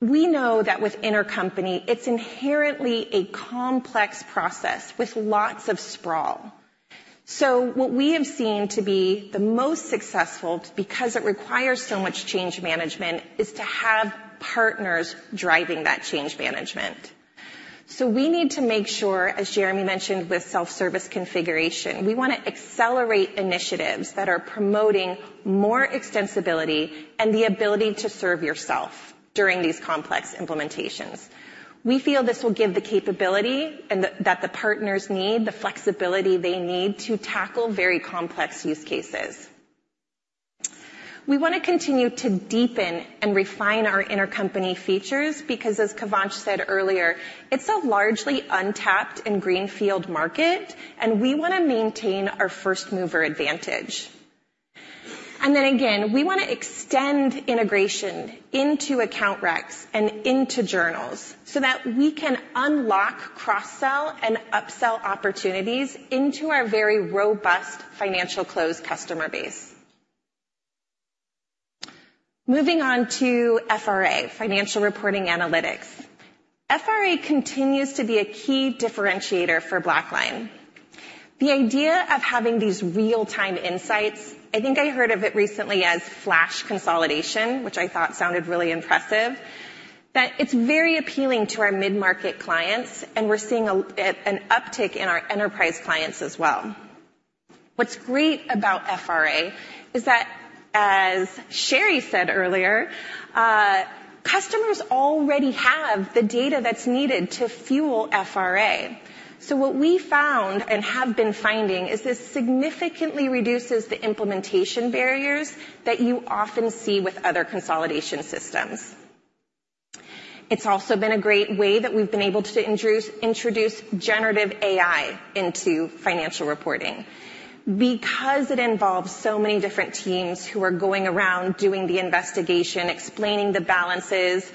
we know that with Intercompany it's inherently a complex process with lots of sprawl. So what we have seen to be the most successful because it requires so much change management is to have partners driving that change management. So we need to make sure, as Jeremy mentioned with self-service configuration, we want to accelerate initiatives that are promoting more extensibility and the ability to serve yourself during these complex implementations. We feel this will give the capability that the partners need, the flexibility they need to tackle very complex use cases. We want to continue to deepen and refine our Intercompany features because, as Kivanc said earlier, it's a largely untapped and greenfield market, and we want to maintain our first-mover advantage. And then again, we want to extend integration into account recs and into journals so that we can unlock cross-sell and upsell opportunities into our very robust Financial Close customer base. Moving on to FRA, Financial Reporting Analytics. FRA continues to be a key differentiator for BlackLine. The idea of having these real-time insights, I think I heard of it recently as flash consolidation, which I thought sounded really impressive. That it's very appealing to our mid-market clients, and we're seeing an uptick in our enterprise clients as well. What's great about FRA is that, as Cheri said earlier, customers already have the data that's needed to fuel FRA. So what we found and have been finding is this significantly reduces the implementation barriers that you often see with other consolidation systems. It's also been a great way that we've been able to introduce generative AI into financial reporting because it involves so many different teams who are going around doing the investigation, explaining the balances,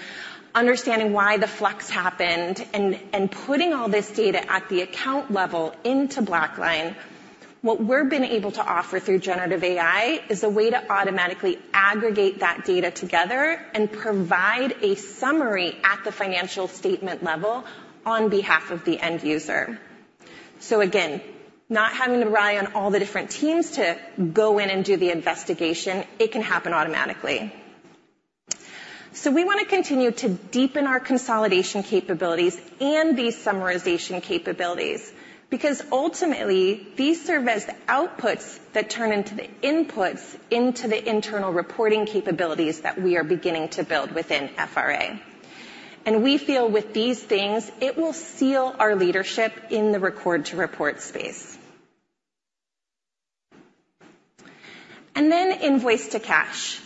understanding why the flux happened, and putting all this data at the account level into BlackLine. What we've been able to offer through generative AI is a way to automatically aggregate that data together and provide a summary at the financial statement level on behalf of the end user. So again, not having to rely on all the different teams to go in and do the investigation, it can happen automatically. So we want to continue to deepen our consolidation capabilities and these summarization capabilities because ultimately these serve as the outputs that turn into the inputs into the internal reporting capabilities that we are beginning to build within FRA. We feel with these things, it will seal our leadership in the Record-to-Report space. Then Invoice-to-Cash.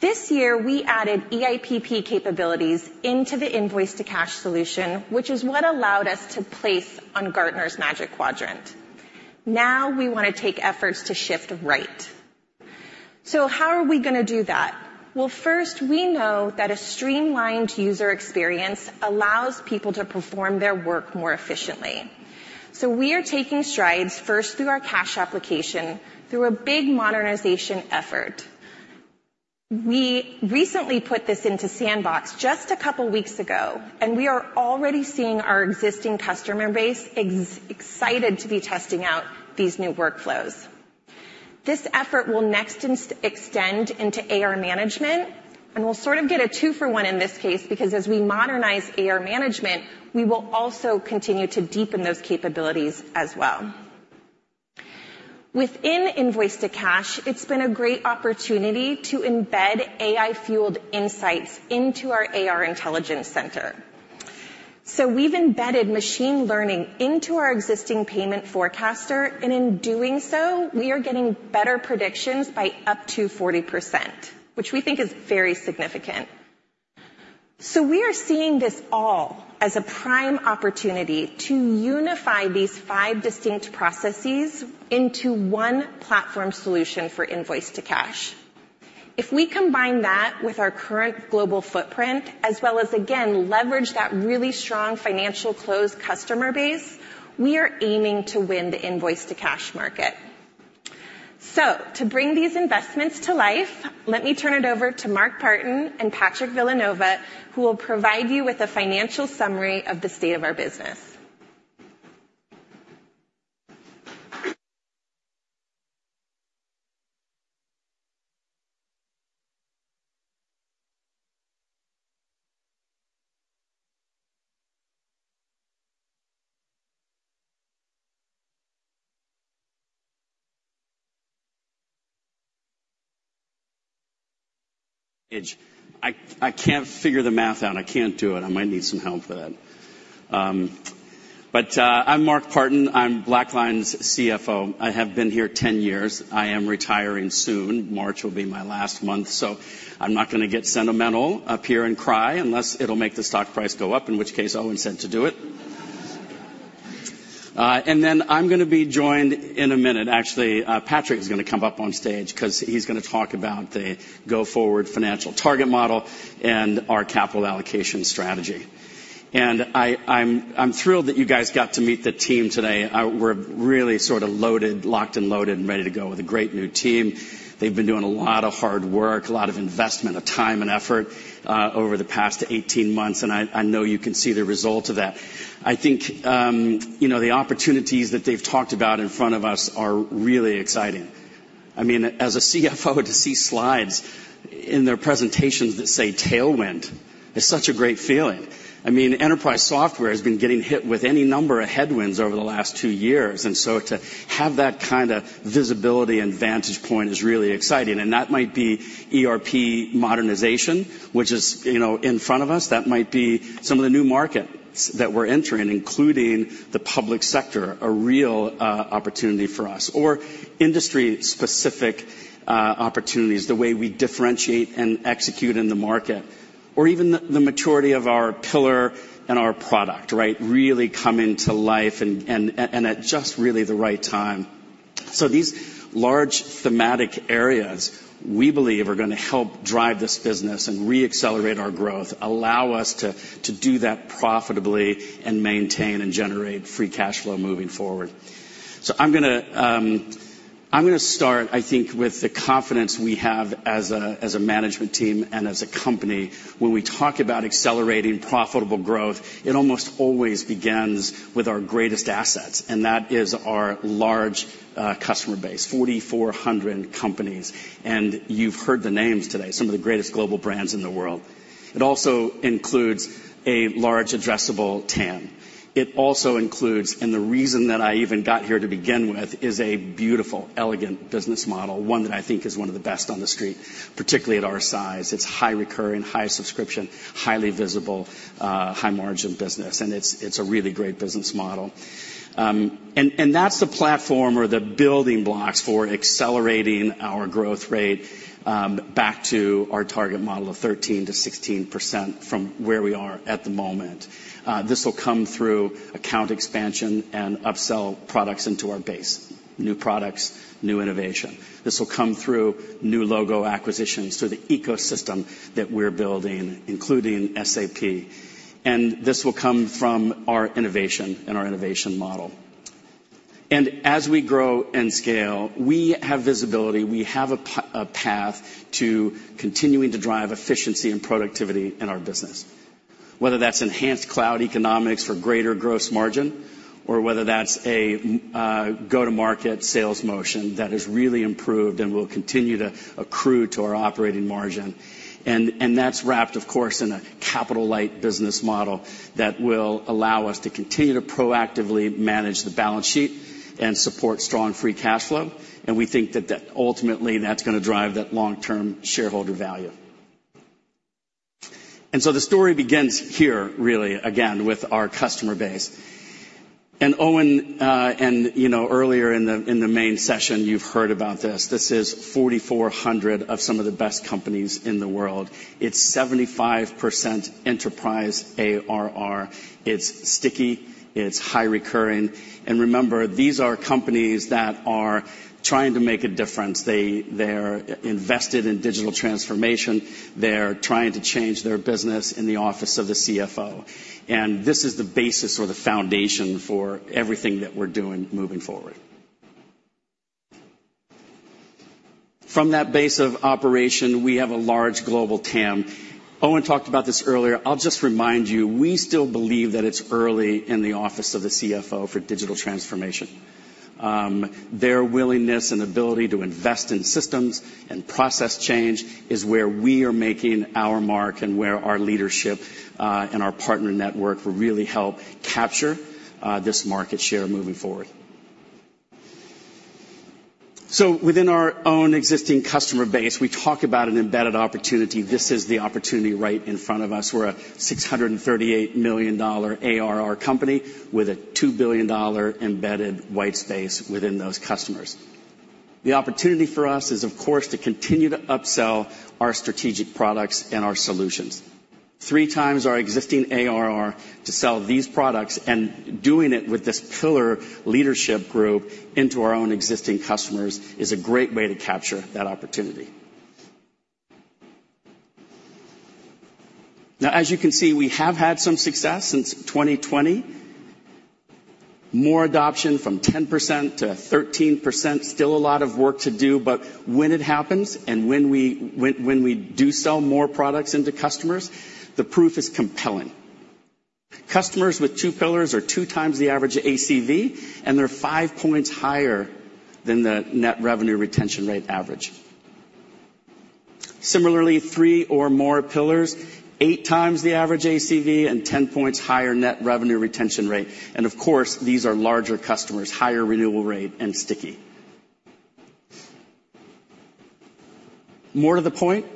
This year, we added EIPP capabilities into the Invoice-to-Cash solution, which is what allowed us to place on Gartner's Magic Quadrant. Now we want to take efforts to shift right. How are we going to do that? First, we know that a streamlined user experience allows people to perform their work more efficiently. We are taking strides first through our Cash Application, through a big modernization effort. We recently put this into sandbox just a couple of weeks ago, and we are already seeing our existing customer base excited to be testing out these new workflows. This effort will next extend into AR Management, and we'll sort of get a two-for-one in this case because as we modernize AR Management, we will also continue to deepen those capabilities as well. Within Invoice-to-Cash, it's been a great opportunity to embed AI-fueled insights into our AR Intelligence Center. So we've embedded machine learning into our existing Payment Forecaster, and in doing so, we are getting better predictions by up to 40%, which we think is very significant. So we are seeing this all as a prime opportunity to unify these five distinct processes into one platform solution for Invoice-to-Cash. If we combine that with our current global footprint, as well as, again, leverage that really strong Financial Close customer base, we are aiming to win the Invoice-to-Cash market. To bring these investments to life, let me turn it over to Mark Partin and Patrick Villanova, who will provide you with a financial summary of the state of our business. I can't figure the math out. I can't do it. I might need some help with that. But I'm Mark Partin. I'm BlackLine's CFO. I have been here 10 years. I am retiring soon. March will be my last month, so I'm not going to get sentimental up here and cry unless it'll make the stock price go up, in which case I wasn't said to do it, and then I'm going to be joined in a minute. Actually, Patrick is going to come up on stage because he's going to talk about the go-forward financial target model and our capital allocation strategy, and I'm thrilled that you guys got to meet the team today. We're really sort of loaded, locked and loaded, and ready to go with a great new team. They've been doing a lot of hard work, a lot of investment, a time and effort over the past 18 months, and I know you can see the result of that. I think the opportunities that they've talked about in front of us are really exciting. I mean, as a CFO to see slides in their presentations that say tailwind is such a great feeling. I mean, enterprise software has been getting hit with any number of headwinds over the last two years. And so to have that kind of visibility and vantage point is really exciting. And that might be ERP modernization, which is in front of us. That might be some of the new markets that we're entering, including the public sector, a real opportunity for us, or industry-specific opportunities, the way we differentiate and execute in the market, or even the maturity of our pillar and our product, right, really coming to life and at just really the right time, so these large thematic areas we believe are going to help drive this business and re-accelerate our growth, allow us to do that profitably and maintain and generate free cash flow moving forward, so I'm going to start, I think, with the confidence we have as a management team and as a company. When we talk about accelerating profitable growth, it almost always begins with our greatest assets, and that is our large customer base, 4,400 companies, and you've heard the names today, some of the greatest global brands in the world. It also includes a large addressable TAM. It also includes, and the reason that I even got here to begin with is a beautiful, elegant business model, one that I think is one of the best on the street, particularly at our size. It's high recurring, high subscription, highly visible, high margin business, and it's a really great business model. And that's the platform or the building blocks for accelerating our growth rate back to our target model of 13%-16% from where we are at the moment. This will come through account expansion and upsell products into our base, new products, new innovation. This will come through new logo acquisitions to the ecosystem that we're building, including SAP. And this will come from our innovation and our innovation model. And as we grow and scale, we have visibility. We have a path to continuing to drive efficiency and productivity in our business, whether that's enhanced cloud economics for greater gross margin, or whether that's a go-to-market sales motion that has really improved and will continue to accrue to our operating margin. And that's wrapped, of course, in a capital-light business model that will allow us to continue to proactively manage the balance sheet and support strong free cash flow. And we think that ultimately that's going to drive that long-term shareholder value. And so the story begins here, really, again, with our customer base. And Owen, and earlier in the main session, you've heard about this. This is 4,400 of some of the best companies in the world. It's 75% enterprise ARR. It's sticky. It's high recurring. And remember, these are companies that are trying to make a difference. They're invested in digital transformation. They're trying to change their business in the office of the CFO. This is the basis or the foundation for everything that we're doing moving forward. From that base of operation, we have a large global TAM. Owen talked about this earlier. I'll just remind you, we still believe that it's early in the office of the CFO for digital transformation. Their willingness and ability to invest in systems and process change is where we are making our mark and where our leadership and our partner network will really help capture this market share moving forward. Within our own existing customer base, we talk about an embedded opportunity. This is the opportunity right in front of us. We're a $638 million ARR company with a $2 billion embedded white space within those customers. The opportunity for us is, of course, to continue to upsell our strategic products and our solutions. Three times our existing ARR to sell these products and doing it with this pillar leadership group into our own existing customers is a great way to capture that opportunity. Now, as you can see, we have had some success since 2020. More adoption from 10% to 13%. Still a lot of work to do, but when it happens and when we do sell more products into customers, the proof is compelling. Customers with two pillars are two times the average ACV, and they're five points higher than the net revenue retention rate average. Similarly, three or more pillars, eight times the average ACV and 10 points higher net revenue retention rate. And of course, these are larger customers, higher renewal rate, and sticky. More to the point.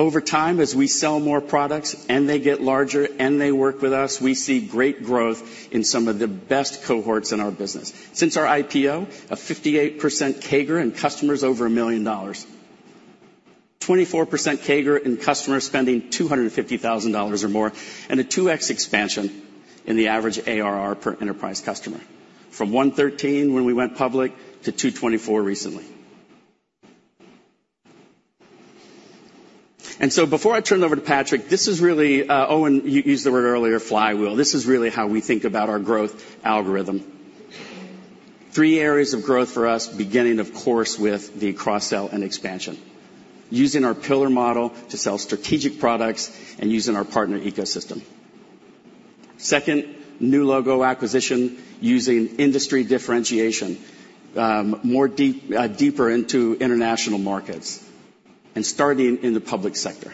Over time, as we sell more products and they get larger and they work with us, we see great growth in some of the best cohorts in our business. Since our IPO, a 58% CAGR in customers over $1 million, 24% CAGR in customers spending $250,000 or more, and a 2x expansion in the average ARR per enterprise customer from 113 when we went public to 224 recently. And so before I turn it over to Patrick, this is really Owen used the word earlier, flywheel. This is really how we think about our growth algorithm. Three areas of growth for us, beginning, of course, with the cross-sell and expansion, using our pillar model to sell strategic products and using our partner ecosystem. Second, new logo acquisition, using industry differentiation, more deeper into international markets and starting in the public sector.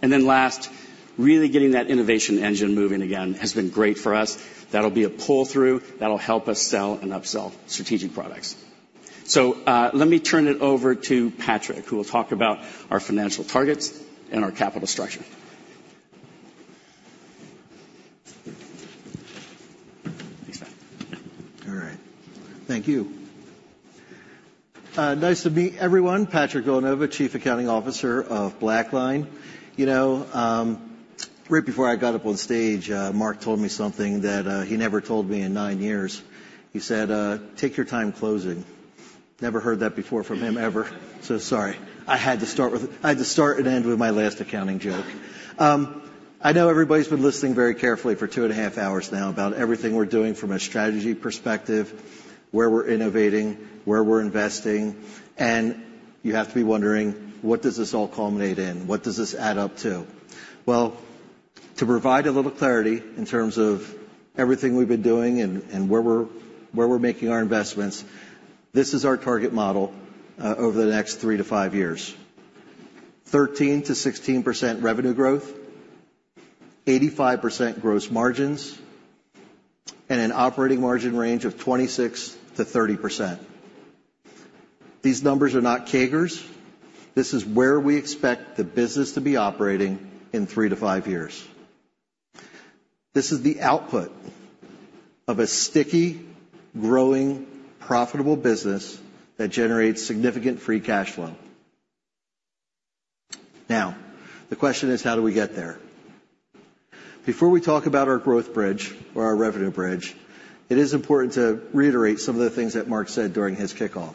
And then last, really getting that innovation engine moving again has been great for us. That'll be a pull-through that'll help us sell and upsell strategic products. So let me turn it over to Patrick, who will talk about our financial targets and our capital structure. All right. Thank you. Nice to meet everyone. Patrick Villanova, Chief Accounting Officer of BlackLine. Right before I got up on stage, Mark told me something that he never told me in nine years. He said, "Take your time closing." Never heard that before from him ever. So sorry. I had to start with and end with my last accounting joke. I know everybody's been listening very carefully for two and a half hours now about everything we're doing from a strategy perspective, where we're innovating, where we're investing. You have to be wondering, what does this all culminate in? What does this add up to? To provide a little clarity in terms of everything we've been doing and where we're making our investments, this is our target model over the next three to five years: 13%-16% revenue growth, 85% gross margins, and an operating margin range of 26%-30%. These numbers are not CAGRs. This is where we expect the business to be operating in three to five years. This is the output of a sticky, growing, profitable business that generates significant free cash flow. Now, the question is, how do we get there? Before we talk about our growth bridge or our revenue bridge, it is important to reiterate some of the things that Mark said during his kickoff.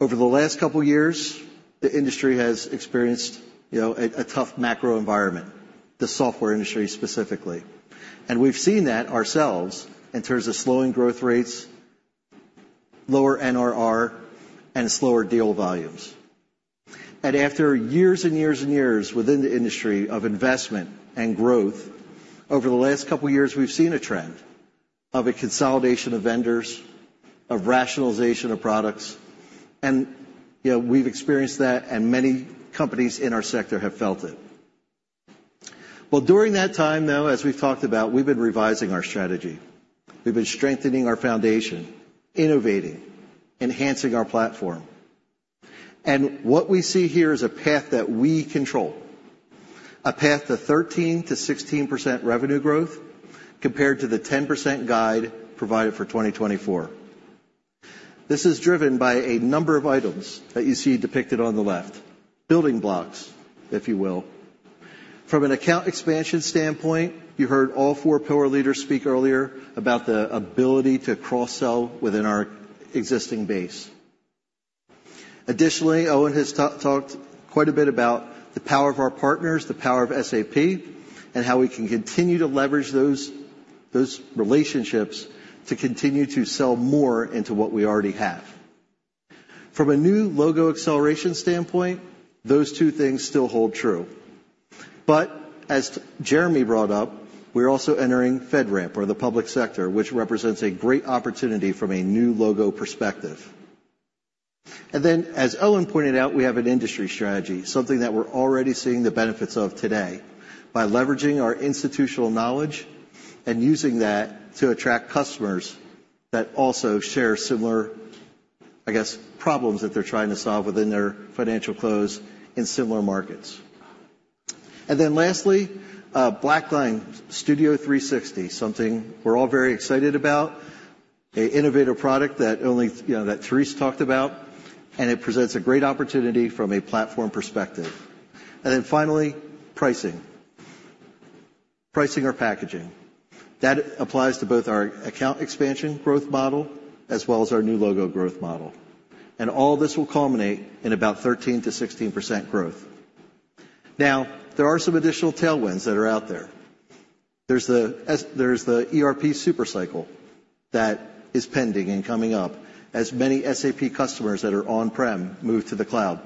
Over the last couple of years, the industry has experienced a tough macro environment, the software industry specifically. And we've seen that ourselves in terms of slowing growth rates, lower NRR, and slower deal volumes. And after years and years and years within the industry of investment and growth, over the last couple of years, we've seen a trend of a consolidation of vendors, of rationalization of products. And we've experienced that, and many companies in our sector have felt it. Well, during that time, though, as we've talked about, we've been revising our strategy. We've been strengthening our foundation, innovating, enhancing our platform. And what we see here is a path that we control, a path to 13%-16% revenue growth compared to the 10% guide provided for 2024. This is driven by a number of items that you see depicted on the left, building blocks, if you will. From an account expansion standpoint, you heard all four pillar leaders speak earlier about the ability to cross-sell within our existing base. Additionally, Owen has talked quite a bit about the power of our partners, the power of SAP, and how we can continue to leverage those relationships to continue to sell more into what we already have. From a new logo acceleration standpoint, those two things still hold true. But as Jeremy brought up, we're also entering FedRAMP or the public sector, which represents a great opportunity from a new logo perspective. And then, as Owen pointed out, we have an industry strategy, something that we're already seeing the benefits of today by leveraging our institutional knowledge and using that to attract customers that also share similar, I guess, problems that they're trying to solve within their Financial Close in similar markets. Then lastly, BlackLine Studio 360, something we're all very excited about, an innovative product that Therese talked about, and it presents a great opportunity from a platform perspective. Then finally, pricing. Pricing or packaging. That applies to both our account expansion growth model as well as our new logo growth model. All this will culminate in about 13%-16% growth. Now, there are some additional tailwinds that are out there. There's the ERP supercycle that is pending and coming up as many SAP customers that are on-prem move to the cloud.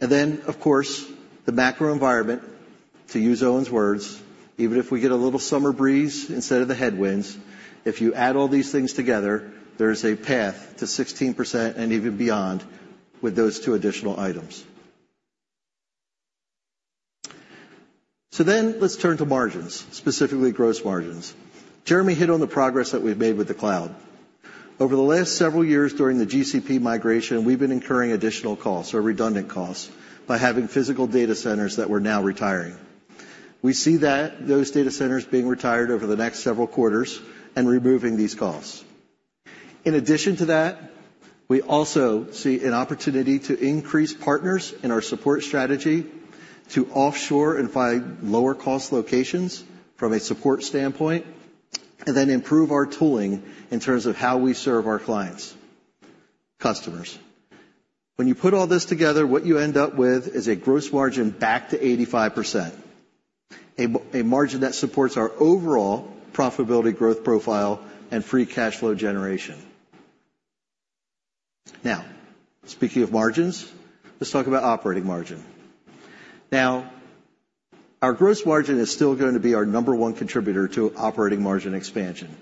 Then, of course, the macro environment, to use Owen's words, even if we get a little summer breeze instead of the headwinds, if you add all these things together, there is a path to 16% and even beyond with those two additional items. Then let's turn to margins, specifically gross margins. Jeremy hit on the progress that we've made with the cloud. Over the last several years during the GCP migration, we've been incurring additional costs or redundant costs by having physical data centers that we're now retiring. We see those data centers being retired over the next several quarters and removing these costs. In addition to that, we also see an opportunity to increase partners in our support strategy to offshore and find lower-cost locations from a support standpoint and then improve our tooling in terms of how we serve our clients, customers. When you put all this together, what you end up with is a gross margin back to 85%, a margin that supports our overall profitability growth profile and free cash flow generation. Now, speaking of margins, let's talk about operating margin. Now, our gross margin is still going to be our number one contributor to operating margin expansion,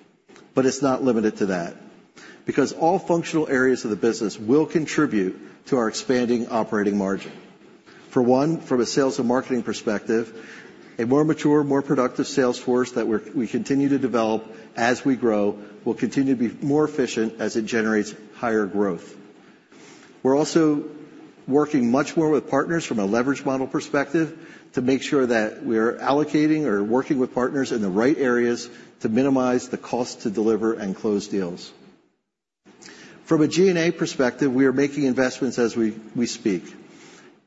but it's not limited to that because all functional areas of the business will contribute to our expanding operating margin. For one, from a sales and marketing perspective, a more mature, more productive Salesforce that we continue to develop as we grow will continue to be more efficient as it generates higher growth. We're also working much more with partners from a leverage model perspective to make sure that we are allocating or working with partners in the right areas to minimize the cost to deliver and close deals. From a G&A perspective, we are making investments as we speak.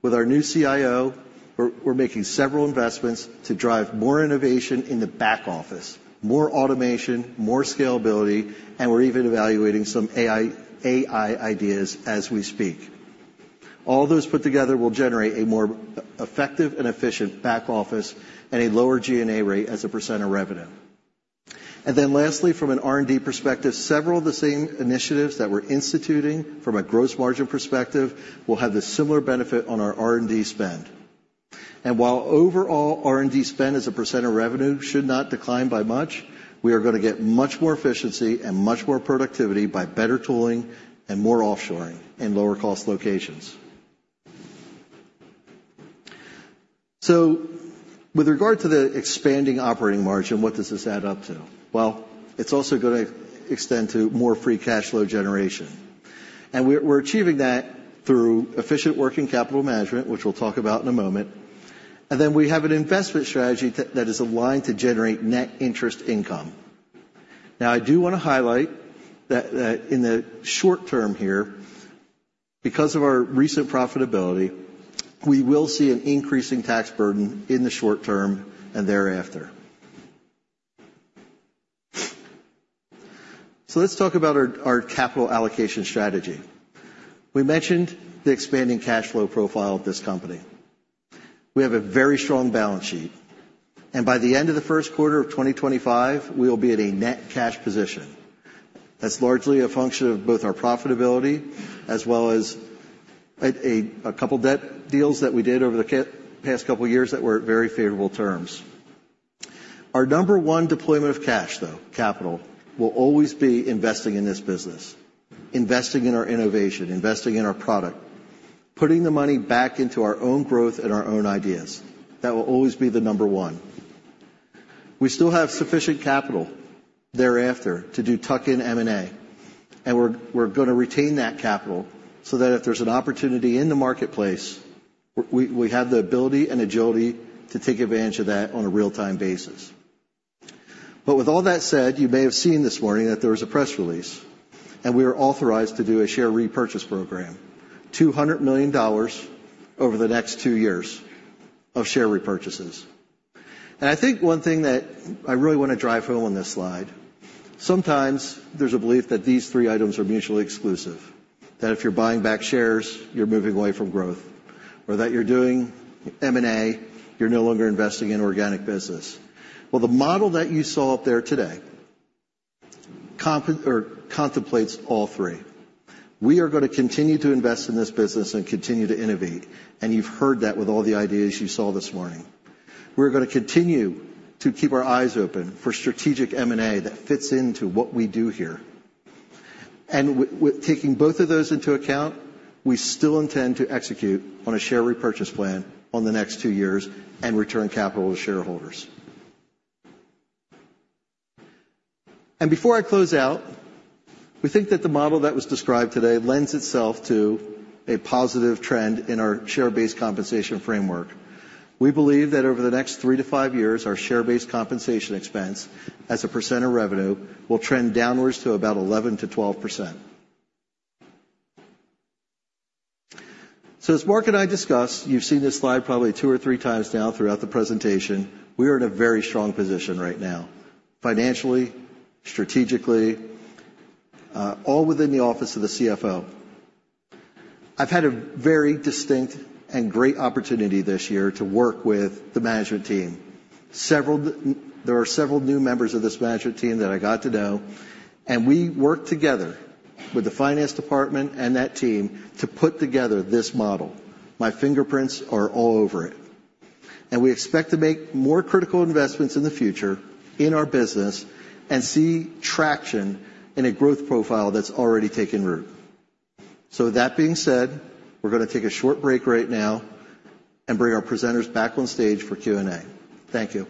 With our new CIO, we're making several investments to drive more innovation in the back office, more automation, more scalability, and we're even evaluating some AI ideas as we speak. All those put together will generate a more effective and efficient back office and a lower G&A rate as a percent of revenue. And then lastly, from an R&D perspective, several of the same initiatives that we're instituting from a gross margin perspective will have the similar benefit on our R&D spend. And while overall R&D spend as a percent of revenue should not decline by much, we are going to get much more efficiency and much more productivity by better tooling and more offshoring in lower-cost locations. So with regard to the expanding operating margin, what does this add up to? Well, it's also going to extend to more free cash flow generation. And we're achieving that through efficient working capital management, which we'll talk about in a moment. And then we have an investment strategy that is aligned to generate net interest income. Now, I do want to highlight that in the short term here, because of our recent profitability, we will see an increasing tax burden in the short term and thereafter. So let's talk about our capital allocation strategy. We mentioned the expanding cash flow profile of this company. We have a very strong balance sheet. And by the end of the first quarter of 2025, we will be at a net cash position. That's largely a function of both our profitability as well as a couple of debt deals that we did over the past couple of years that were at very favorable terms. Our number one deployment of cash, though, capital will always be investing in this business, investing in our innovation, investing in our product, putting the money back into our own growth and our own ideas. That will always be the number one. We still have sufficient capital thereafter to do tuck-in M&A, and we're going to retain that capital so that if there's an opportunity in the marketplace, we have the ability and agility to take advantage of that on a real-time basis. But with all that said, you may have seen this morning that there was a press release, and we were authorized to do a share repurchase program, $200 million over the next two years of share repurchases. And I think one thing that I really want to drive home on this slide, sometimes there's a belief that these three items are mutually exclusive, that if you're buying back shares, you're moving away from growth, or that you're doing M&A, you're no longer investing in organic business. Well, the model that you saw up there today contemplates all three. We are going to continue to invest in this business and continue to innovate, and you've heard that with all the ideas you saw this morning. We're going to continue to keep our eyes open for strategic M&A that fits into what we do here, and taking both of those into account, we still intend to execute on a share repurchase plan on the next two years and return capital to shareholders, and before I close out, we think that the model that was described today lends itself to a positive trend in our share-based compensation framework. We believe that over the next three to five years, our share-based compensation expense as a % of revenue will trend downwards to about 11%-12%. So as Mark and I discussed, you've seen this slide probably two or three times now throughout the presentation. We are in a very strong position right now, financially, strategically, all within the office of the CFO. I've had a very distinct and great opportunity this year to work with the management team. There are several new members of this management team that I got to know, and we worked together with the finance department and that team to put together this model. My fingerprints are all over it. And we expect to make more critical investments in the future in our business and see traction in a growth profile that's already taken root. So that being said, we're going to take a short break right now and bring our presenters back on stage for Q&A. Thank you.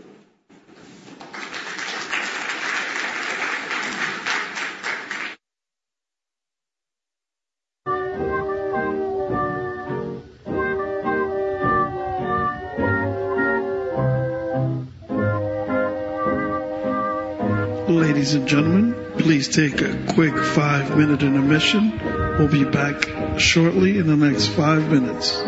Ladies and gentlemen, please take a quick five-minute intermission. We'll be back shortly in the next five minutes.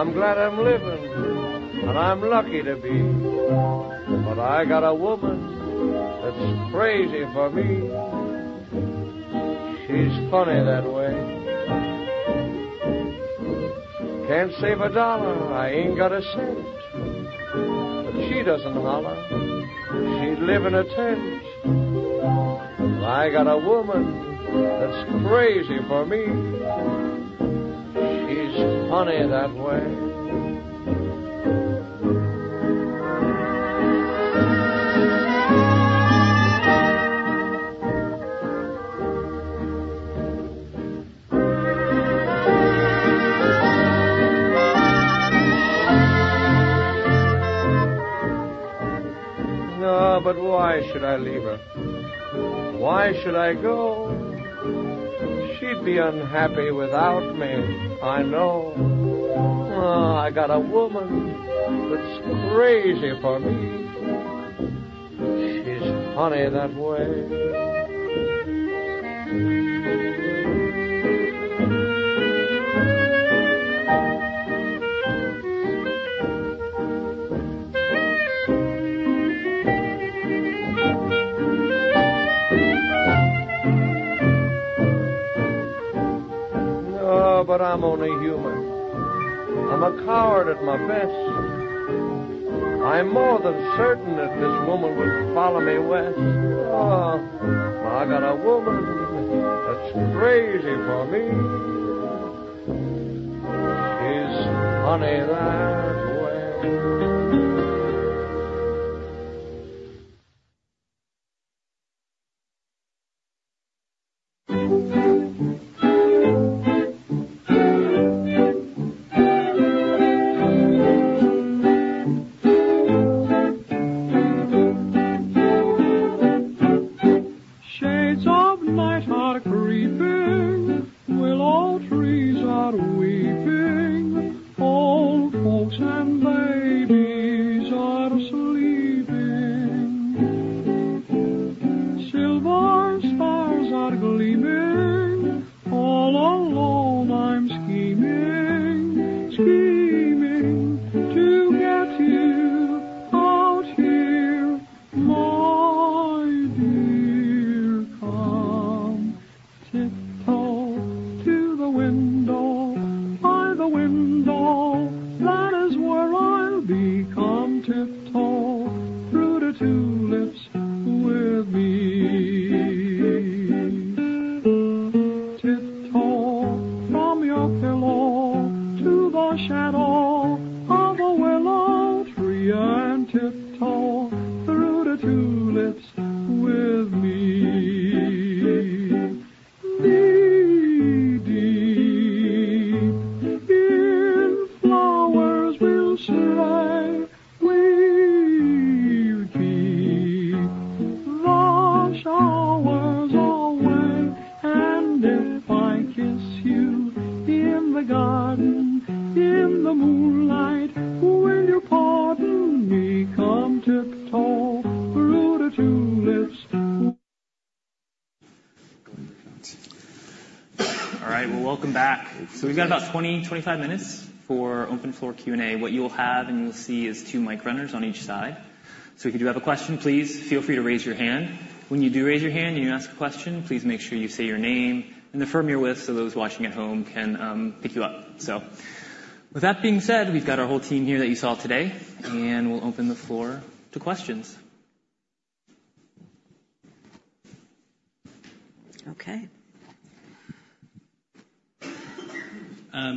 All right. Well, welcome back. So we've got about 20, 25 minutes for open floor Q&A. What you'll have and you'll see is two mic runners on each side. So if you do have a question, please feel free to raise your hand. When you do raise your hand and you ask a question, please make sure you say your name and affirm your wish so those watching at home can pick you up. So with that being said, we've got our whole team here that you saw today, and we'll open the floor to questions.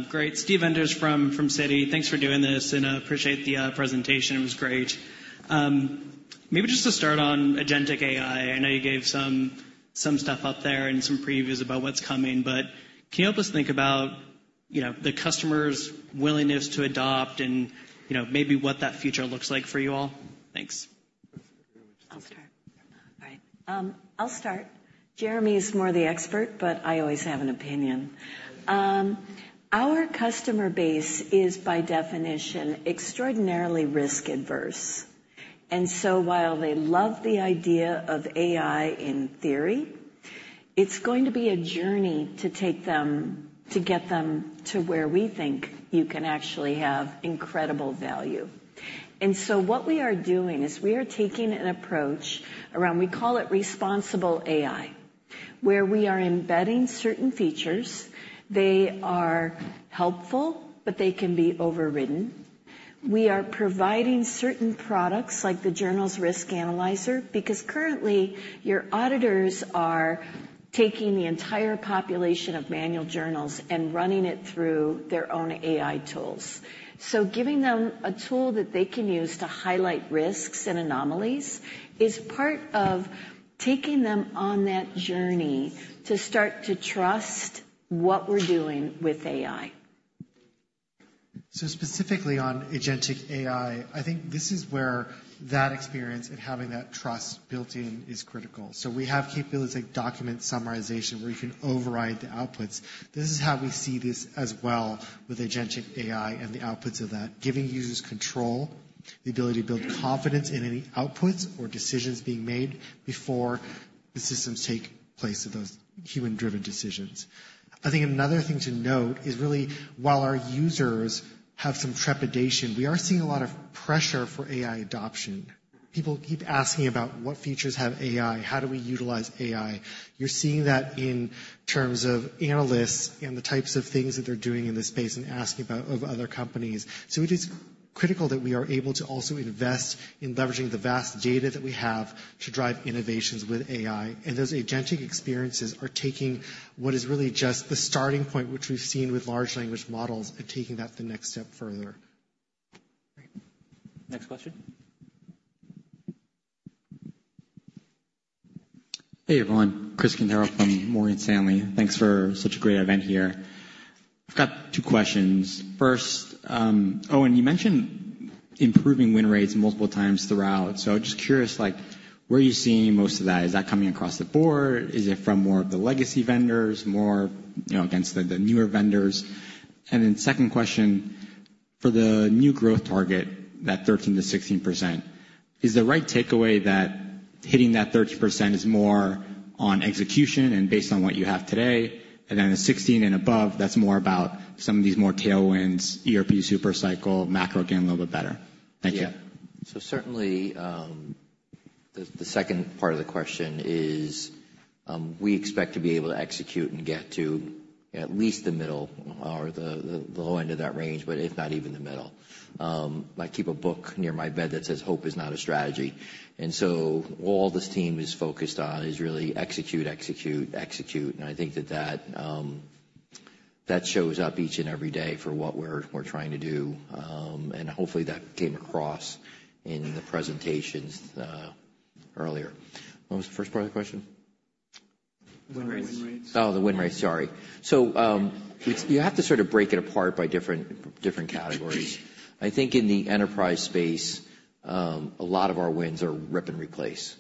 Great. Steven Enders from Citi. Thanks for doing this, and I appreciate the presentation. It was great. Maybe just to start on agentic AI, I know you gave some stuff up there and some previews about what's coming, but can you help us think about the customer's willingness to adopt and maybe what that future looks like for you all? Thanks. I'll start. All right. I'll start. Jeremy is more the expert, but I always have an opinion. Our customer base is, by definition, extraordinarily risk-averse. And so while they love the idea of AI in theory, it's going to be a journey to get them to where we think you can actually have incredible value. And so what we are doing is we are taking an approach around, we call it responsible AI, where we are embedding certain features. They are helpful, but they can be overridden. We are providing certain products like the Journal Risk Analyzer because currently, your auditors are taking the entire population of manual journals and running it through their own AI tools. So giving them a tool that they can use to highlight risks and anomalies is part of taking them on that journey to start to trust what we're doing with AI. So specifically on Agentic AI, I think this is where that experience of having that trust built in is critical. We have capabilities like document summarization where you can override the outputs. This is how we see this as well with Agentic AI and the outputs of that, giving users control, the ability to build confidence in any outputs or decisions being made before the systems take place of those human-driven decisions. I think another thing to note is really, while our users have some trepidation, we are seeing a lot of pressure for AI adoption. People keep asking about what features have AI, how do we utilize AI? You're seeing that in terms of analysts and the types of things that they're doing in this space and asking about of other companies. It is critical that we are able to also invest in leveraging the vast data that we have to drive innovations with AI. And those agentic experiences are taking what is really just the starting point, which we've seen with large language models, and taking that the next step further. Next question. Hey, everyone. Chris Quintero from Morgan Stanley. Thanks for such a great event here. I've got two questions. First, Owen, you mentioned improving win rates multiple times throughout. So I'm just curious, where are you seeing most of that? Is that coming across the board? Is it from more of the legacy vendors, more against the newer vendors? And then second question, for the new growth target, that 13%-16%, is the right takeaway that hitting that 30% is more on execution and based on what you have today? And then the 16% and above, that's more about some of these more tailwinds, ERP supercycle, macro again a little bit better. Thank you. Yeah. So certainly, the second part of the question is we expect to be able to execute and get to at least the middle or the low end of that range, but if not even the middle. I keep a book near my bed that says, "Hope is not a strategy." And so all this team is focused on is really execute, execute, execute. And I think that that shows up each and every day for what we're trying to do. And hopefully, that came across in the presentations earlier. What was the first part of the question? Win rates. Oh, the win rates. Sorry. So you have to sort of break it apart by different categories. I think in the enterprise space, a lot of our wins are rip and replace.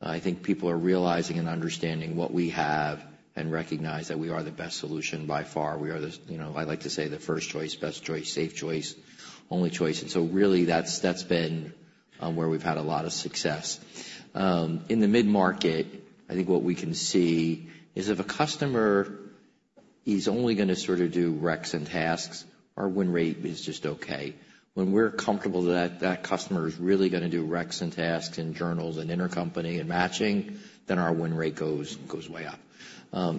I think people are realizing and understanding what we have and recognize that we are the best solution by far. We are, I like to say, the first choice, best choice, safe choice, only choice, and so really, that's been where we've had a lot of success. In the mid-market, I think what we can see is if a customer is only going to sort of do recs and tasks, our win rate is just okay. When we're comfortable that that customer is really going to do recs and tasks and journals and Intercompany and matching, then our win rate goes way up,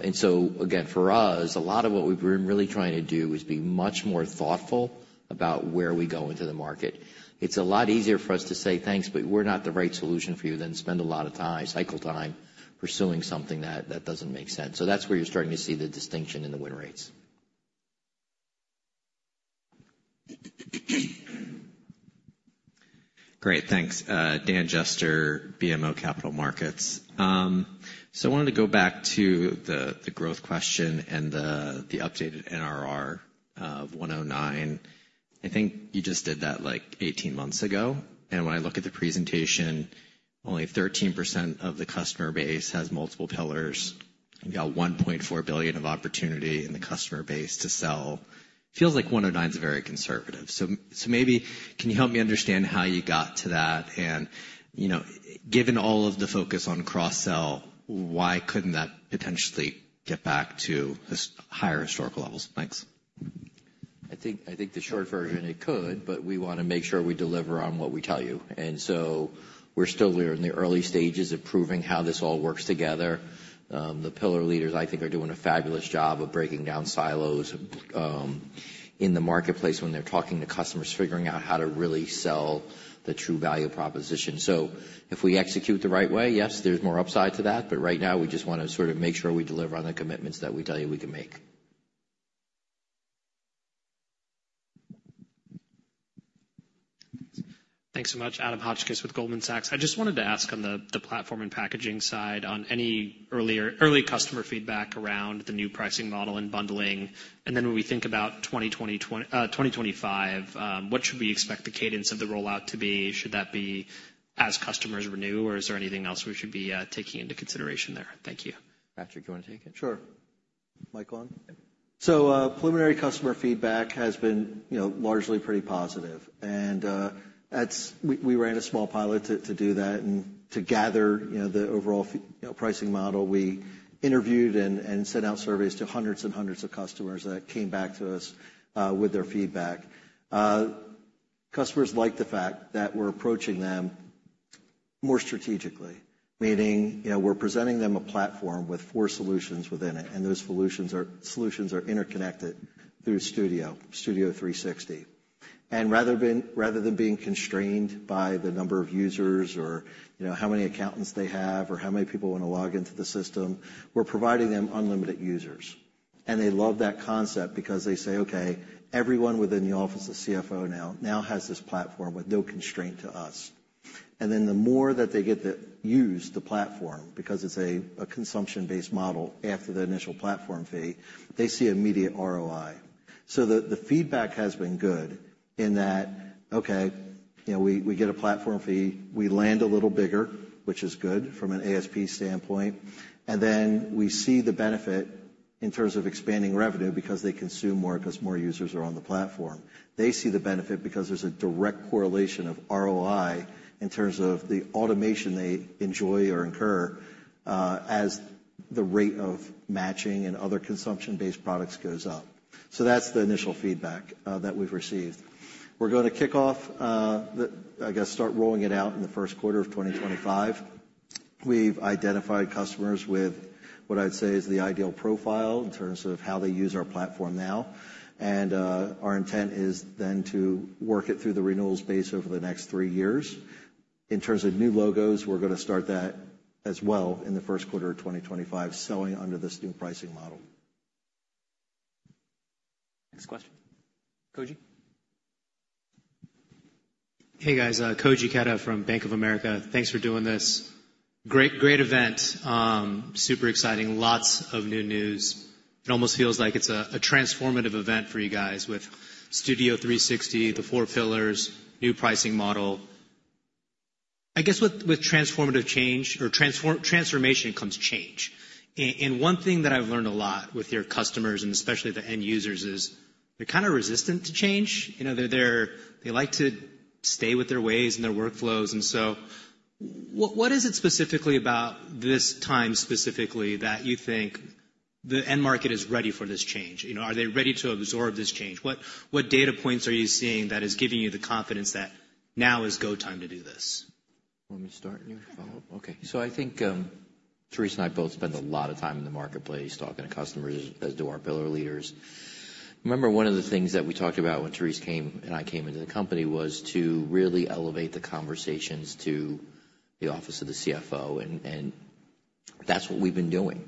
and so, again, for us, a lot of what we've been really trying to do is be much more thoughtful about where we go into the market. It's a lot easier for us to say, "Thanks, but we're not the right solution for you," than spend a lot of time, cycle time pursuing something that doesn't make sense. So that's where you're starting to see the distinction in the win rates. Great. Thanks. Dan Jester, BMO Capital Markets. So I wanted to go back to the growth question and the updated NRR of 109%. I think you just did that like 18 months ago, and when I look at the presentation, only 13% of the customer base has multiple pillars. We've got $1.4 billion of opportunity in the customer base to sell. Feels like 109% is very conservative, so maybe can you help me understand how you got to that, and given all of the focus on cross-sell, why couldn't that potentially get back to higher historical levels? Thanks. I think the short version, it could, but we want to make sure we deliver on what we tell you. And so we're still in the early stages of proving how this all works together. The pillar leaders, I think, are doing a fabulous job of breaking down silos in the marketplace when they're talking to customers, figuring out how to really sell the true value proposition. So if we execute the right way, yes, there's more upside to that. But right now, we just want to sort of make sure we deliver on the commitments that we tell you we can make. Thanks so much. Adam Hotchkiss with Goldman Sachs. I just wanted to ask on the platform and packaging side on any early customer feedback around the new pricing model and bundling. Then when we think about 2025, what should we expect the cadence of the rollout to be? Should that be as customers renew, or is there anything else we should be taking into consideration there? Thank you. Patrick, do you want to take it? Sure. Mic on. Preliminary customer feedback has been largely pretty positive. We ran a small pilot to do that and to gather the overall pricing model. We interviewed and sent out surveys to hundreds and hundreds of customers that came back to us with their feedback. Customers liked the fact that we're approaching them more strategically, meaning we're presenting them a platform with four solutions within it. Those solutions are interconnected through Studio 360. And rather than being constrained by the number of users or how many accountants they have or how many people want to log into the system, we're providing them unlimited users. And they love that concept because they say, "Okay, everyone within the Office of the CFO now has this platform with no constraint to us." And then the more that they get to use the platform, because it's a consumption-based model after the initial platform fee, they see immediate ROI. So the feedback has been good in that, "Okay, we get a platform fee. We land a little bigger," which is good from an ASP standpoint. And then we see the benefit in terms of expanding revenue because they consume more because more users are on the platform. They see the benefit because there's a direct correlation of ROI in terms of the automation they enjoy or incur as the rate of matching and other consumption-based products goes up. So that's the initial feedback that we've received. We're going to kick off, I guess, start rolling it out in the first quarter of 2025. We've identified customers with what I'd say is the ideal profile in terms of how they use our platform now, and our intent is then to work it through the renewals base over the next three years. In terms of new logos, we're going to start that as well in the first quarter of 2025, selling under this new pricing model. Next question. Koji. Hey, guys. Koji Ikeda from Bank of America. Thanks for doing this. Great event. Super exciting. Lots of new news. It almost feels like it's a transformative event for you guys with Studio 360, the four pillars, new pricing model. I guess with transformative change or transformation comes change. And one thing that I've learned a lot with your customers, and especially the end users, is they're kind of resistant to change. They like to stay with their ways and their workflows. And so what is it specifically about this time specifically that you think the end market is ready for this change? Are they ready to absorb this change? What data points are you seeing that is giving you the confidence that now is go time to do this? Let me start new follow-up. Okay. So I think Therese and I both spend a lot of time in the marketplace talking to customers, as do our pillar leaders. Remember, one of the things that we talked about when Therese and I came into the company was to really elevate the conversations to the office of the CFO, and that's what we've been doing,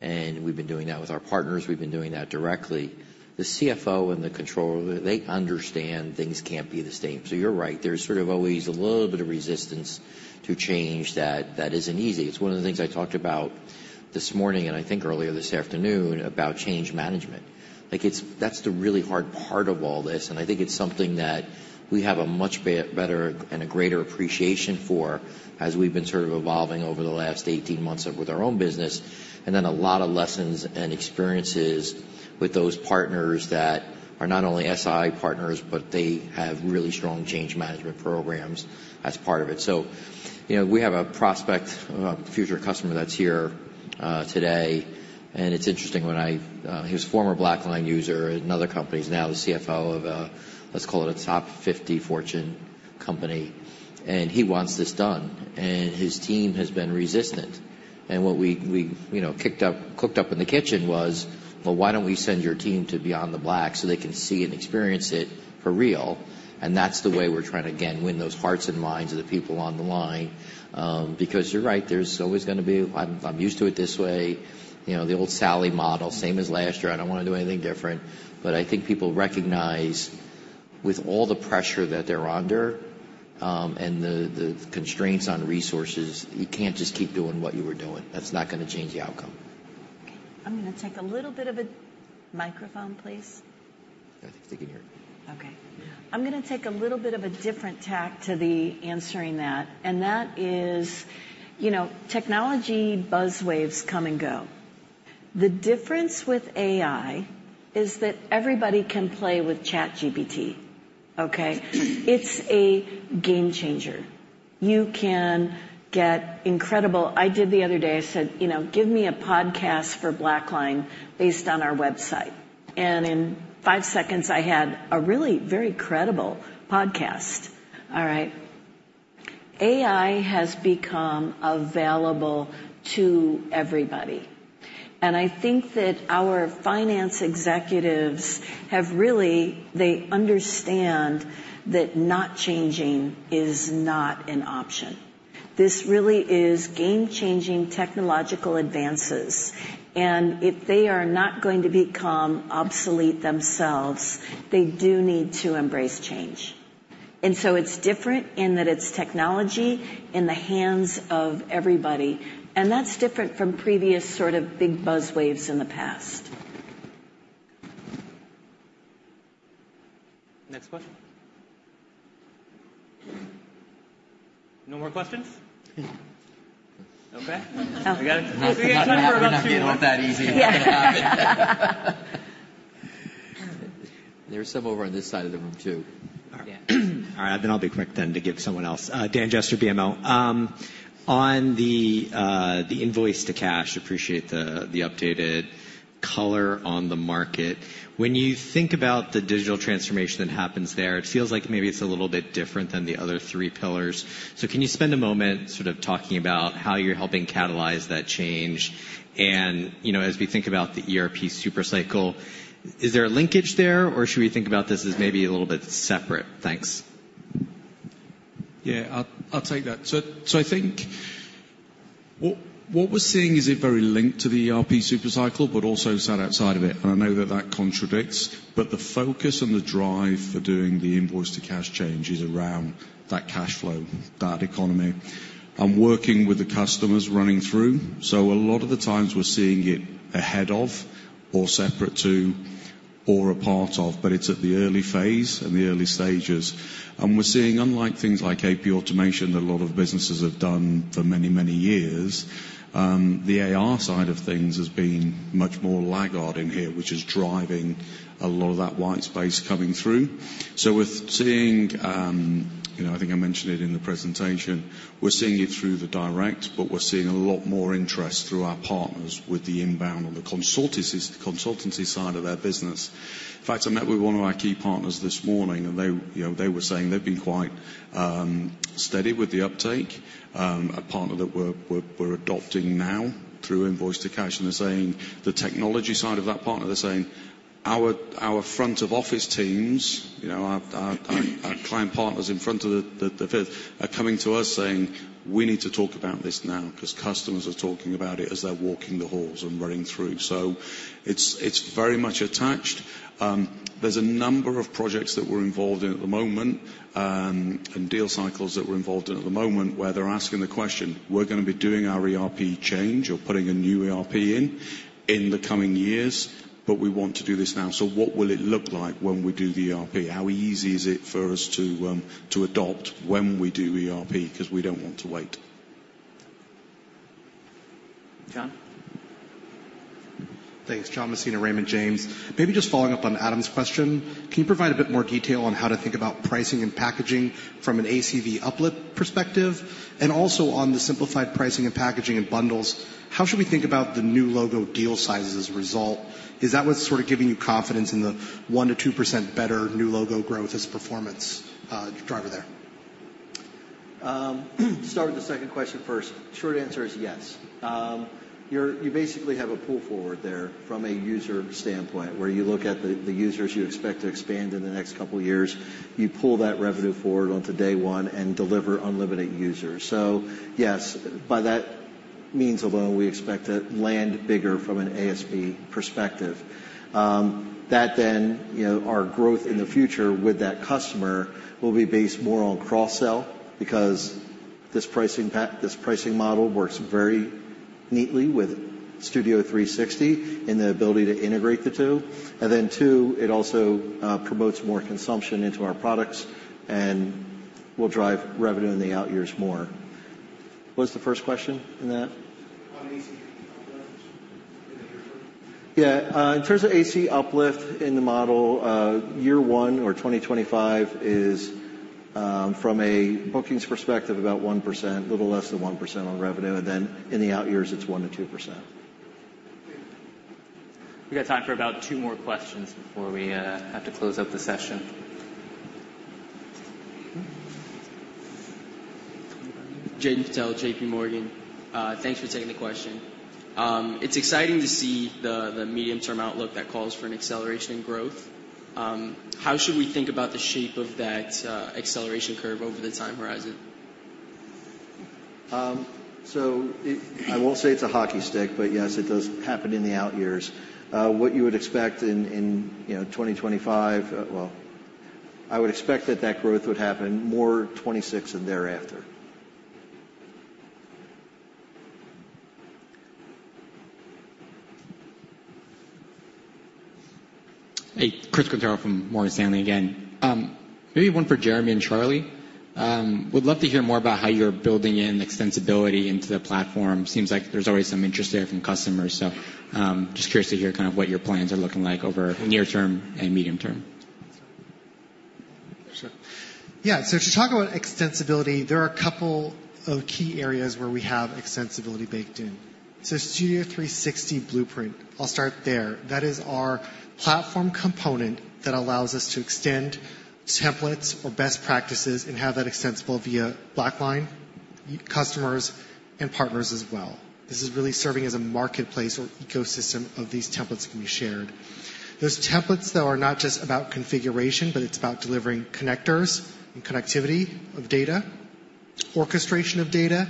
and we've been doing that with our partners. We've been doing that directly. The CFO and the controller, they understand things can't be the same, so you're right. There's sort of always a little bit of resistance to change that isn't easy. It's one of the things I talked about this morning and I think earlier this afternoon about change management. That's the really hard part of all this, and I think it's something that we have a much better and a greater appreciation for as we've been sort of evolving over the last 18 months with our own business. And then a lot of lessons and experiences with those partners that are not only SI partners, but they have really strong change management programs as part of it. So we have a prospect, future customer that's here today. And it's interesting when he was a former BlackLine user at another company. He's now the CFO of, let's call it, a top 50 Fortune company. And he wants this done. And his team has been resistant. And what we cooked up in the kitchen was, "Well, why don't we send your team to be on the BlackLine so they can see and experience it for real?" And that's the way we're trying to, again, win those hearts and minds of the people on the line. Because you're right. There's always going to be, "I'm used to it this way." The old SALY model, same as last year. I don't want to do anything different, but I think people recognize with all the pressure that they're under and the constraints on resources, you can't just keep doing what you were doing. That's not going to change the outcome. I'm going to take the microphone, please. I think they can hear it. Okay. I'm going to take a little bit of a different tack to the answering that, and that is technology buzzwords come and go. The difference with AI is that everybody can play with ChatGPT. Okay? It's a game changer. You can get incredible. I did the other day, I said, "Give me a podcast for BlackLine based on our website." And in five seconds, I had a really very credible podcast. All right. AI has become available to everybody. I think that our finance executives have really understood that not changing is not an option. This really is game-changing technological advances. If they are not going to become obsolete themselves, they do need to embrace change. So it's different in that it's technology in the hands of everybody. That's different from previous sort of big buzz waves in the past. Next question. No more questions? Okay. We got it. I'll see you next time. It's not that easy. There are some over on this side of the room too. All right. I'll be quick then to give someone else. Dan Jester, BMO. On the Invoice-to-Cash, appreciate the updated color on the market. When you think about the digital transformation that happens there, it feels like maybe it's a little bit different than the other three pillars. So can you spend a moment sort of talking about how you're helping catalyze that change? And as we think about the ERP supercycle, is there a linkage there, or should we think about this as maybe a little bit separate? Thanks. Yeah, I'll take that. So I think what we're seeing is it very linked to the ERP supercycle, but also sat outside of it. And I know that that contradicts. But the focus and the drive for doing the Invoice-to-Cash change is around that cash flow, that economy. I'm working with the customers running through. So a lot of the times we're seeing it ahead of or separate to or a part of, but it's at the early phase and the early stages. And we're seeing, unlike things like AP automation that a lot of businesses have done for many, many years, the AR side of things has been much more laggard in here, which is driving a lot of that white space coming through. So we're seeing, I think I mentioned it in the presentation, we're seeing it through the direct, but we're seeing a lot more interest through our partners with the inbound on the consultancy side of their business. In fact, I met with one of our key partners this morning, and they were saying they've been quite steady with the uptake, a partner that we're adopting now through Invoice-to-Cash. And they're saying the technology side of that partner. They're saying our front office teams, our client partners in front of the C-suite, are coming to us saying, "We need to talk about this now because customers are talking about it as they're walking the halls and running through." So it's very much attached. There's a number of projects that we're involved in at the moment and deal cycles that we're involved in at the moment where they're asking the question, "We're going to be doing our ERP change or putting a new ERP in the coming years, but we want to do this now." So what will it look like when we do the ERP? How easy is it for us to adopt when we do ERP because we don't want to wait? John. Thanks. John Messina, Raymond James. Maybe just following up on Adam's question, can you provide a bit more detail on how to think about pricing and packaging from an ACV uplift perspective? And also on the simplified pricing and packaging and bundles, how should we think about the new logo deal sizes as a result? Is that what's sort of giving you confidence in the 1%-2% better new logo growth as a performance driver there? Start with the second question first. Short answer is yes. You basically have a pull forward there from a user standpoint where you look at the users you expect to expand in the next couple of years. You pull that revenue forward onto day one and deliver unlimited users. So yes, by that means alone, we expect to land bigger from an ACV perspective. That then our growth in the future with that customer will be based more on cross-sell because this pricing model works very neatly with Studio 360 and the ability to integrate the two. And then two, it also promotes more consumption into our products and will drive revenue in the out years more. What was the first question in that? On AC? Yeah. In terms of AC uplift in the model, year one or 2025 is, from a bookings perspective, about 1%, a little less than 1% on revenue. And then in the out years, it's 1%-2%. We got time for about two more questions before we have to close up the session. Jigna Patel, JPMorgan. Thanks for taking the question. It's exciting to see the medium-term outlook that calls for an acceleration in growth. How should we think about the shape of that acceleration curve over the time horizon? So I won't say it's a hockey stick, but yes, it does happen in the out years. What you would expect in 2025, well, I would expect that that growth would happen more 2026 and thereafter. Hey, Chris Cantara from Morgan Stanley again. Maybe one for Jeremy and Charlie. Would love to hear more about how you're building in extensibility into the platform. Seems like there's always some interest there from customers. So just curious to hear kind of what your plans are looking like over near-term and medium-term. Yeah. So to talk about extensibility, there are a couple of key areas where we have extensibility baked in. So Studio 360 Blueprint, I'll start there. That is our platform component that allows us to extend templates or best practices and have that extensible via BlackLine, customers, and partners as well. This is really serving as a marketplace or ecosystem of these templates that can be shared. Those templates that are not just about configuration, but it's about delivering connectors and connectivity of data, orchestration of data,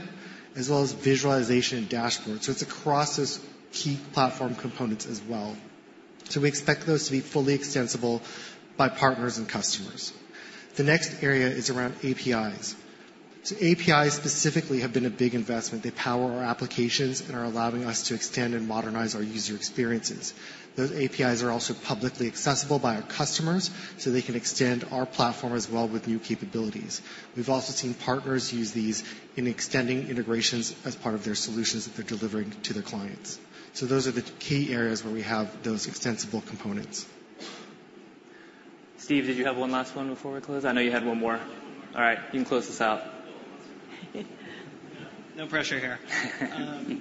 as well as visualization and dashboards. So it's across those key platform components as well. So we expect those to be fully extensible by partners and customers. The next area is around APIs. So APIs specifically have been a big investment. They power our applications and are allowing us to extend and modernize our user experiences. Those APIs are also publicly accessible by our customers so they can extend our platform as well with new capabilities. We've also seen partners use these in extending integrations as part of their solutions that they're delivering to their clients. So those are the key areas where we have those extensible components. Steve, did you have one last one before we close? I know you had one more. All right. You can close this out. No pressure here. Well,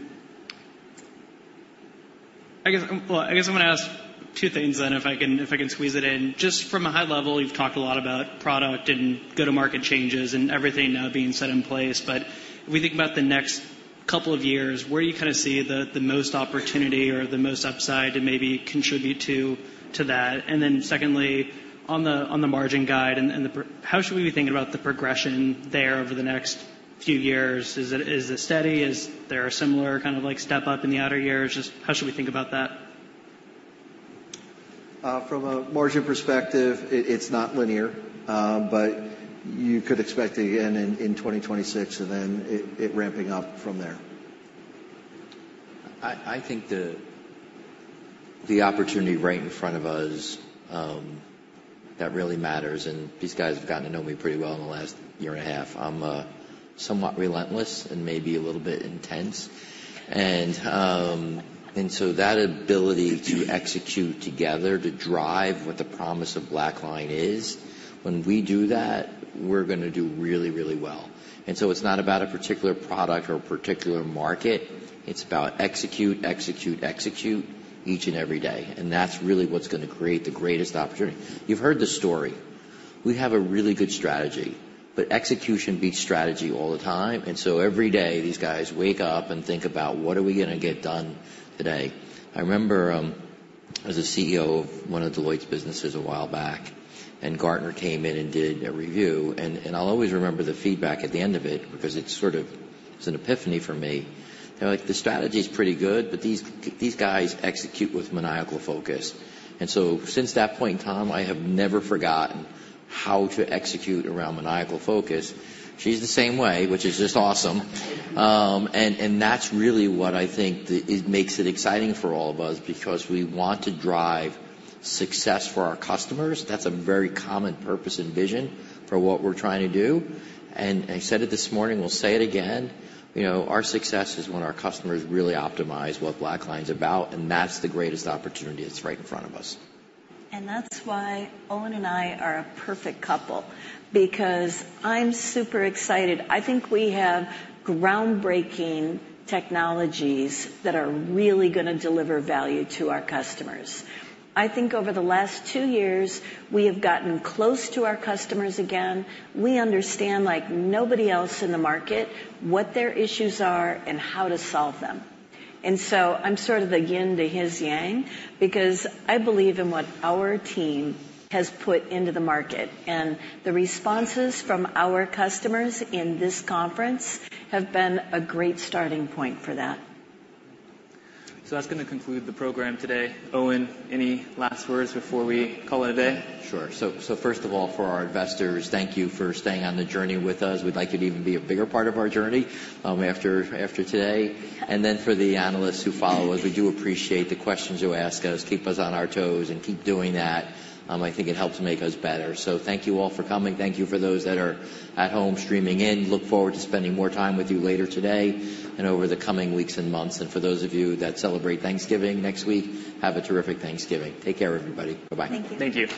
I guess I'm going to ask two things then if I can squeeze it in. Just from a high level, you've talked a lot about product and go-to-market changes and everything now being set in place. But if we think about the next couple of years, where do you kind of see the most opportunity or the most upside to maybe contribute to that? And then secondly, on the margin guide, how should we be thinking about the progression there over the next few years? Is it steady? Is there a similar kind of step up in the outer years? Just how should we think about that? From a margin perspective, it's not linear, but you could expect it again in 2026 and then it ramping up from there. I think the opportunity right in front of us, that really matters. And these guys have gotten to know me pretty well in the last year and a half. I'm somewhat relentless and maybe a little bit intense. And so that ability to execute together to drive what the promise of BlackLine is, when we do that, we're going to do really, really well. And so it's not about a particular product or a particular market. It's about execute, execute, execute each and every day. And that's really what's going to create the greatest opportunity. You've heard the story. We have a really good strategy, but execution beats strategy all the time, and so every day, these guys wake up and think about, "What are we going to get done today?" I remember as a CEO of one of Deloitte's businesses a while back, and Gartner came in and did a review, and I'll always remember the feedback at the end of it because it's sort of an epiphany for me. They're like, "The strategy is pretty good, but these guys execute with maniacal focus," and so since that point in time, I have never forgotten how to execute around maniacal focus. She's the same way, which is just awesome, and that's really what I think makes it exciting for all of us because we want to drive success for our customers. That's a very common purpose and vision for what we're trying to do. I said it this morning, we'll say it again. Our success is when our customers really optimize what BlackLine's about, and that's the greatest opportunity that's right in front of us. And that's why Owen and I are a perfect couple because I'm super excited. I think we have groundbreaking technologies that are really going to deliver value to our customers. I think over the last two years, we have gotten close to our customers again. We understand like nobody else in the market what their issues are and how to solve them. And so I'm sort of the yin to his yang because I believe in what our team has put into the market. And the responses from our customers in this conference have been a great starting point for that. That's going to conclude the program today. Owen, any last words before we call it a day? Sure. So first of all, for our investors, thank you for staying on the journey with us. We'd like you to even be a bigger part of our journey after today. And then for the analysts who follow us, we do appreciate the questions you ask us. Keep us on our toes and keep doing that. I think it helps make us better. So thank you all for coming. Thank you for those that are at home streaming in. Look forward to spending more time with you later today and over the coming weeks and months. And for those of you that celebrate Thanksgiving next week, have a terrific Thanksgiving. Take care, everybody. Bye-bye. Thank you. Thank you.